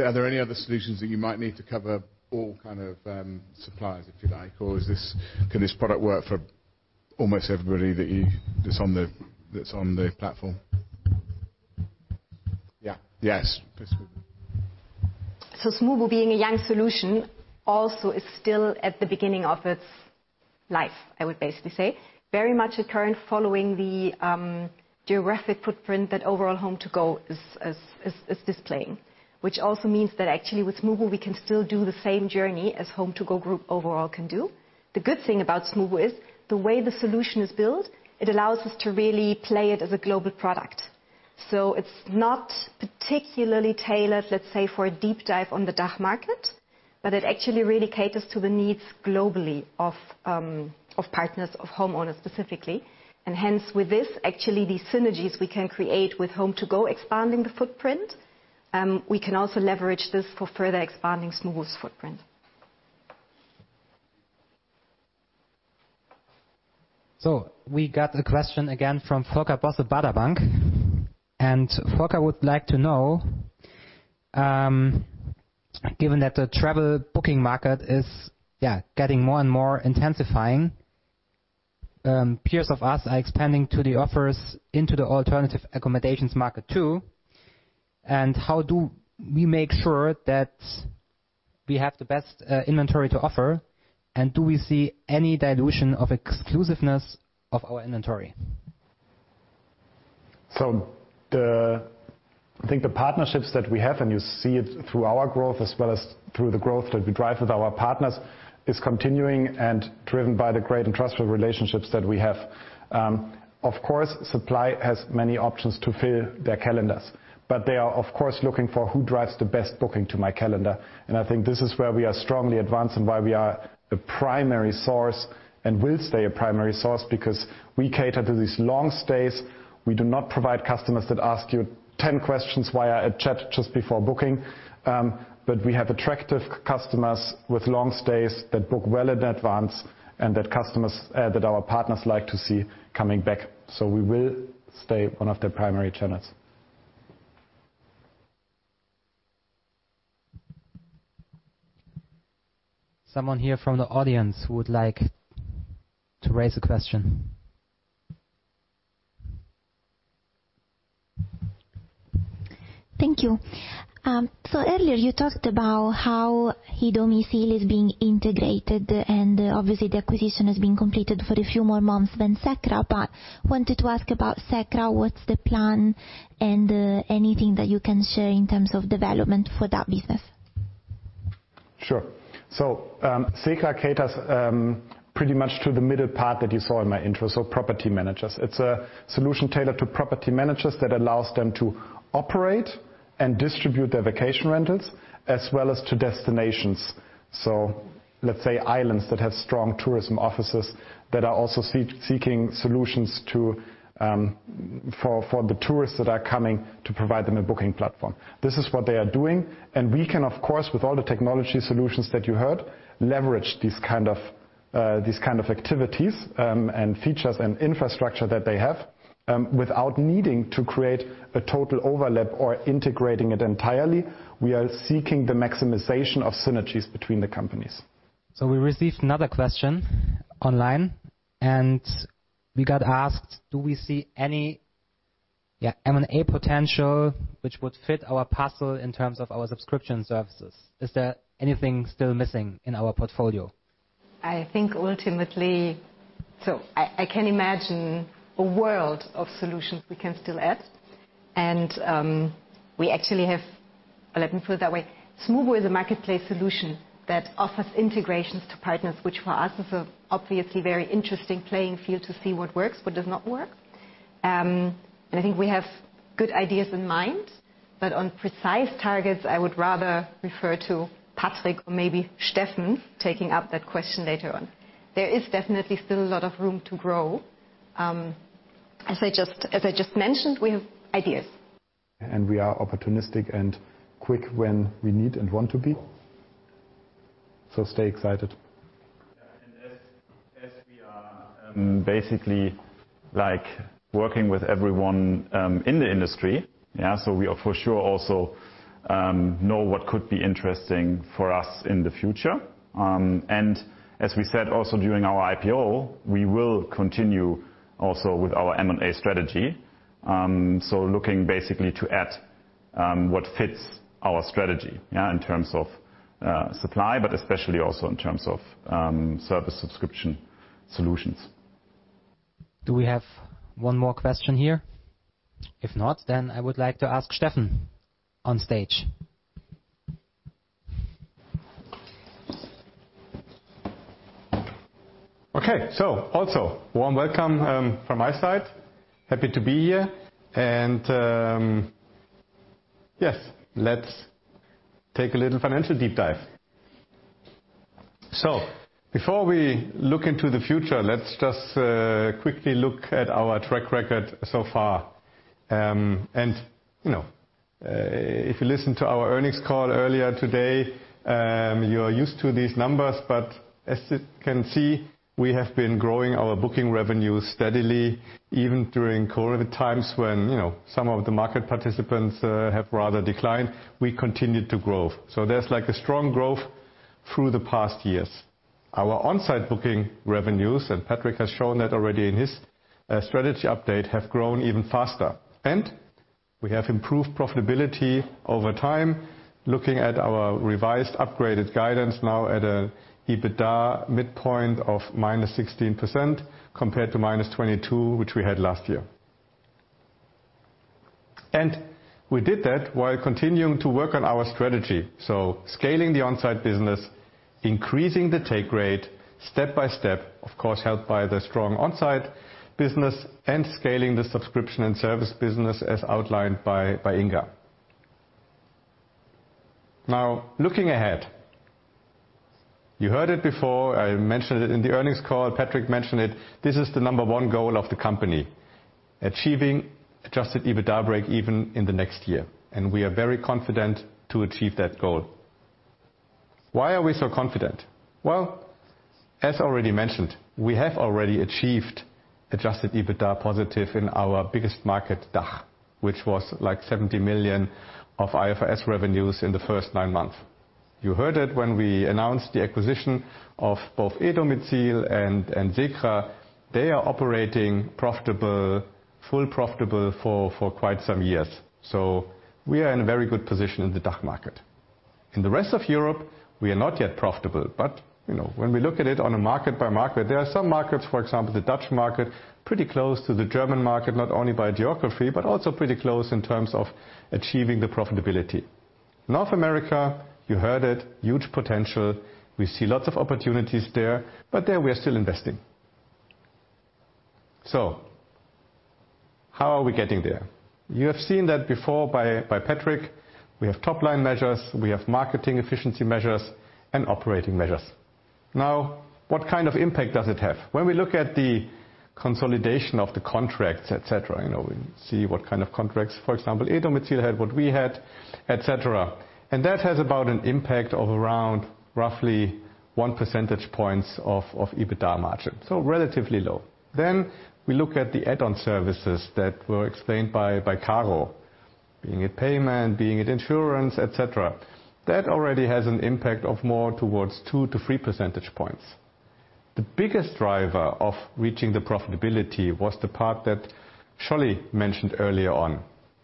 Are there any other solutions that you might need to cover all kind of suppliers, if you like? Or can this product work for almost everybody that's on the platform? Yeah. Yes. Smoobu being a young solution also is still at the beginning of its life, I would basically say. Very much is currently following the geographic footprint that overall HomeToGo is displaying. Which also means that actually with Smoobu, we can still do the same journey as HomeToGo Group overall can do. The good thing about Smoobu is the way the solution is built, it allows us to really play it as a global product. It's not particularly tailored, let's say, for a deep dive on the DACH market, but it actually really caters to the needs globally of partners, of homeowners specifically. Hence, with this, actually, the synergies we can create with HomeToGo expanding the footprint, we can also leverage this for further expanding Smoobu's footprint. We got a question again from Volker Bosse, Baader Bank. Volker would like to know, given that the travel booking market is getting more and more intensifying, peers of us are expanding to the offers into the alternative accommodations market, too. How do we make sure that we have the best inventory to offer? Do we see any dilution of exclusiveness of our inventory? I think the partnerships that we have, and you see it through our growth as well as through the growth that we drive with our partners, is continuing and driven by the great and trustworthy relationships that we have. Of course, supply has many options to fill their calendars, but they are, of course, looking for who drives the best booking to my calendar. I think this is where we are strongly advanced and why we are a primary source and will stay a primary source because we cater to these long stays. We do not provide customers that ask you ten questions via a chat just before booking. We have attractive customers with long stays that book well in advance and that our partners like to see coming back. We will stay one of their primary channels. Someone here from the audience who would like to raise a question. Thank you. Earlier you talked about how e-domizil is being integrated, and obviously the acquisition has been completed for a few more months than SECRA, but wanted to ask about SECRA, what's the plan and anything that you can share in terms of development for that business? Sure. SECRA caters pretty much to the middle part that you saw in my intro, so Property Managers. It's a solution tailored to Property Managers that allows them to operate and distribute their vacation rentals as well as to destinations. Let's say islands that have strong tourism offices that are also seeking solutions for the tourists that are coming to provide them a booking platform. This is what they are doing. We can, of course, with all the technology solutions that you heard, leverage these kind of activities and features and infrastructure that they have without needing to create a total overlap or integrating it entirely. We are seeking the maximization of synergies between the companies. We received another question online, and we got asked, do we see any, yeah, M&A potential which would fit our puzzle in terms of our subscription services? Is there anything still missing in our portfolio? I think ultimately I can imagine a world of solutions we can still add. We actually have. Well, let me put it that way. Smoobu is a marketplace solution that offers integrations to partners, which for us is obviously very interesting playing field to see what works, what does not work. I think we have good ideas in mind, but on precise targets, I would rather refer to Patrick or maybe Steffen taking up that question later on. There is definitely still a lot of room to grow. As I just mentioned, we have ideas. We are opportunistic and quick when we need and want to be. Stay excited. Basically like working with everyone in the industry, yeah. We are for sure also know what could be interesting for us in the future. As we said also during our IPO, we will continue also with our M&A strategy. Looking basically to add what fits our strategy, yeah, in terms of supply, but especially also in terms of service subscription solutions. Do we have one more question here? If not, then I would like to ask Steffen on stage. Okay. Also, warm welcome from my side. Happy to be here. Yes, let's take a little financial deep dive. Before we look into the future, let's just quickly look at our track record so far. You know, if you listen to our earnings call earlier today, you're used to these numbers, but as you can see, we have been growing our Booking Revenues steadily even during COVID times when, you know, some of the market participants have rather declined. We continued to grow. There's like a strong growth through the past years. Our on-site Booking Revenues, and Patrick has shown that already in his strategy update, have grown even faster. We have improved profitability over time, looking at our revised upgraded guidance now at an Adjusted EBITDA midpoint of -16% compared to -22%, which we had last year. We did that while continuing to work on our strategy. Scaling the onsite business, increasing the take rate step-by-step, of course, helped by the strong onsite business and scaling the subscription and service business as outlined by Inga. Now looking ahead, you heard it before, I mentioned it in the earnings call. Patrick mentioned it. This is the number one goal of the company, achieving Adjusted EBITDA breakeven in the next year, and we are very confident to achieve that goal. Why are we so confident? Well, as already mentioned, we have already achieved Adjusted EBITDA positive in our biggest market, DACH, which was like 70 million of IFRS revenues in the first nine months. You heard it when we announced the acquisition of both e-domizil and SECRA. They are operating profitably, fully profitable for quite some years. We are in a very good position in the DACH market. In the rest of Europe, we are not yet profitable, but you know, when we look at it on a market by market, there are some markets, for example, the Dutch market, pretty close to the German market, not only by geography, but also pretty close in terms of achieving the profitability. North America, you heard it, huge potential. We see lots of opportunities there, but there we are still investing. How are we getting there? You have seen that before by Patrick. We have top-line measures, we have marketing efficiency measures and operating measures. Now, what kind of impact does it have? When we look at the consolidation of the contracts, et cetera, you know, we see what kind of contracts, for example, e-domizil had what we had, et cetera. That has about an impact of around roughly one percentage points of EBITDA margin, so relatively low. We look at the add-on services that were explained by Caro, being it payment, being it insurance, et cetera. That already has an impact of more towards two to three percentage points. The biggest driver of reaching the profitability was the part that Charlotte mentioned earlier on,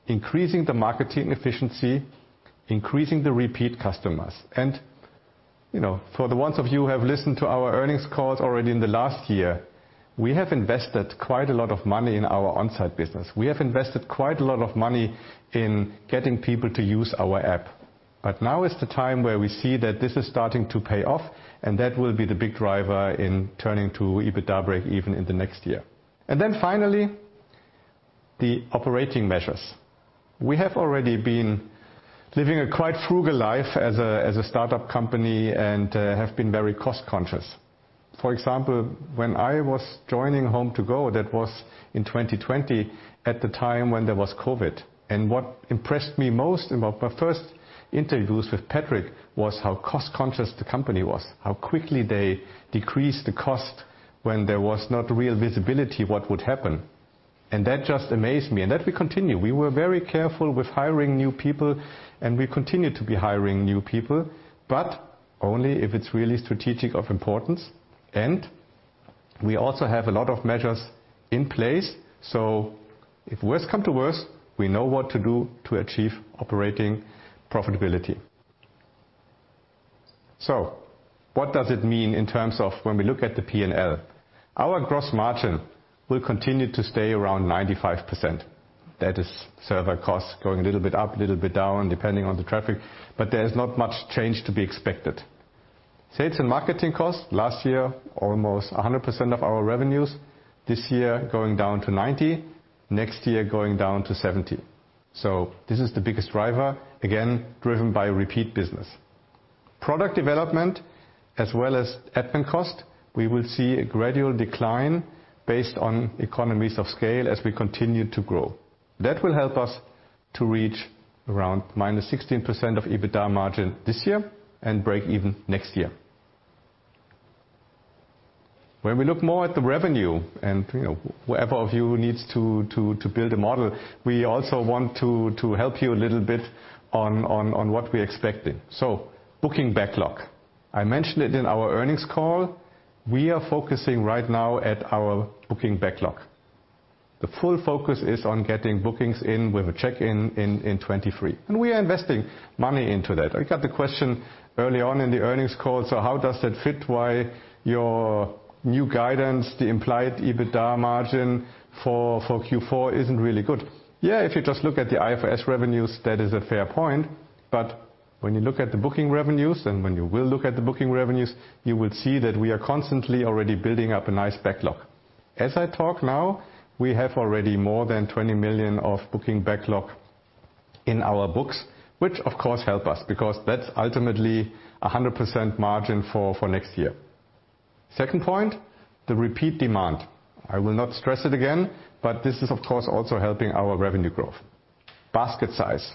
increasing the marketing efficiency, increasing the repeat customers. You know, for the ones of you who have listened to our earnings calls already in the last year, we have invested quite a lot of money in our on-site business. We have invested quite a lot of money in getting people to use our app. Now is the time where we see that this is starting to pay off, and that will be the big driver in turning to EBITDA break even in the next year. Then finally, the operating measures. We have already been living a quite frugal life as a startup company and have been very cost-conscious. For example, when I was joining HomeToGo, that was in 2020 at the time when there was COVID. What impressed me most about my first interviews with Patrick was how cost-conscious the company was, how quickly they decreased the cost when there was not real visibility, what would happen. That just amazed me. That we continue. We were very careful with hiring new people, and we continue to be hiring new people, but only if it's really strategic of importance. We also have a lot of measures in place. If worse come to worse, we know what to do to achieve operating profitability. What does it mean in terms of when we look at the P&L? Our gross margin will continue to stay around 95%. That is server costs going a little bit up, a little bit down, depending on the traffic, but there is not much change to be expected. Sales and marketing costs, last year, almost 100% of our revenues. This year, going down to 90%, next year, going down to 70%. This is the biggest driver, again, driven by repeat business. Product development as well as admin cost, we will see a gradual decline based on economies of scale as we continue to grow. That will help us to reach around -16% of EBITDA margin this year and break even next year. When we look more at the revenue and, you know, whatever of you needs to build a model, we also want to help you a little bit on what we're expecting. Booking backlog, I mentioned it in our earnings call. We are focusing right now at our booking backlog. The full focus is on getting bookings in with a check-in in 2023, and we are investing money into that. I got the question early on in the earnings call, so how does that fit? Why is your new guidance, the implied EBITDA margin for Q4 isn't really good? Yeah, if you just look at the IFRS Revenues, that is a fair point. When you look at the Booking Revenues, and when you will look at the Booking Revenues, you will see that we are constantly already building up a nice backlog. As I talk now, we have already more than 20 million Booking Revenues Backlog in our books, which of course help us because that's ultimately 100% margin for next year. Second point, the repeat demand. I will not stress it again, but this is of course also helping our revenue growth. Basket size.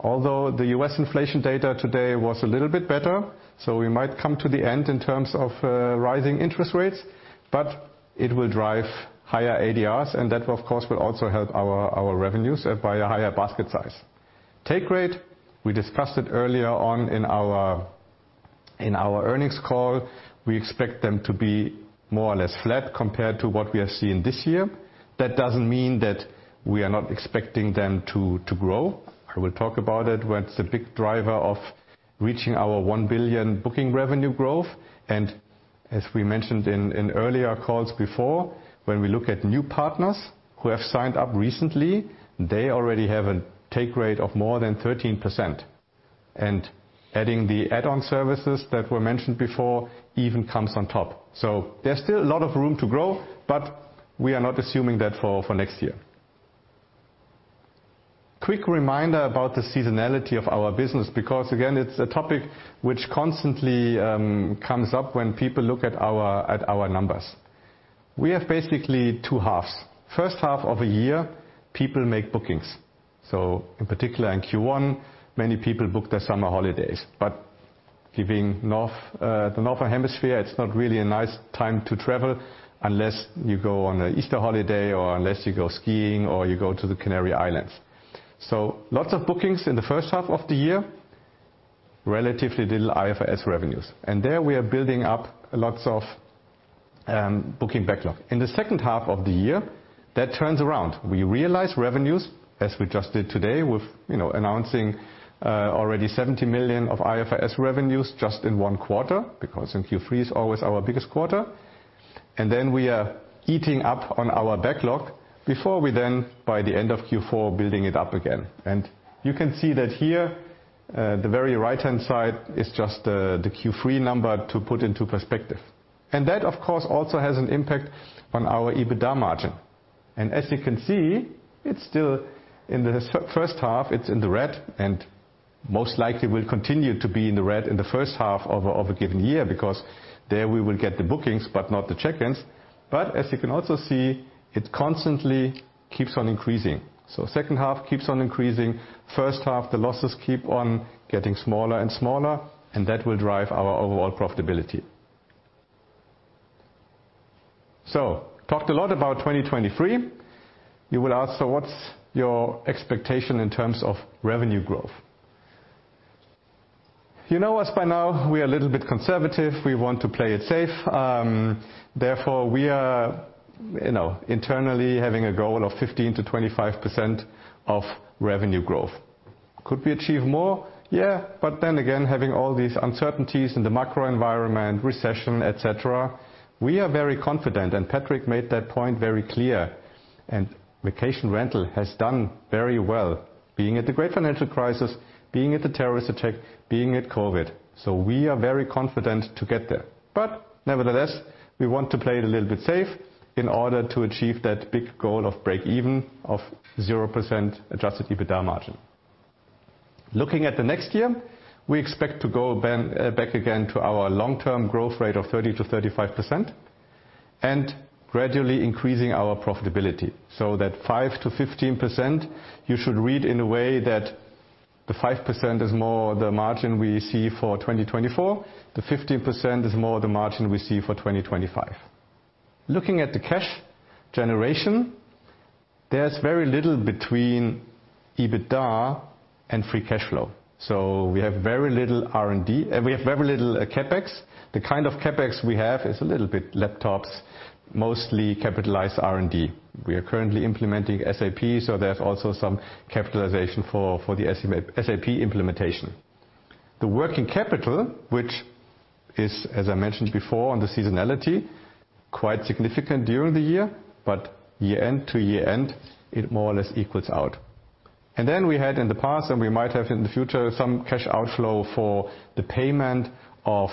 Although the U.S. inflation data today was a little bit better, so we might come to the end in terms of rising interest rates, but it will drive higher ADRs and that of course will also help our revenues by a higher basket size. Take rate, we discussed it earlier on in our earnings call. We expect them to be more or less flat compared to what we are seeing this year. That doesn't mean that we are not expecting them to grow. I will talk about it, where it's a big driver of reaching our 1 billion Booking Revenues growth. As we mentioned in earlier calls before, when we look at new partners who have signed up recently, they already have a take rate of more than 13%. Adding the add-on services that were mentioned before even comes on top. There's still a lot of room to grow, but we are not assuming that for next year. Quick reminder about the seasonality of our business, because again, it's a topic which constantly comes up when people look at our numbers. We have basically two halves. First half of a year, people make bookings. In particular in Q1, many people book their summer holidays. In the north, the northern hemisphere, it's not really a nice time to travel unless you go on an Easter holiday or unless you go skiing or you go to the Canary Islands. Lots of bookings in the first half of the year, relatively little IFRS Revenues. There we are building up lots of booking backlog. In the second half of the year, that turns around. We realize revenues, as we just did today with, you know, announcing already 70 million of IFRS Revenues just in one quarter, because in Q3 is always our biggest quarter. We are eating up on our backlog before we then, by the end of Q4, building it up again. You can see that here, the very right-hand side is just the Q3 number to put into perspective. That of course also has an impact on our EBITDA margin. As you can see, it's still in the first half, it's in the red, and most likely will continue to be in the red in the first half of a given year, because there we will get the bookings, but not the check-ins. As you can also see, it constantly keeps on increasing. Second half keeps on increasing. First half, the losses keep on getting smaller and smaller, and that will drive our overall profitability. Talked a lot about 2023. You will ask, so what's your expectation in terms of revenue growth? You know us by now, we are a little bit conservative. We want to play it safe. Therefore, we are, you know, internally having a goal of 15%-25% revenue growth. Could we achieve more? Yeah, but then again, having all these uncertainties in the macro environment, recession, et cetera, we are very confident, and Patrick made that point very clear. Vacation rental has done very well, being at the great financial crisis, being at the terrorist attack, being at COVID. We are very confident to get there. Nevertheless, we want to play it a little bit safe in order to achieve that big goal of break even of 0% adjusted EBITDA margin. Looking at the next year, we expect to go back again to our long-term growth rate of 30%-35% and gradually increasing our profitability. That 5%-15%, you should read in a way that the 5% is more the margin we see for 2024. The 15% is more the margin we see for 2025. Looking at the cash generation, there's very little between EBITDA and free cash flow. We have very little R&D, and we have very little CapEx. The kind of CapEx we have is a little bit laptops, mostly capitalized R&D. We are currently implementing SAP, so there's also some capitalization for the SAP implementation. The working capital, which is as I mentioned before on the seasonality, quite significant during the year, but year-end to year-end, it more or less equals out. Then we had in the past, and we might have in the future, some cash outflow for the payment of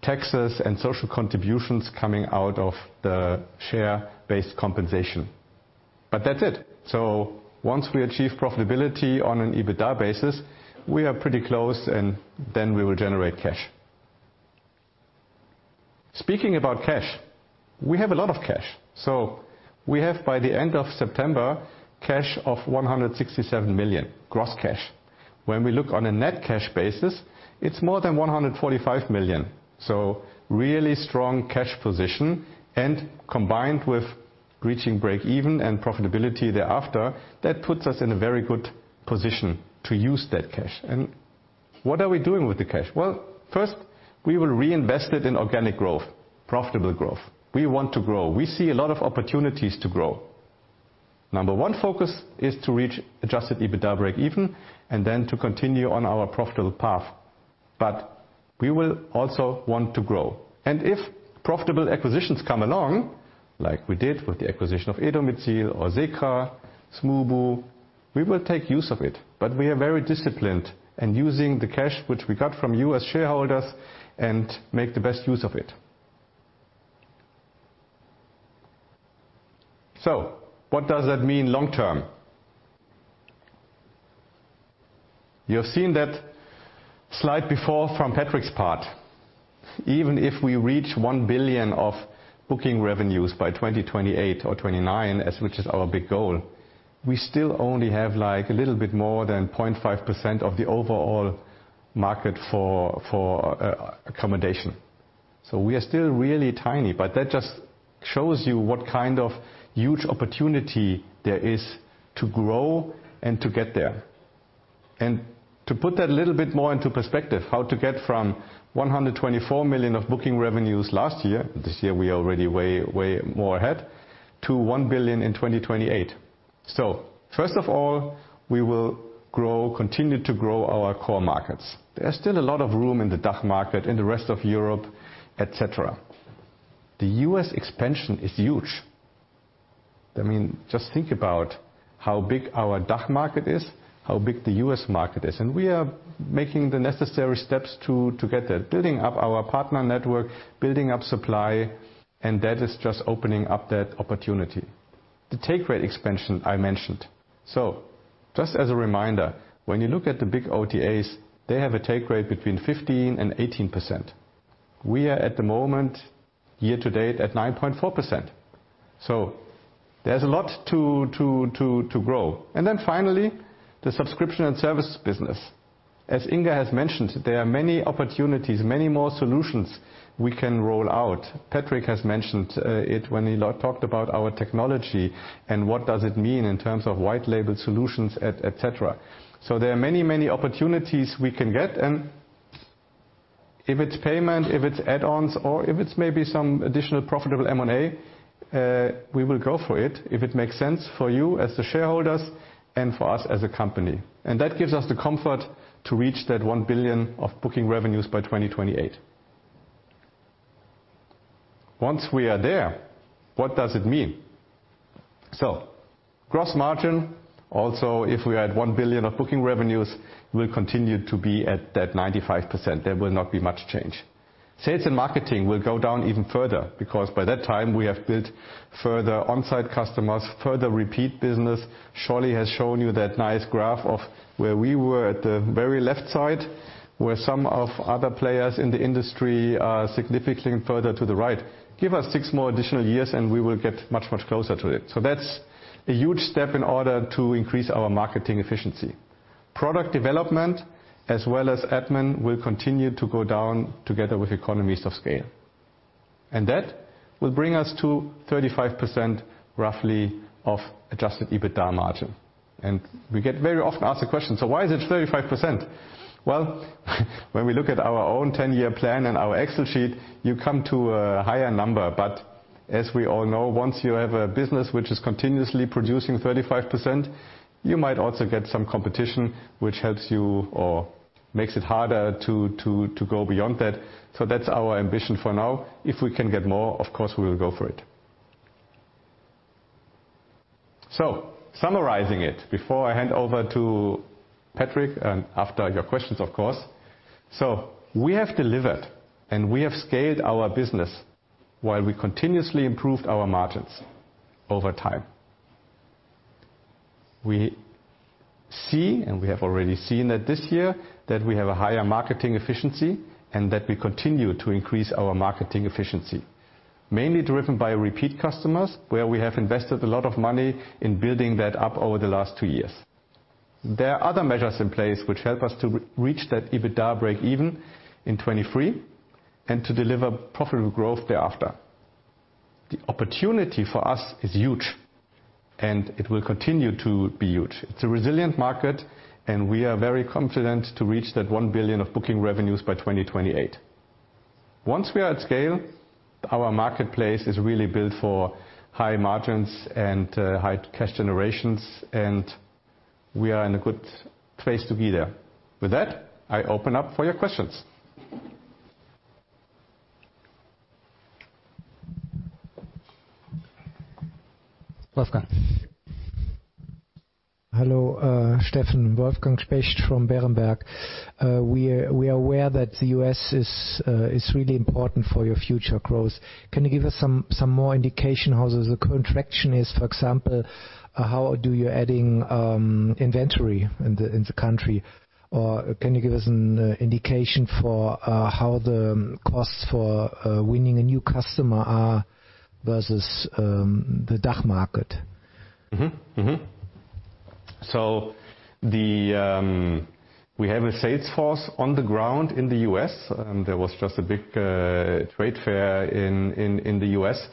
taxes and social contributions coming out of the share-based compensation. That's it. Once we achieve profitability on an EBITDA basis, we are pretty close and then we will generate cash. Speaking about cash, we have a lot of cash. We have, by the end of September, cash of 167 million, gross cash. When we look on a net cash basis, it's more than 145 million. Really strong cash position, and combined with reaching break even and profitability thereafter, that puts us in a very good position to use that cash. What are we doing with the cash? Well, first, we will reinvest it in organic growth, profitable growth. We want to grow. We see a lot of opportunities to grow. Number one focus is to reach adjusted EBITDA breakeven and then to continue on our profitable path. We will also want to grow. If profitable acquisitions come along, like we did with the acquisition of e-domizil or SECRA, Smoobu, we will take use of it. We are very disciplined in using the cash which we got from you as shareholders and make the best use of it. What does that mean long-term? You have seen that slide before from Patrick's part. Even if we reach 1 billion of Booking Revenues by 2028 or 2029, which is our big goal, we still only have like a little bit more than 0.5% of the overall market for accommodation. We are still really tiny, but that just shows you what kind of huge opportunity there is to grow and to get there. To put that a little bit more into perspective, how to get from 124 million of Booking Revenues last year, this year we are already way more ahead, to 1 billion in 2028. First of all, we will grow, continue to grow our core markets. There's still a lot of room in the DACH market, in the rest of Europe, et cetera. The U.S. Expansion is huge. I mean, just think about how big our DACH market is, how big the U.S. market is, and we are making the necessary steps to get there, building up our partner network, building up supply, and that is just opening up that opportunity. The take rate expansion I mentioned. Just as a reminder, when you look at the big OTAs, they have a take rate between 15% and 18%. We are at the moment, year-to-date at 9.4%. There's a lot to grow. Then finally, the subscription and service business. As Inga has mentioned, there are many opportunities, many more solutions we can roll out. Patrick has mentioned it when he talked about our technology and what does it mean in terms of White Label solutions, et cetera. There are many opportunities we can get. If it's payment, if it's add-ons, or if it's maybe some additional profitable M&A, we will go for it if it makes sense for you as the shareholders and for us as a company. That gives us the comfort to reach that 1 billion of Booking Revenues by 2028. Once we are there, what does it mean? Gross margin, also, if we had 1 billion of Booking Revenues, will continue to be at that 95%. There will not be much change. Sales and marketing will go down even further because by that time we have built further on-site customers, further repeat business. Charlotte has shown you that nice graph of where we were at the very left side, where some of other players in the industry are significantly further to the right. Give us six more additional years and we will get much, much closer to it. That's a huge step in order to increase our marketing efficiency. Product development as well as admin will continue to go down together with economies of scale. That will bring us to 35% roughly of adjusted EBITDA margin. We get very often asked the question, "So why is it 35%?" Well, when we look at our own 10-year plan and our Excel sheet, you come to a higher number. As we all know, once you have a business which is continuously producing 35%, you might also get some competition which helps you or makes it harder to go beyond that. That's our ambition for now. If we can get more, of course, we will go for it. Summarizing it before I hand over to Patrick, and after your questions, of course. We have delivered and we have scaled our business while we continuously improved our margins over time. We see, and we have already seen that this year, that we have a higher marketing efficiency and that we continue to increase our marketing efficiency, mainly driven by repeat customers, where we have invested a lot of money in building that up over the last two years. There are other measures in place which help us to reach that EBITDA break even in 2023 and to deliver profitable growth thereafter. The opportunity for us is huge and it will continue to be huge. It's a resilient market and we are very confident to reach that 1 billion of Booking Revenues by 2028. Once we are at scale, our marketplace is really built for high margins and, high cash generations, and we are in a good place to be there. With that, I open up for your questions. Wolfgang. Hello, Steffen. Wolfgang Specht from Berenberg. We are aware that the U.S. is really important for your future growth. Can you give us some more indication how the contraction is? For example, how are you adding inventory in the country? Or can you give us an indication for how the costs for winning a new customer are versus the DACH market? We have a sales force on the ground in the U.S., and there was just a big trade fair in the U.S.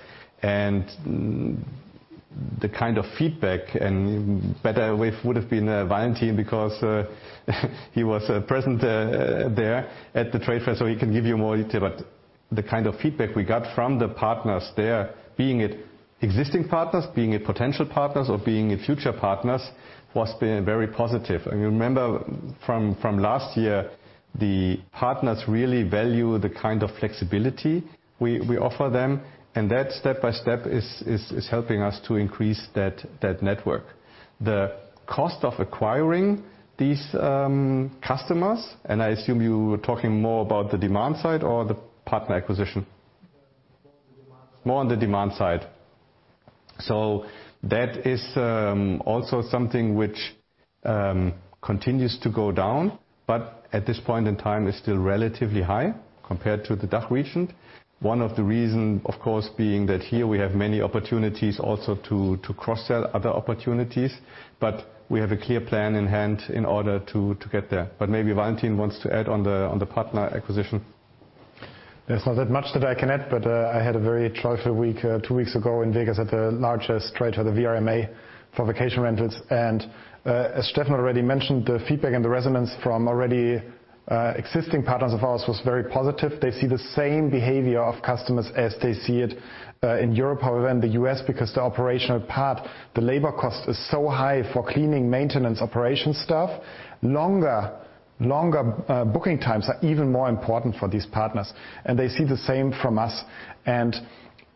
The kind of feedback, and a better way would have been Valentin, because he was present over there at the trade fair, so he can give you more detail. The kind of feedback we got from the partners there, be it existing partners, be it potential partners or be it future partners, was very positive. You remember from last year, the partners really value the kind of flexibility we offer them. That step by step is helping us to increase that network. The cost of acquiring these customers, and I assume you were talking more about the demand side or the partner acquisition? More on the demand side. More on the demand side. That is also something which continues to go down, but at this point in time is still relatively high compared to the DACH region. One of the reason, of course, being that here we have many opportunities also to cross-sell other opportunities. We have a clear plan in hand in order to get there. Maybe Valentin wants to add on the partner acquisition. There's not that much that I can add, but I had a very joyful week two weeks ago in Vegas at the largest trade show, the VRMA, for vacation rentals. As Steffen already mentioned, the feedback and the resonance from already existing partners of ours was very positive. They see the same behavior of customers as they see it in Europe however in the U.S., because the operational part, the labor cost is so high for cleaning, maintenance, operation stuff. Longer booking times are even more important for these partners, and they see the same from us.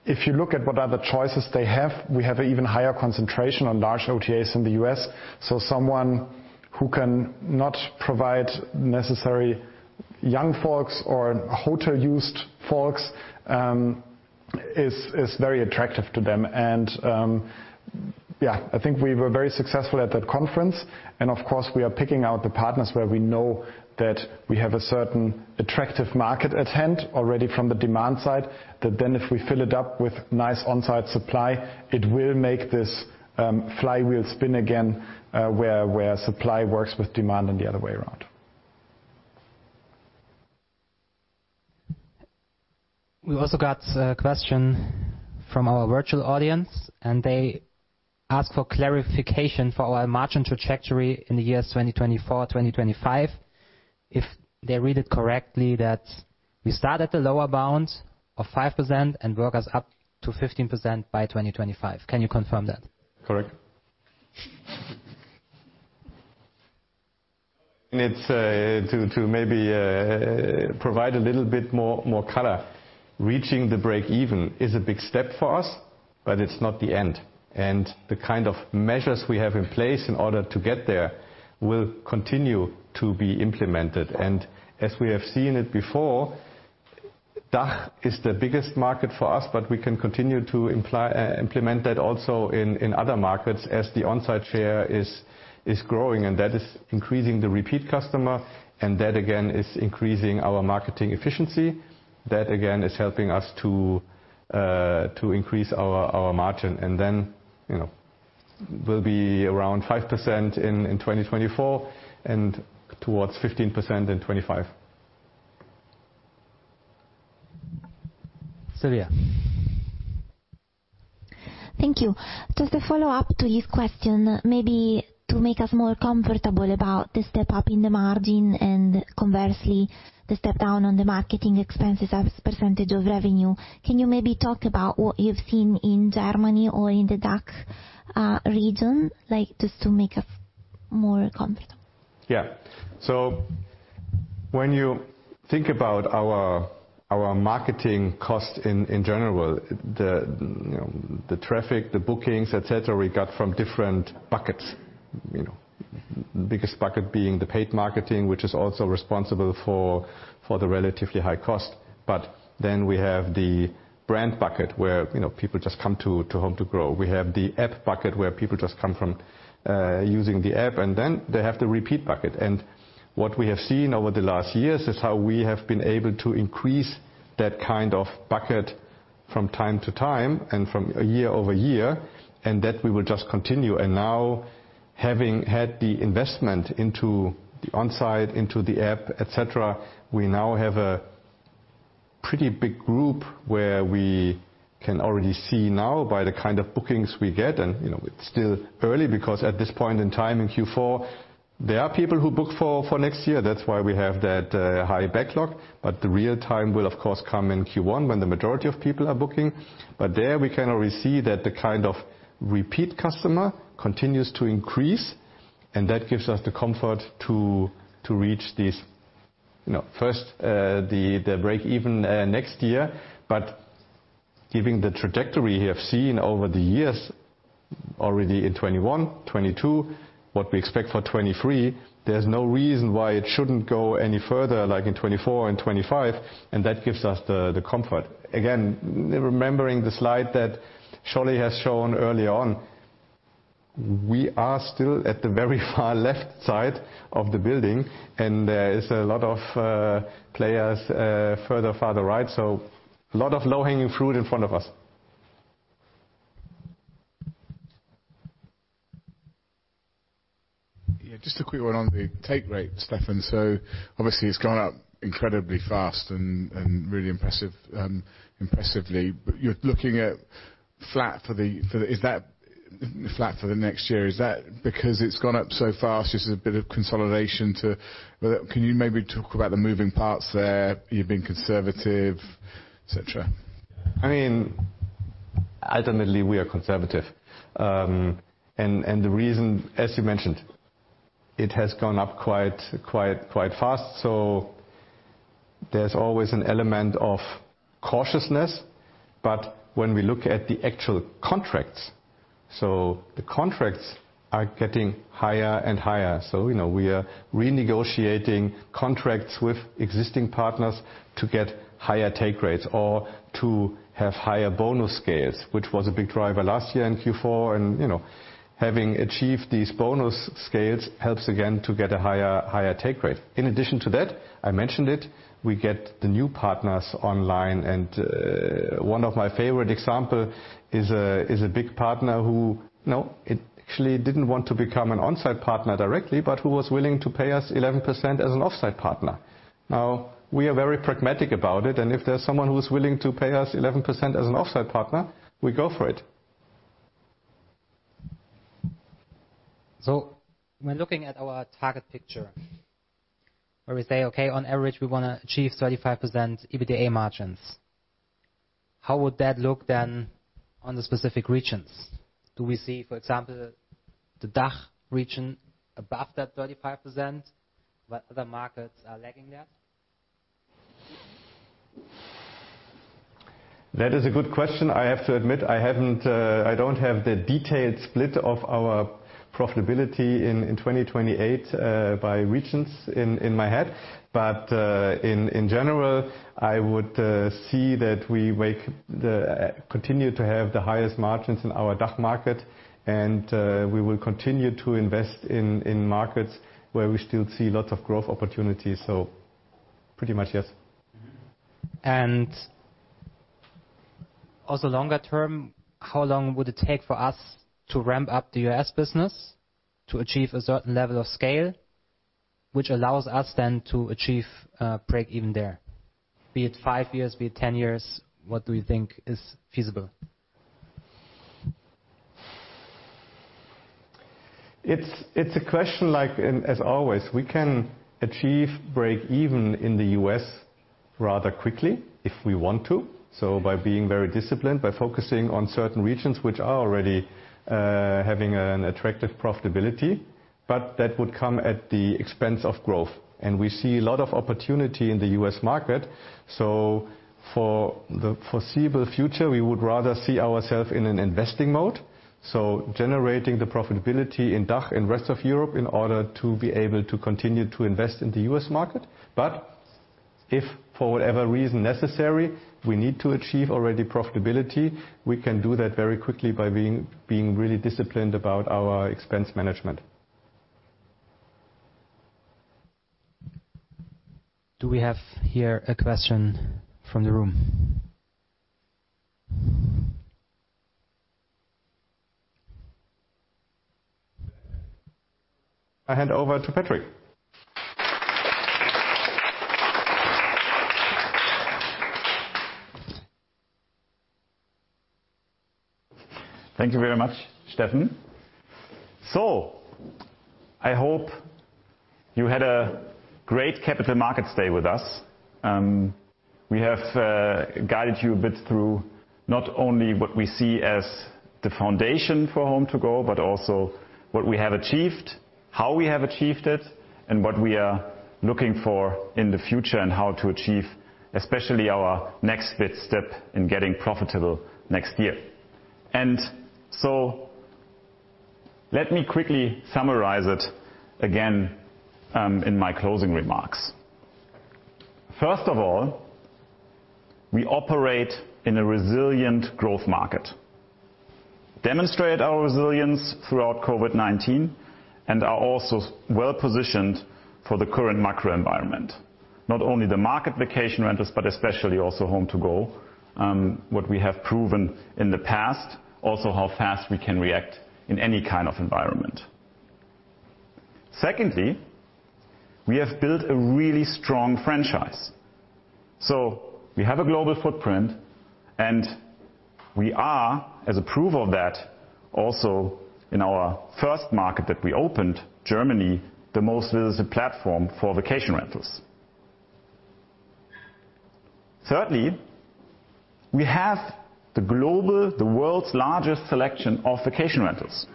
If you look at what other choices they have, we have an even higher concentration on large OTAs in the U.S. Someone who can not provide necessary young folks or hotel-used folks is very attractive to them. Yeah, I think we were very successful at that conference. Of course, we are picking out the partners where we know that we have a certain attractive market at hand already from the demand side, that then if we fill it up with nice on-site supply, it will make this flywheel spin again, where supply works with demand and the other way around. We've also got a question from our virtual audience, and they ask for clarification for our margin trajectory in the years 2024, 2025. If they read it correctly, that we start at the lower bound of 5% and work us up to 15% by 2025. Can you confirm that? Correct. It's to maybe provide a little bit more color. Reaching breakeven is a big step for us, but it's not the end. The kind of measures we have in place in order to get there will continue to be implemented. As we have seen it before, DACH is the biggest market for us, but we can continue to implement that also in other markets as the on-site share is growing, and that is increasing the repeat customer, and that again is increasing our marketing efficiency. That again is helping us to increase our margin and then, you know, we'll be around 5% in 2024 and towards 15% in 2025. Silvia. Thank you. Just a follow-up to his question, maybe to make us more comfortable about the step-up in the margin and conversely, the step down on the marketing expenses as percentage of revenue. Can you maybe talk about what you've seen in Germany or in the DACH region? Like, just to make us more comfortable. Yeah. When you think about our marketing cost in general, you know, the traffic, the bookings, et cetera, we got from different buckets. You know, biggest bucket being the paid marketing, which is also responsible for the relatively high cost. But then we have the brand bucket, where, you know, people just come to HomeToGo. We have the app bucket, where people just come from using the app, and then they have the repeat bucket. What we have seen over the last years is how we have been able to increase that kind of bucket from time to time and from year-over-year, and that we will just continue. Now, having had the investment into the on-site, into the app, et cetera, we now have a pretty big group where we can already see now by the kind of bookings we get. You know, it's still early because at this point in time in Q4, there are people who book for next year. That's why we have that high backlog. The real time will of course come in Q1 when the majority of people are booking. There we can already see that the kind of repeat customer continues to increase, and that gives us the comfort to reach these, you know, first, the break even next year. Given the trajectory we have seen over the years. Already in 2021, 2022, what we expect for 2023, there's no reason why it shouldn't go any further like in 2024 and 2025, and that gives us the comfort. Again, remembering the slide that Charlotte has shown early on, we are still at the very far left side of the building, and there is a lot of players further far to the right. A lot of low-hanging fruit in front of us. Yeah, just a quick one on the take rate, Steffen. Obviously, it's gone up incredibly fast and really impressive, impressively. But you're looking at flat. Is that flat for the next year? Is that because it's gone up so fast, this is a bit of consolidation too. Well, can you maybe talk about the moving parts there, you being conservative, et cetera? I mean, ultimately, we are conservative. The reason, as you mentioned, it has gone up quite fast, so there's always an element of cautiousness. When we look at the actual contracts. The contracts are getting higher and higher. You know, we are renegotiating contracts with existing partners to get higher take rates or to have higher bonus scales, which was a big driver last year in Q4, and, you know, having achieved these bonus scales helps again to get a higher take rate. In addition to that, I mentioned it, we get the new partners online. One of my favorite example is a big partner who it actually didn't want to become an onsite partner directly, but who was willing to pay us 11% as an offsite partner. Now, we are very pragmatic about it, and if there's someone who's willing to pay us 11% as an Offsite partner, we go for it. When looking at our target picture, where we say, "Okay, on average, we wanna achieve 35% EBITDA margins," how would that look then on the specific regions? Do we see, for example, the DACH region above that 35%, but other markets are lagging there? That is a good question. I have to admit, I don't have the detailed split of our profitability in 2028 by regions in my head. In general, I would see that we continue to have the highest margins in our DACH market, and we will continue to invest in markets where we still see lots of growth opportunities. Pretty much, yes. Also longer term, how long would it take for us to ramp up the U.S. business to achieve a certain level of scale, which allows us then to achieve break even there? Be it 5 years, be it 10 years, what do you think is feasible? It's a question like, as always, we can achieve break even in the U.S. rather quickly if we want to. By being very disciplined, by focusing on certain regions which are already having an attractive profitability, but that would come at the expense of growth. We see a lot of opportunity in the U.S. market. For the foreseeable future, we would rather see ourself in an investing mode. Generating the profitability in DACH and rest of Europe in order to be able to continue to invest in the U.S. market. If for whatever reason necessary, we need to achieve already profitability, we can do that very quickly by being really disciplined about our expense management. Do we have here a question from the room? I hand over to Patrick. Thank you very much, Steffen. I hope you had a great Capital Markets Day with us. We have guided you a bit through not only what we see as the foundation for HomeToGo, but also what we have achieved, how we have achieved it, and what we are looking for in the future and how to achieve, especially our next big step in getting profitable next year. Let me quickly summarize it again, in my closing remarks. First of all, we operate in a resilient growth market. We demonstrated our resilience throughout COVID-19, and are also well-positioned for the current macro environment. Not only the market vacation rentals, but especially also HomeToGo, what we have proven in the past, also how fast we can react in any kind of environment. Secondly, we have built a really strong franchise. We have a global footprint, and we are, as a proof of that, also in our first market that we opened, Germany, the most visited platform for vacation rentals. Thirdly, we have the World's largest selection of vacation rentals.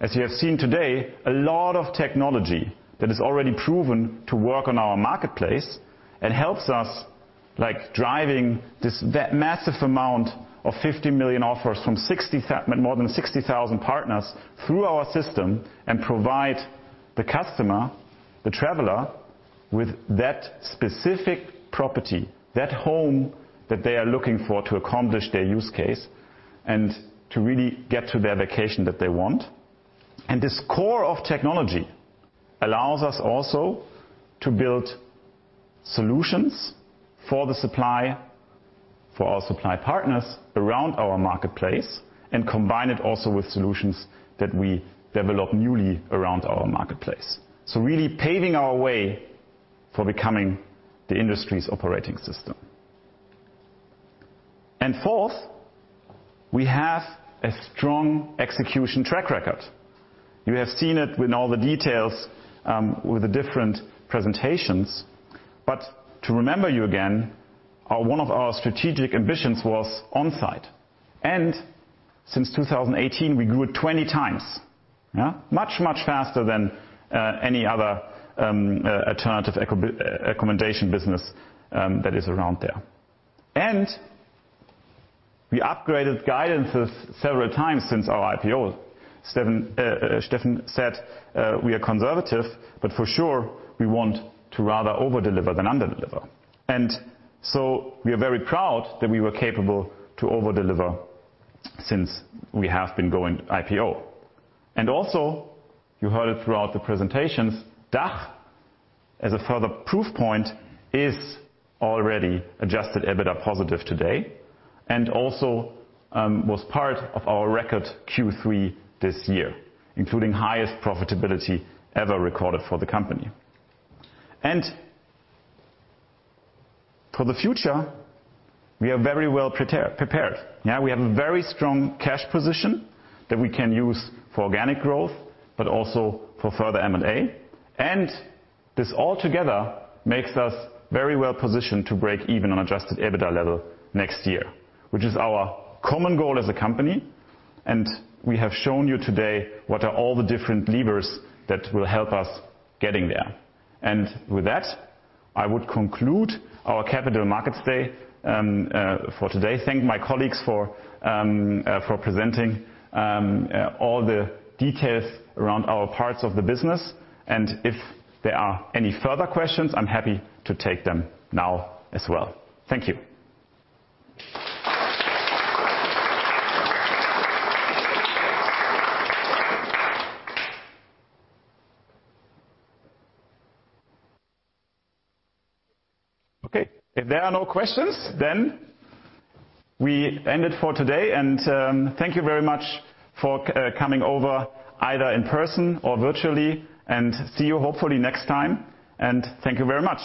As you have seen today, a lot of technology that is already proven to work on our marketplace and helps us like driving that massive amount of 50 million offers from more than 60,000 partners through our system and provide the customer, the traveler, with that specific property, that home that they are looking for to accomplish their use case, and to really get to their vacation that they want. This core of technology allows us also to build solutions for the supply, for our supply partners around our marketplace, and combine it also with solutions that we develop newly around our marketplace. Really paving our way for becoming the industry's operating system. Fourth, we have a strong execution track record. You have seen it with all the details, with the different presentations. To remember you again, one of our strategic ambitions was on-site. Since 2018 we grew it 20 times. Much, much faster than any other alternative accommodation business that is around there. We upgraded guidances several times since our IPO. Steffen said, we are conservative, but for sure we want to rather over-deliver than under-deliver. We are very proud that we were capable to over-deliver since we have been going IPO. Also, you heard it throughout the presentations, DACH, as a further proof point, is already adjusted EBITDA positive today, and also, was part of our record Q3 this year, including highest profitability ever recorded for the company. For the future, we are very well prepared. Yeah, we have a very strong cash position that we can use for organic growth, but also for further M&A. This all together makes us very well positioned to break even on adjusted EBITDA level next year, which is our common goal as a company. We have shown you today what are all the different levers that will help us getting there. With that, I would conclude our Capital Markets Roadshow for today. Thank my colleagues for presenting all the details around our parts of the business. If there are any further questions, I'm happy to take them now as well. Thank you. Okay. If there are no questions, then we end it for today. Thank you very much for coming over either in person or virtually, and see you hopefully next time. Thank you very much.